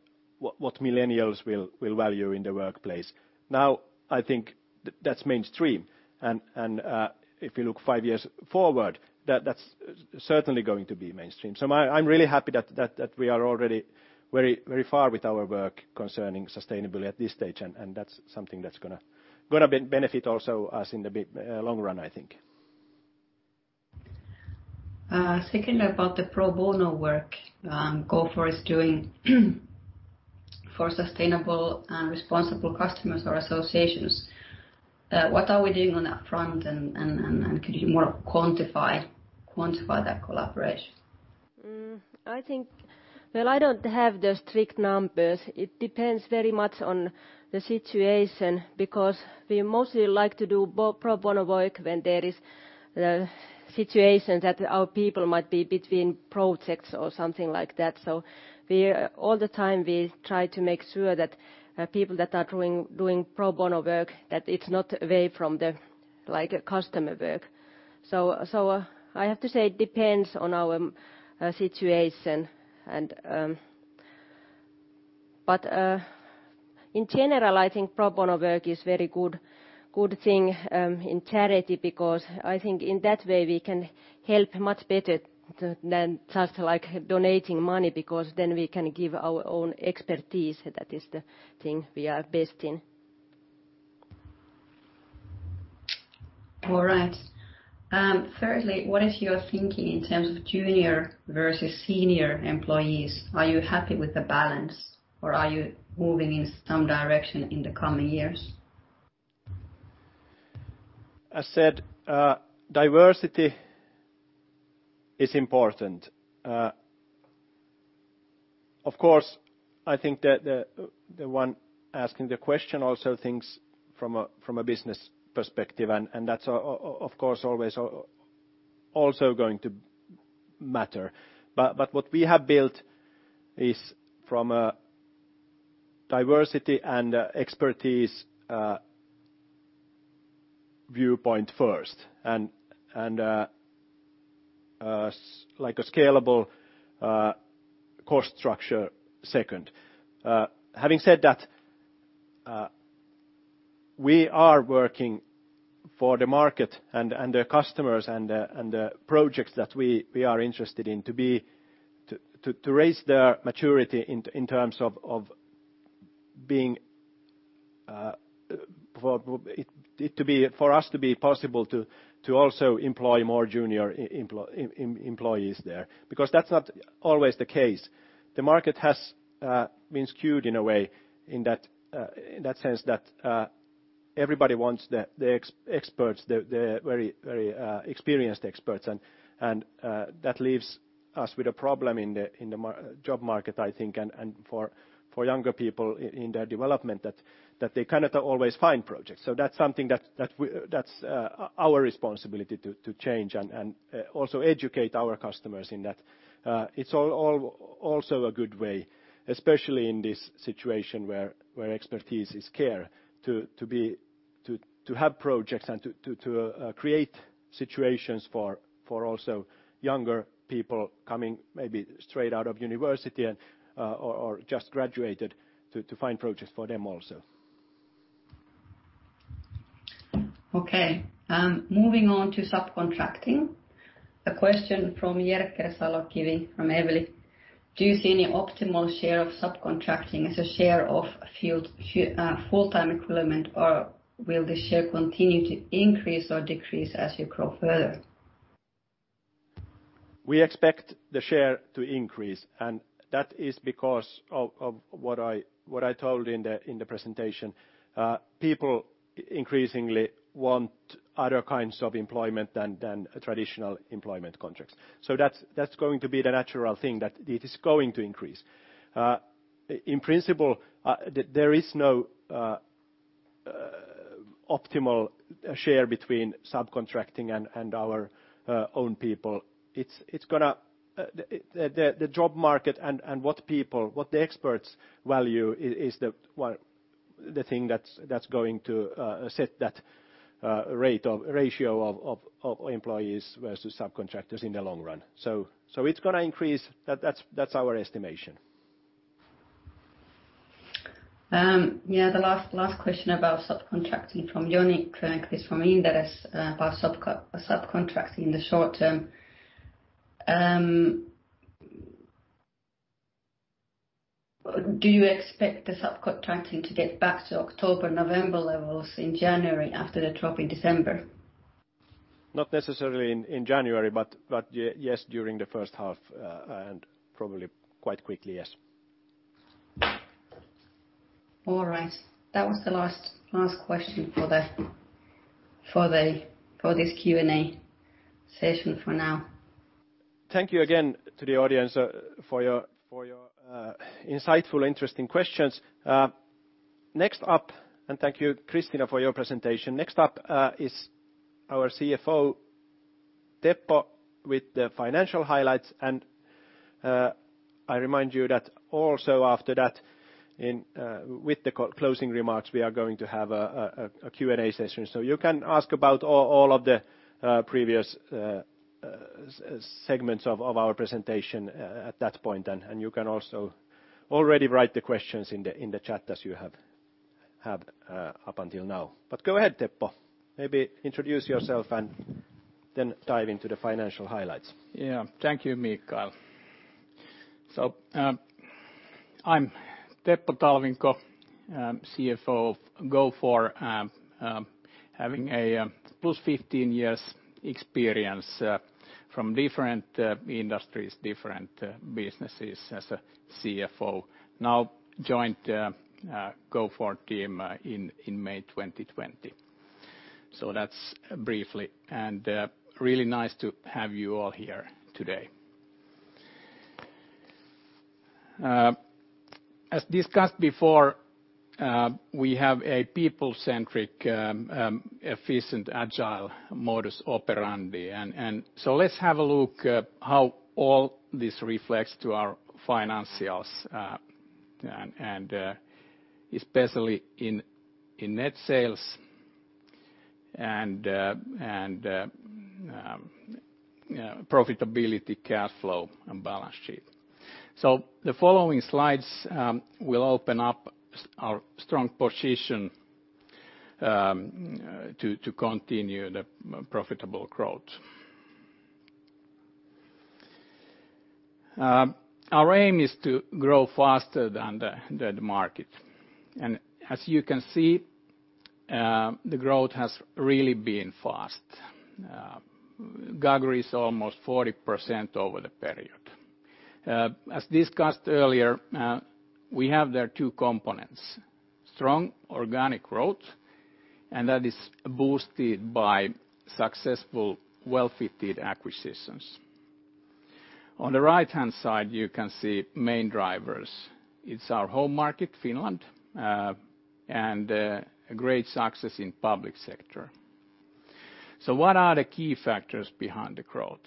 what millennials will value in the workplace. Now, I think that's mainstream. And if you look 5 years forward, that's certainly going to be mainstream. So I'm really happy that we are already very, very far with our work concerning sustainability at this stage, and that's something that's gonna benefit also us in the big, long run, I think. Second, about the pro bono work Gofore is doing for sustainable and responsible customers or associations. What are we doing on that front, and could you more quantify that collaboration? I think... Well, I don't have the strict numbers. It depends very much on the situation because we mostly like to do pro bono work when there is situations that our people might be between projects or something like that. So all the time, we try to make sure that people that are doing pro bono work, that it's not away from the, like, customer work. So I have to say, it depends on our situation and... But in general, I think pro bono work is very good thing in charity because I think in that way, we can help much better than just, like, donating money, because then we can give our own expertise. That is the thing we are best in. All right. Thirdly, what is your thinking in terms of junior versus senior employees? Are you happy with the balance, or are you moving in some direction in the coming years? I said, diversity is important. Of course, I think that the one asking the question also thinks from a business perspective, and that's of course, always also going to matter. But what we have built is from a diversity and expertise viewpoint first, and like a scalable cost structure second. Having said that, we are working for the market and the customers, and the projects that we are interested in to raise their maturity in terms of being for it to be for us to be possible to also employ more junior employees there, because that's not always the case. The market has been skewed in a way, in that sense, that everybody wants the experts, the very, very experienced experts. And that leaves us with a problem in the job market, I think, and for younger people in their development, that they cannot always find projects. So that's something that's our responsibility to change and also educate our customers in that. It's also a good way, especially in this situation where expertise is scarce, to have projects and to create situations for also younger people coming maybe straight out of university and or just graduated, to find projects for them also. Okay, moving on to subcontracting. A question from Jerker Salokivi from Evli: "Do you see any optimal share of subcontracting as a share of FTE, full-time equivalent, or will this share continue to increase or decrease as you grow further? We expect the share to increase, and that is because of what I told in the presentation. People increasingly want other kinds of employment than traditional employment contracts. So that's going to be the natural thing, that it is going to increase. In principle, there is no optimal share between subcontracting and our own people. It's gonna, the job market and what people, what the experts value is the, well, the thing that's going to set that ratio of employees versus subcontractors in the long run. So it's gonna increase. That's our estimation. Yeah, the last, last question about subcontracting from Joni Grönqvist from Inderes, about subcontracting in the short term. Do you expect the subcontracting to get back to October, November levels in January after the drop in December? Not necessarily in January, but yes, during the first half, and probably quite quickly, yes. ... All right. That was the last question for this Q&A session for now. Thank you again to the audience for your insightful, interesting questions. Next up, thank you, Kristiina, for your presentation. Next up is our CFO, Teppo, with the financial highlights. I remind you that also after that, with the closing remarks, we are going to have a Q&A session. So you can ask about all of the previous segments of our presentation at that point. And you can also already write the questions in the chat as you have up until now. But go ahead, Teppo. Maybe introduce yourself and then dive into the financial highlights. Yeah. Thank you, Mikael. So, I'm Teppo Talvinko, CFO of Gofore, having plus 15 years experience from different industries, different businesses as a CFO. Now, joined Gofore team in May 2020. So that's briefly, and really nice to have you all here today. As discussed before, we have a people-centric, efficient, agile modus operandi. And so let's have a look at how all this reflects to our financials, and especially in net sales and profitability, cash flow, and balance sheet. So the following slides will open up our strong position to continue the profitable growth. Our aim is to grow faster than the market. As you can see, the growth has really been fast. CAGR is almost 40% over the period. As discussed earlier, we have there two components: strong organic growth, and that is boosted by successful, well-fitted acquisitions. On the right-hand side, you can see main drivers. It's our home market, Finland, and a great success in public sector. What are the key factors behind the growth?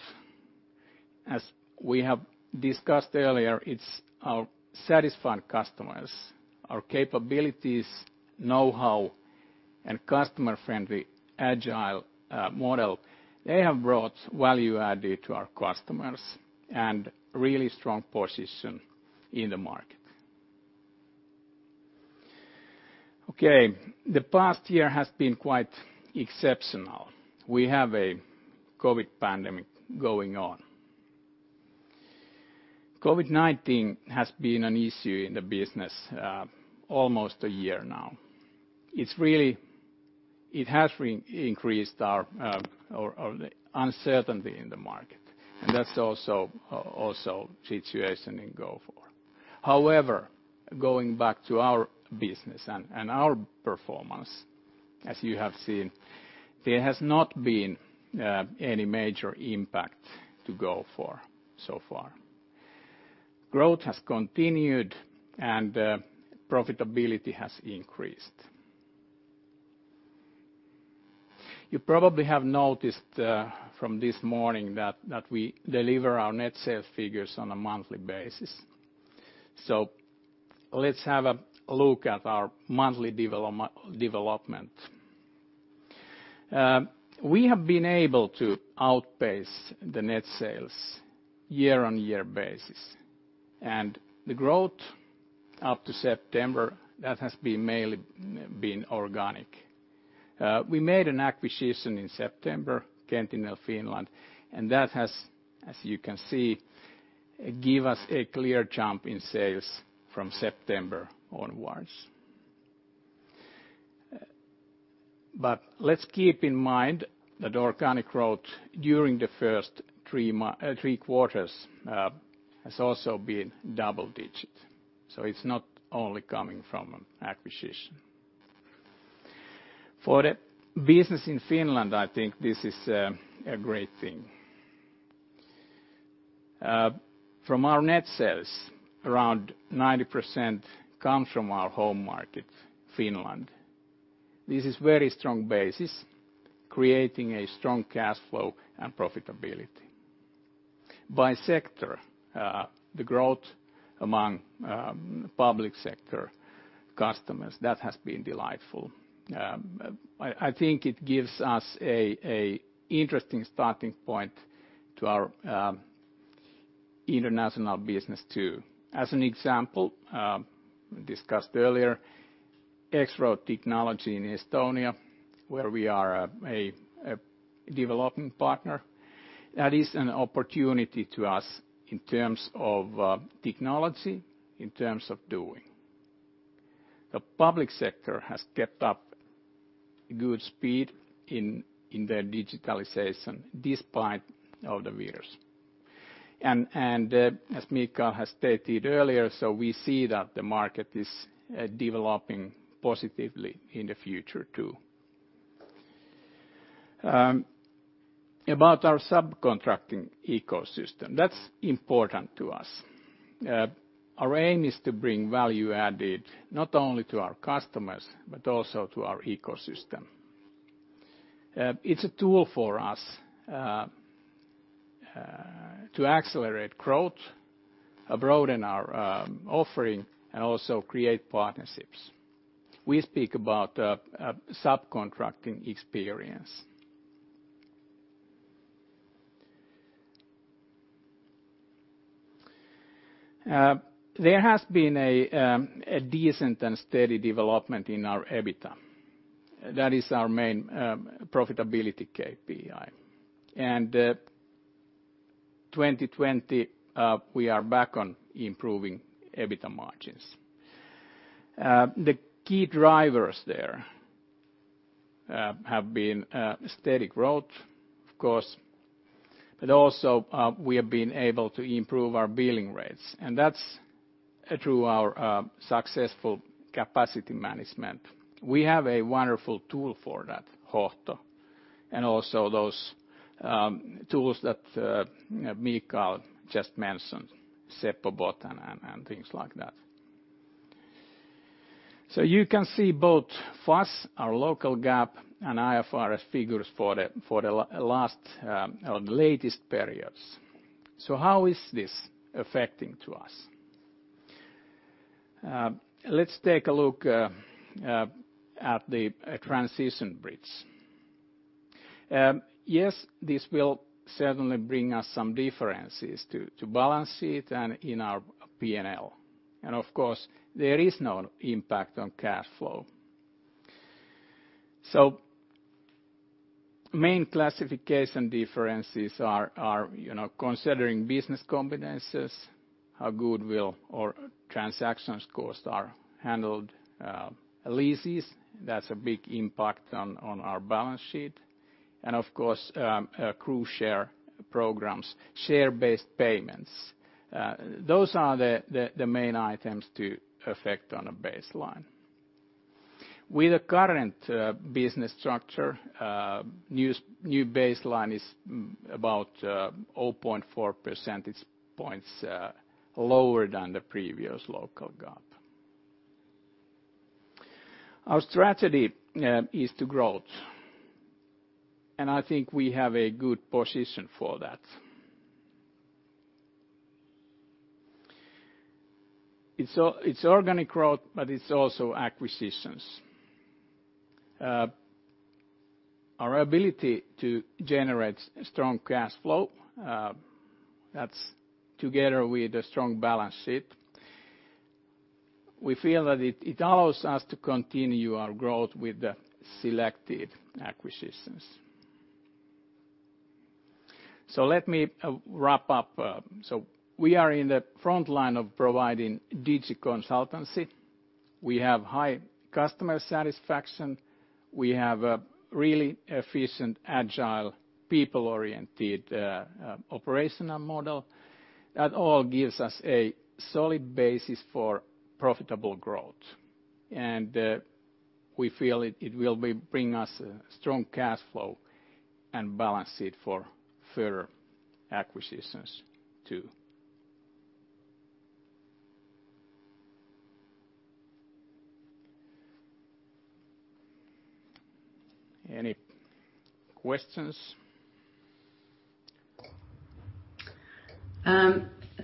As we have discussed earlier, it's our satisfied customers, our capabilities, know-how, and customer-friendly, agile model. They have brought value added to our customers and really strong position in the market. Okay. The past year has been quite exceptional. We have a COVID pandemic going on. COVID-19 has been an issue in the business almost a year now. It has increased our uncertainty in the market, and that's also the situation in Gofore. However, going back to our business and our performance, as you have seen, there has not been any major impact to Gofore so far. Growth has continued and profitability has increased. You probably have noticed from this morning that we deliver our net sales figures on a monthly basis. So let's have a look at our monthly development. We have been able to outpace the net sales year-on-year basis, and the growth up to September has mainly been organic. We made an acquisition in September, Qentinel Finland, and that has, as you can see, given us a clear jump in sales from September onwards. But let's keep in mind that organic growth during the first three quarters has also been double digit, so it's not only coming from acquisition. For the business in Finland, I think this is a great thing. From our net sales, around 90% come from our home market, Finland. This is very strong basis, creating a strong cash flow and profitability. By sector, the growth among public sector customers has been delightful. I think it gives us an interesting starting point to our international business, too. As an example, discussed earlier, X-Road Technology in Estonia, where we are a development partner. That is an opportunity to us in terms of technology, in terms of doing. The public sector has kept up good speed in their digitalization, despite the virus. As Mika has stated earlier, so we see that the market is developing positively in the future, too. About our subcontracting ecosystem, that's important to us. Our aim is to bring value added not only to our customers, but also to our ecosystem. It's a tool for us to accelerate growth, broaden our offering, and also create partnerships. We speak about a subcontracting experience. There has been a decent and steady development in our EBITA. That is our main profitability KPI. And 2020, we are back on improving EBITA margins. The key drivers there have been steady growth, of course, but also we have been able to improve our billing rates, and that's through our successful capacity management. We have a wonderful tool for that, Hohto, and also those tools that Mika just mentioned, Seppo bot and things like that. So you can see both FAS, our local GAAP, and IFRS figures for the last or the latest periods. So how is this affecting to us? Let's take a look at the transition bridge. Yes, this will certainly bring us some differences to balance sheet and in our P&L. And of course, there is no impact on cash flow. So main classification differences are, you know, considering business combinations, how goodwill or transaction costs are handled, leases, that's a big impact on our balance sheet, and of course, equity share programs, share-based payments. Those are the main items to affect on a baseline. With the current business structure, new baseline is about 0.4 percentage points lower than the previous local GAAP. Our strategy is to growth, and I think we have a good position for that. It's organic growth, but it's also acquisitions. Our ability to generate strong cash flow, that's together with a strong balance sheet, we feel that it allows us to continue our growth with the selected acquisitions. So let me wrap up. So we are in the front line of providing digi consultancy. We have high customer satisfaction. We have a really efficient, agile, people-oriented operational model. That all gives us a solid basis for profitable growth, and we feel it will bring us a strong cash flow and balance it for further acquisitions, too. Any questions?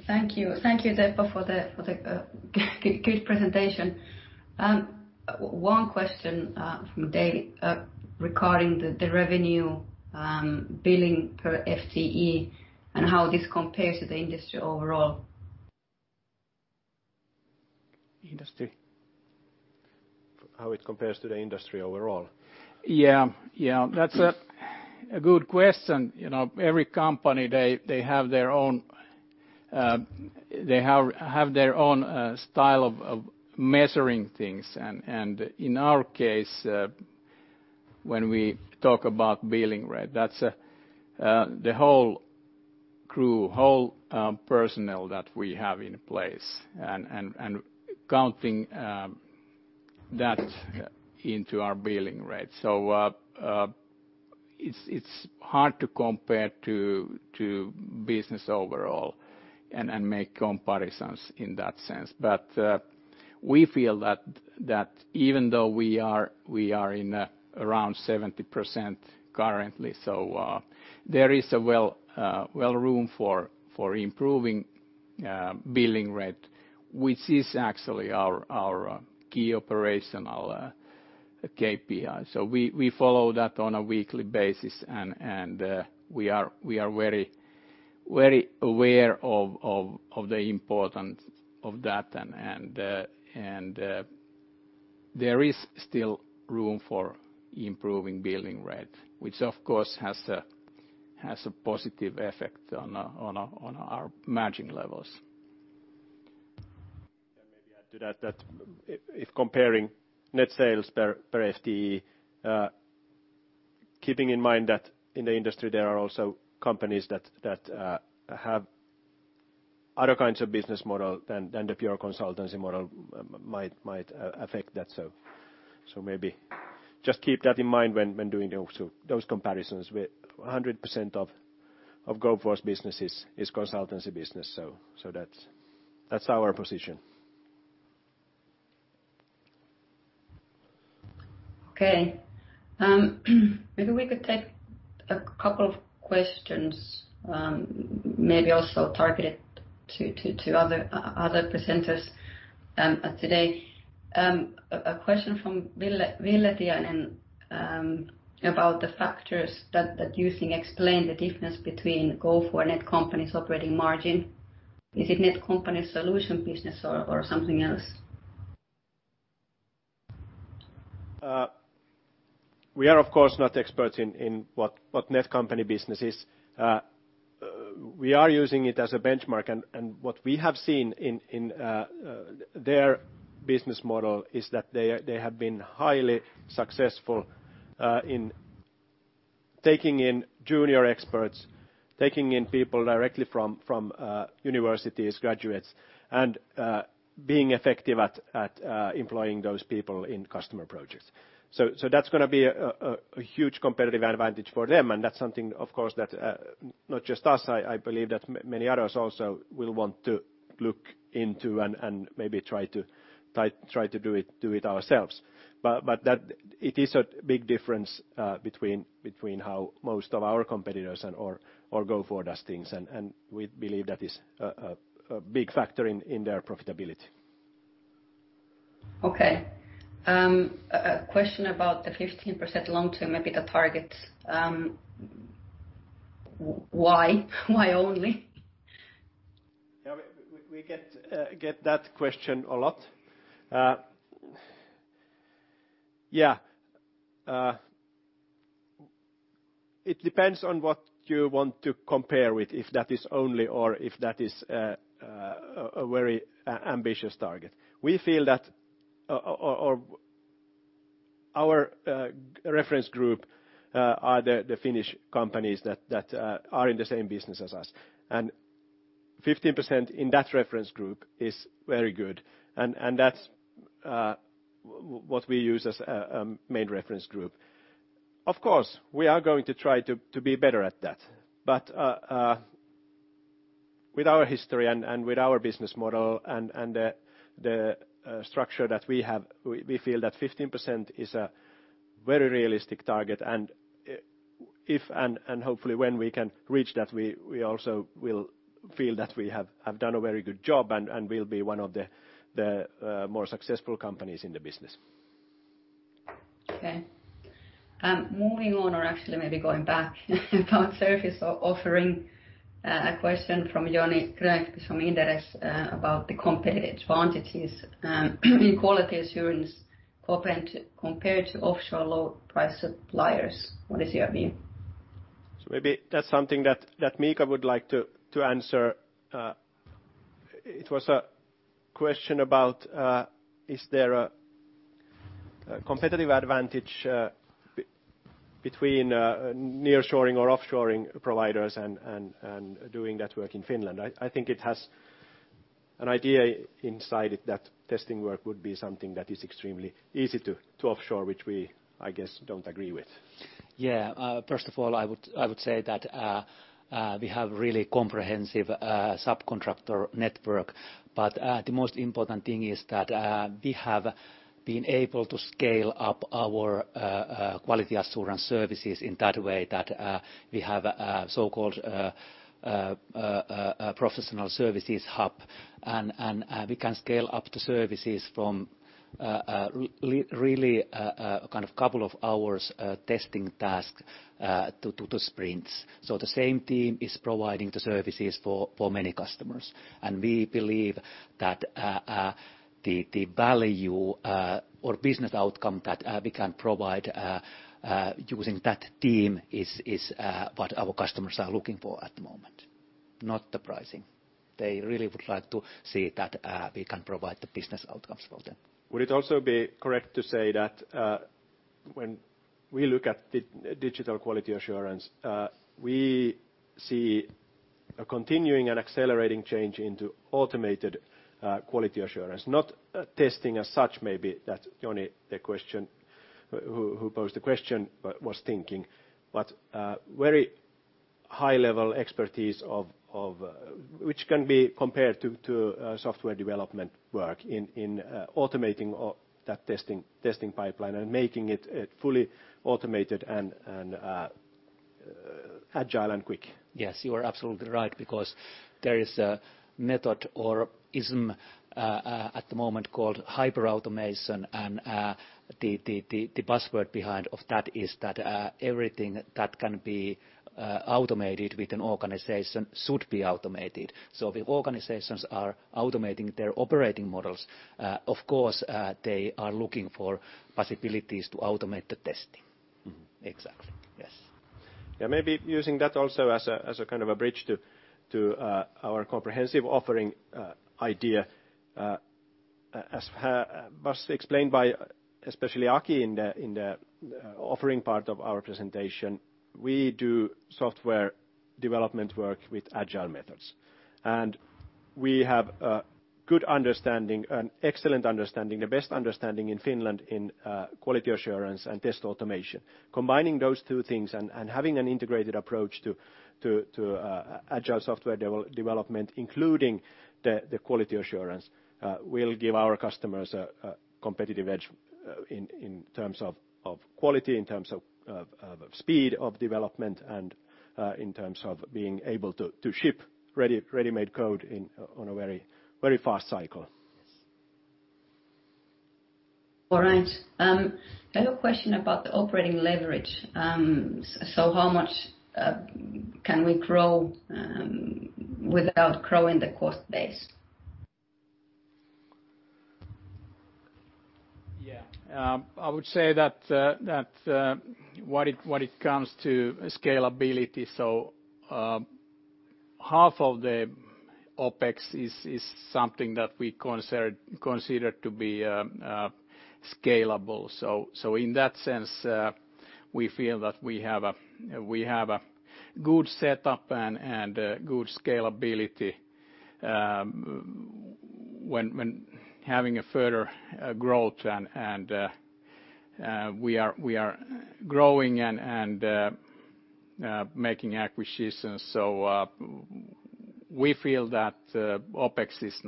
Thank you. Thank you, Teppo, for the good presentation. One question from Dave regarding the revenue billing per FTE, and how this compares to the industry overall. Industry? How it compares to the industry overall. Yeah, yeah, that's a good question. You know, every company, they have their own style of measuring things. And in our case, when we talk about billing rate, that's the whole personnel that we have in place and counting that into our billing rate. So, it's hard to compare to business overall and make comparisons in that sense. But, we feel that even though we are in around 70% currently, so there is well room for improving billing rate, which is actually our key operational KPI. So we follow that on a weekly basis, and we are very, very aware of the importance of that. There is still room for improving billing rate, which of course has a positive effect on our margin levels.... to that, if comparing net sales per FTE, keeping in mind that in the industry, there are also companies that have other kinds of business model than the pure consultancy model might affect that. So maybe just keep that in mind when doing those comparisons. With 100% of Gofore businesses is consultancy business, so that's our position Okay. Maybe we could take a couple of questions, maybe also targeted to other presenters today. A question from Ville [Surname] We are, of course, not experts in what Netcompany business is. We are using it as a benchmark, and what we have seen in their business model is that they have been highly successful in taking in junior experts, taking in people directly from universities, graduates, and being effective at employing those people in customer projects. So that's gonna be a huge competitive advantage for them, and that's something, of course, that not just us, I believe that many others also will want to look into and maybe try to do it ourselves. But that it is a big difference between how most of our competitors and/or Gofore does things, and we believe that is a big factor in their profitability. Okay. A question about the 15% long-term EBITA targets. Why? Why only? Yeah, we get that question a lot. Yeah, it depends on what you want to compare with, if that is only or if that is a very ambitious target. We feel that our reference group are the Finnish companies that are in the same business as us. And 15% in that reference group is very good, and that's what we use as a main reference group. Of course, we are going to try to be better at that. But with our history and with our business model and the structure that we have, we feel that 15% is a very realistic target, and if and hopefully when we can reach that, we also will feel that we have done a very good job and we'll be one of the more successful companies in the business. Okay. Moving on, or actually maybe going back, about service or offering, a question from Joni Grönqvist from Inderes, about the competitive advantages in quality assurance compared to offshore low price suppliers. What is your view? So maybe that's something that Mika would like to answer. It was a question about, is there a competitive advantage between nearshoring or offshoring providers and doing that work in Finland? I think it has an idea inside it that testing work would be something that is extremely easy to offshore, which we, I guess, don't agree with. Yeah. First of all, I would say that we have really comprehensive subcontractor network. But the most important thing is that we have been able to scale up our quality assurance services in that way that we have a so-called professional services hub, and we can scale up the services from really kind of couple of hours testing task to sprints. So the same team is providing the services for many customers. And we believe that the value or business outcome that we can provide using that team is what our customers are looking for at the moment, not the pricing. They really would like to see that we can provide the business outcomes for them. Would it also be correct to say that, when we look at digital quality assurance, we see a continuing and accelerating change into automated quality assurance, not testing as such, maybe that Joni who posed the question, but was thinking of a very high-level expertise of which can be compared to software development work in automating of that testing pipeline and making it a fully automated and agile and quick. Yes, you are absolutely right, because there is a method or ism at the moment called hyperautomation, and the buzzword behind of that is that everything that can be automated with an organization should be automated. So if organizations are automating their operating models, of course they are looking for possibilities to automate the testing. Mm-hmm. Exactly, yes.... Yeah, maybe using that also as a kind of a bridge to our comprehensive offering idea. As just explained by especially Aki in the offering part of our presentation, we do software development work with Agile methods. And we have a good understanding and excellent understanding, the best understanding in Finland in quality assurance and test automation. Combining those two things and having an integrated approach to Agile software development, including the quality assurance, will give our customers a competitive edge in terms of quality, in terms of speed of development, and in terms of being able to ship ready-made code on a very fast cycle. All right. I have a question about the operating leverage. So how much can we grow without growing the cost base? Yeah. I would say that, what it comes to scalability, so, half of the OpEx is something that we consider to be scalable. So in that sense, we feel that we have a good setup and good scalability, when having a further growth and we are growing and making acquisitions. So we feel that OpEx is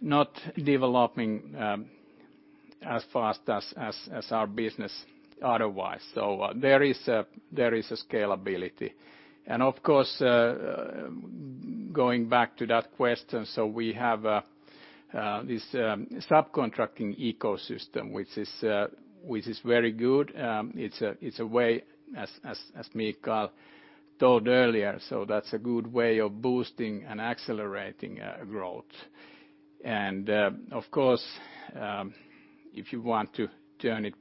not developing as fast as our business otherwise. So there is a scalability. And of course, going back to that question, so we have this subcontracting ecosystem, which is very good. It's a way, as Mikael told earlier, so that's a good way of boosting and accelerating growth. Of course, if you want to turn it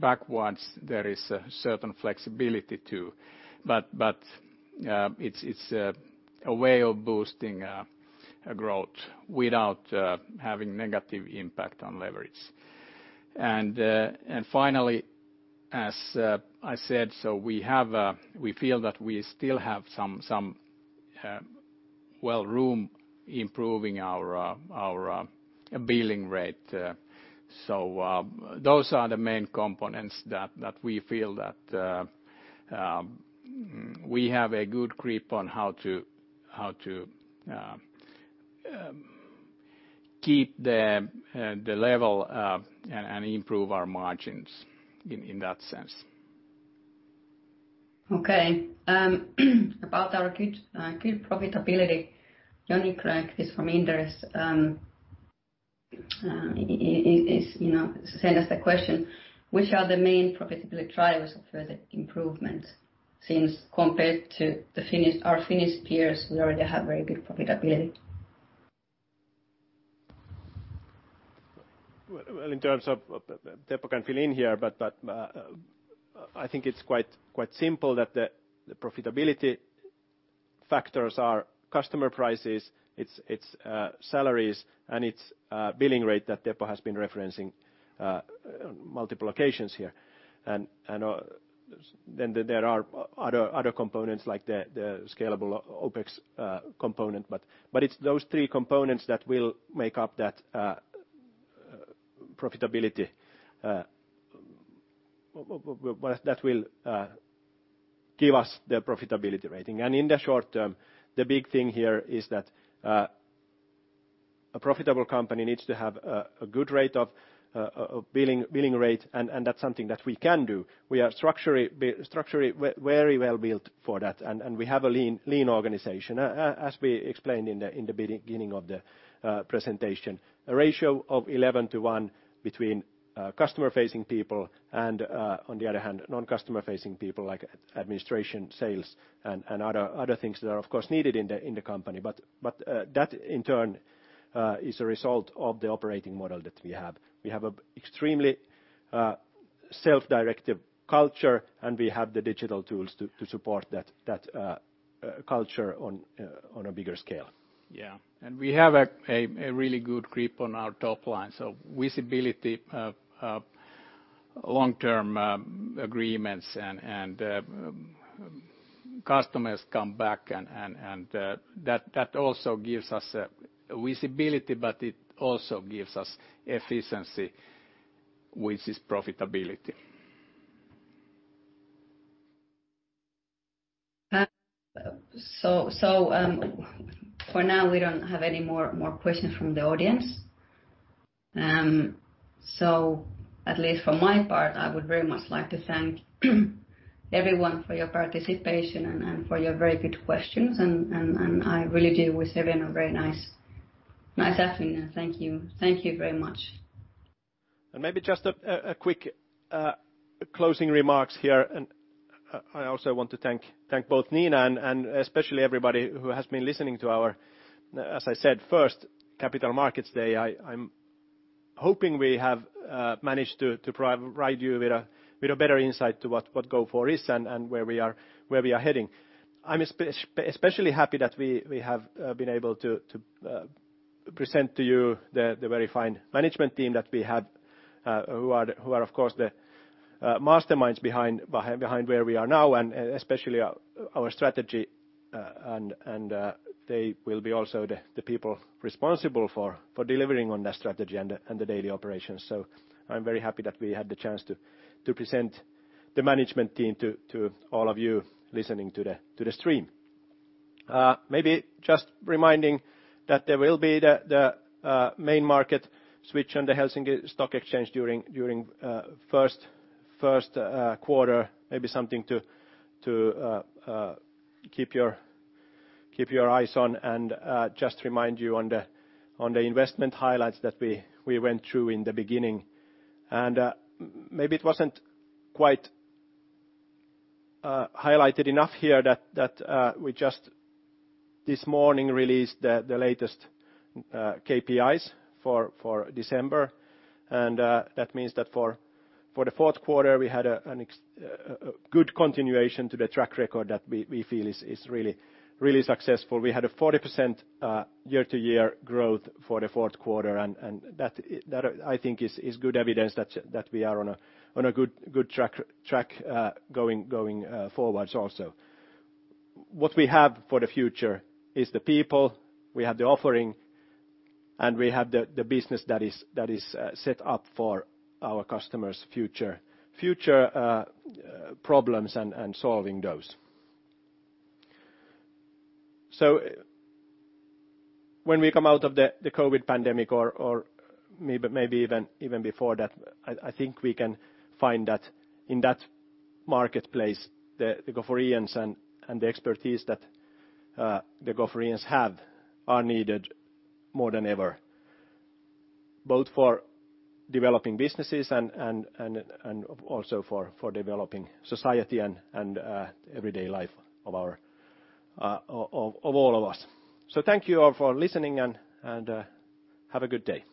backwards, there is a certain flexibility too. But it's a way of boosting a growth without having negative impact on leverage. And finally, as I said, so we have, we feel that we still have some, well, room improving our billing rate. So, those are the main components that we feel that we have a good grip on how to keep the level and improve our margins in that sense. Okay. About our good profitability, Joni Grönqvist is from Inderes. You know, sent us the question: Which are the main profitability drivers of further improvement, since compared to the Finnish, our Finnish peers, we already have very good profitability? Well, well, in terms of, Teppo can fill in here, but, but, I think it's quite, quite simple that the, the profitability factors are customer prices, it's, it's, salaries, and it's, billing rate that Teppo has been referencing, on multiple occasions here. And, and, then there are other, other components like the, the scalable OpEx, component, but, but it's those three components that will make up that, profitability, well, that will, give us the profitability rating. And in the short term, the big thing here is that, a profitable company needs to have a, a good rate of, of billing, billing rate, and, that's something that we can do. We are structurally very well built for that, and, we have a lean organization. As we explained in the beginning of the presentation, a ratio of 11 to 1 between customer-facing people and, on the other hand, non-customer-facing people, like administration, sales, and other things that are, of course, needed in the company. But that, in turn, is a result of the operating model that we have. We have a extremely self-directive culture, and we have the digital tools to support that culture on a bigger scale. Yeah. And we have a really good grip on our top line, so visibility of long-term agreements and that also gives us visibility, but it also gives us efficiency, which is profitability. So, for now, we don't have any more questions from the audience. So at least for my part, I would very much like to thank everyone for your participation and for your very good questions. And I really do wish everyone a very nice afternoon. Thank you. Thank you very much. And maybe just a quick closing remarks here. And I also want to thank both Nina and especially everybody who has been listening to our, as I said, first Capital Markets Day. I'm hoping we have managed to provide you with a better insight to what Gofore is and where we are heading. I'm especially happy that we have been able to present to you the very fine management team that we have, who are, of course, the masterminds behind where we are now, and especially our strategy. And they will be also the people responsible for delivering on that strategy and the daily operations. So I'm very happy that we had the chance to present the management team to all of you listening to the stream. Maybe just reminding that there will be the Main Market switch on the Helsinki Stock Exchange during first quarter. Maybe something to keep your eyes on. And just remind you on the investment highlights that we went through in the beginning. And maybe it wasn't quite highlighted enough here that we just this morning released the latest KPIs for December. And that means that for the fourth quarter, we had a good continuation to the track record that we feel is really, really successful. We had a 40% year-over-year growth for the fourth quarter, and that, I think, is good evidence that we are on a good track going forwards also. What we have for the future is the people, we have the offering, and we have the business that is set up for our customers' future problems and solving those. So when we come out of the COVID pandemic or maybe even before that, I think we can find that in that marketplace, the Goforeans and the expertise that the Goforeans have are needed more than ever, both for developing businesses and also for developing society and everyday life of all of us. Thank you all for listening, and have a good day!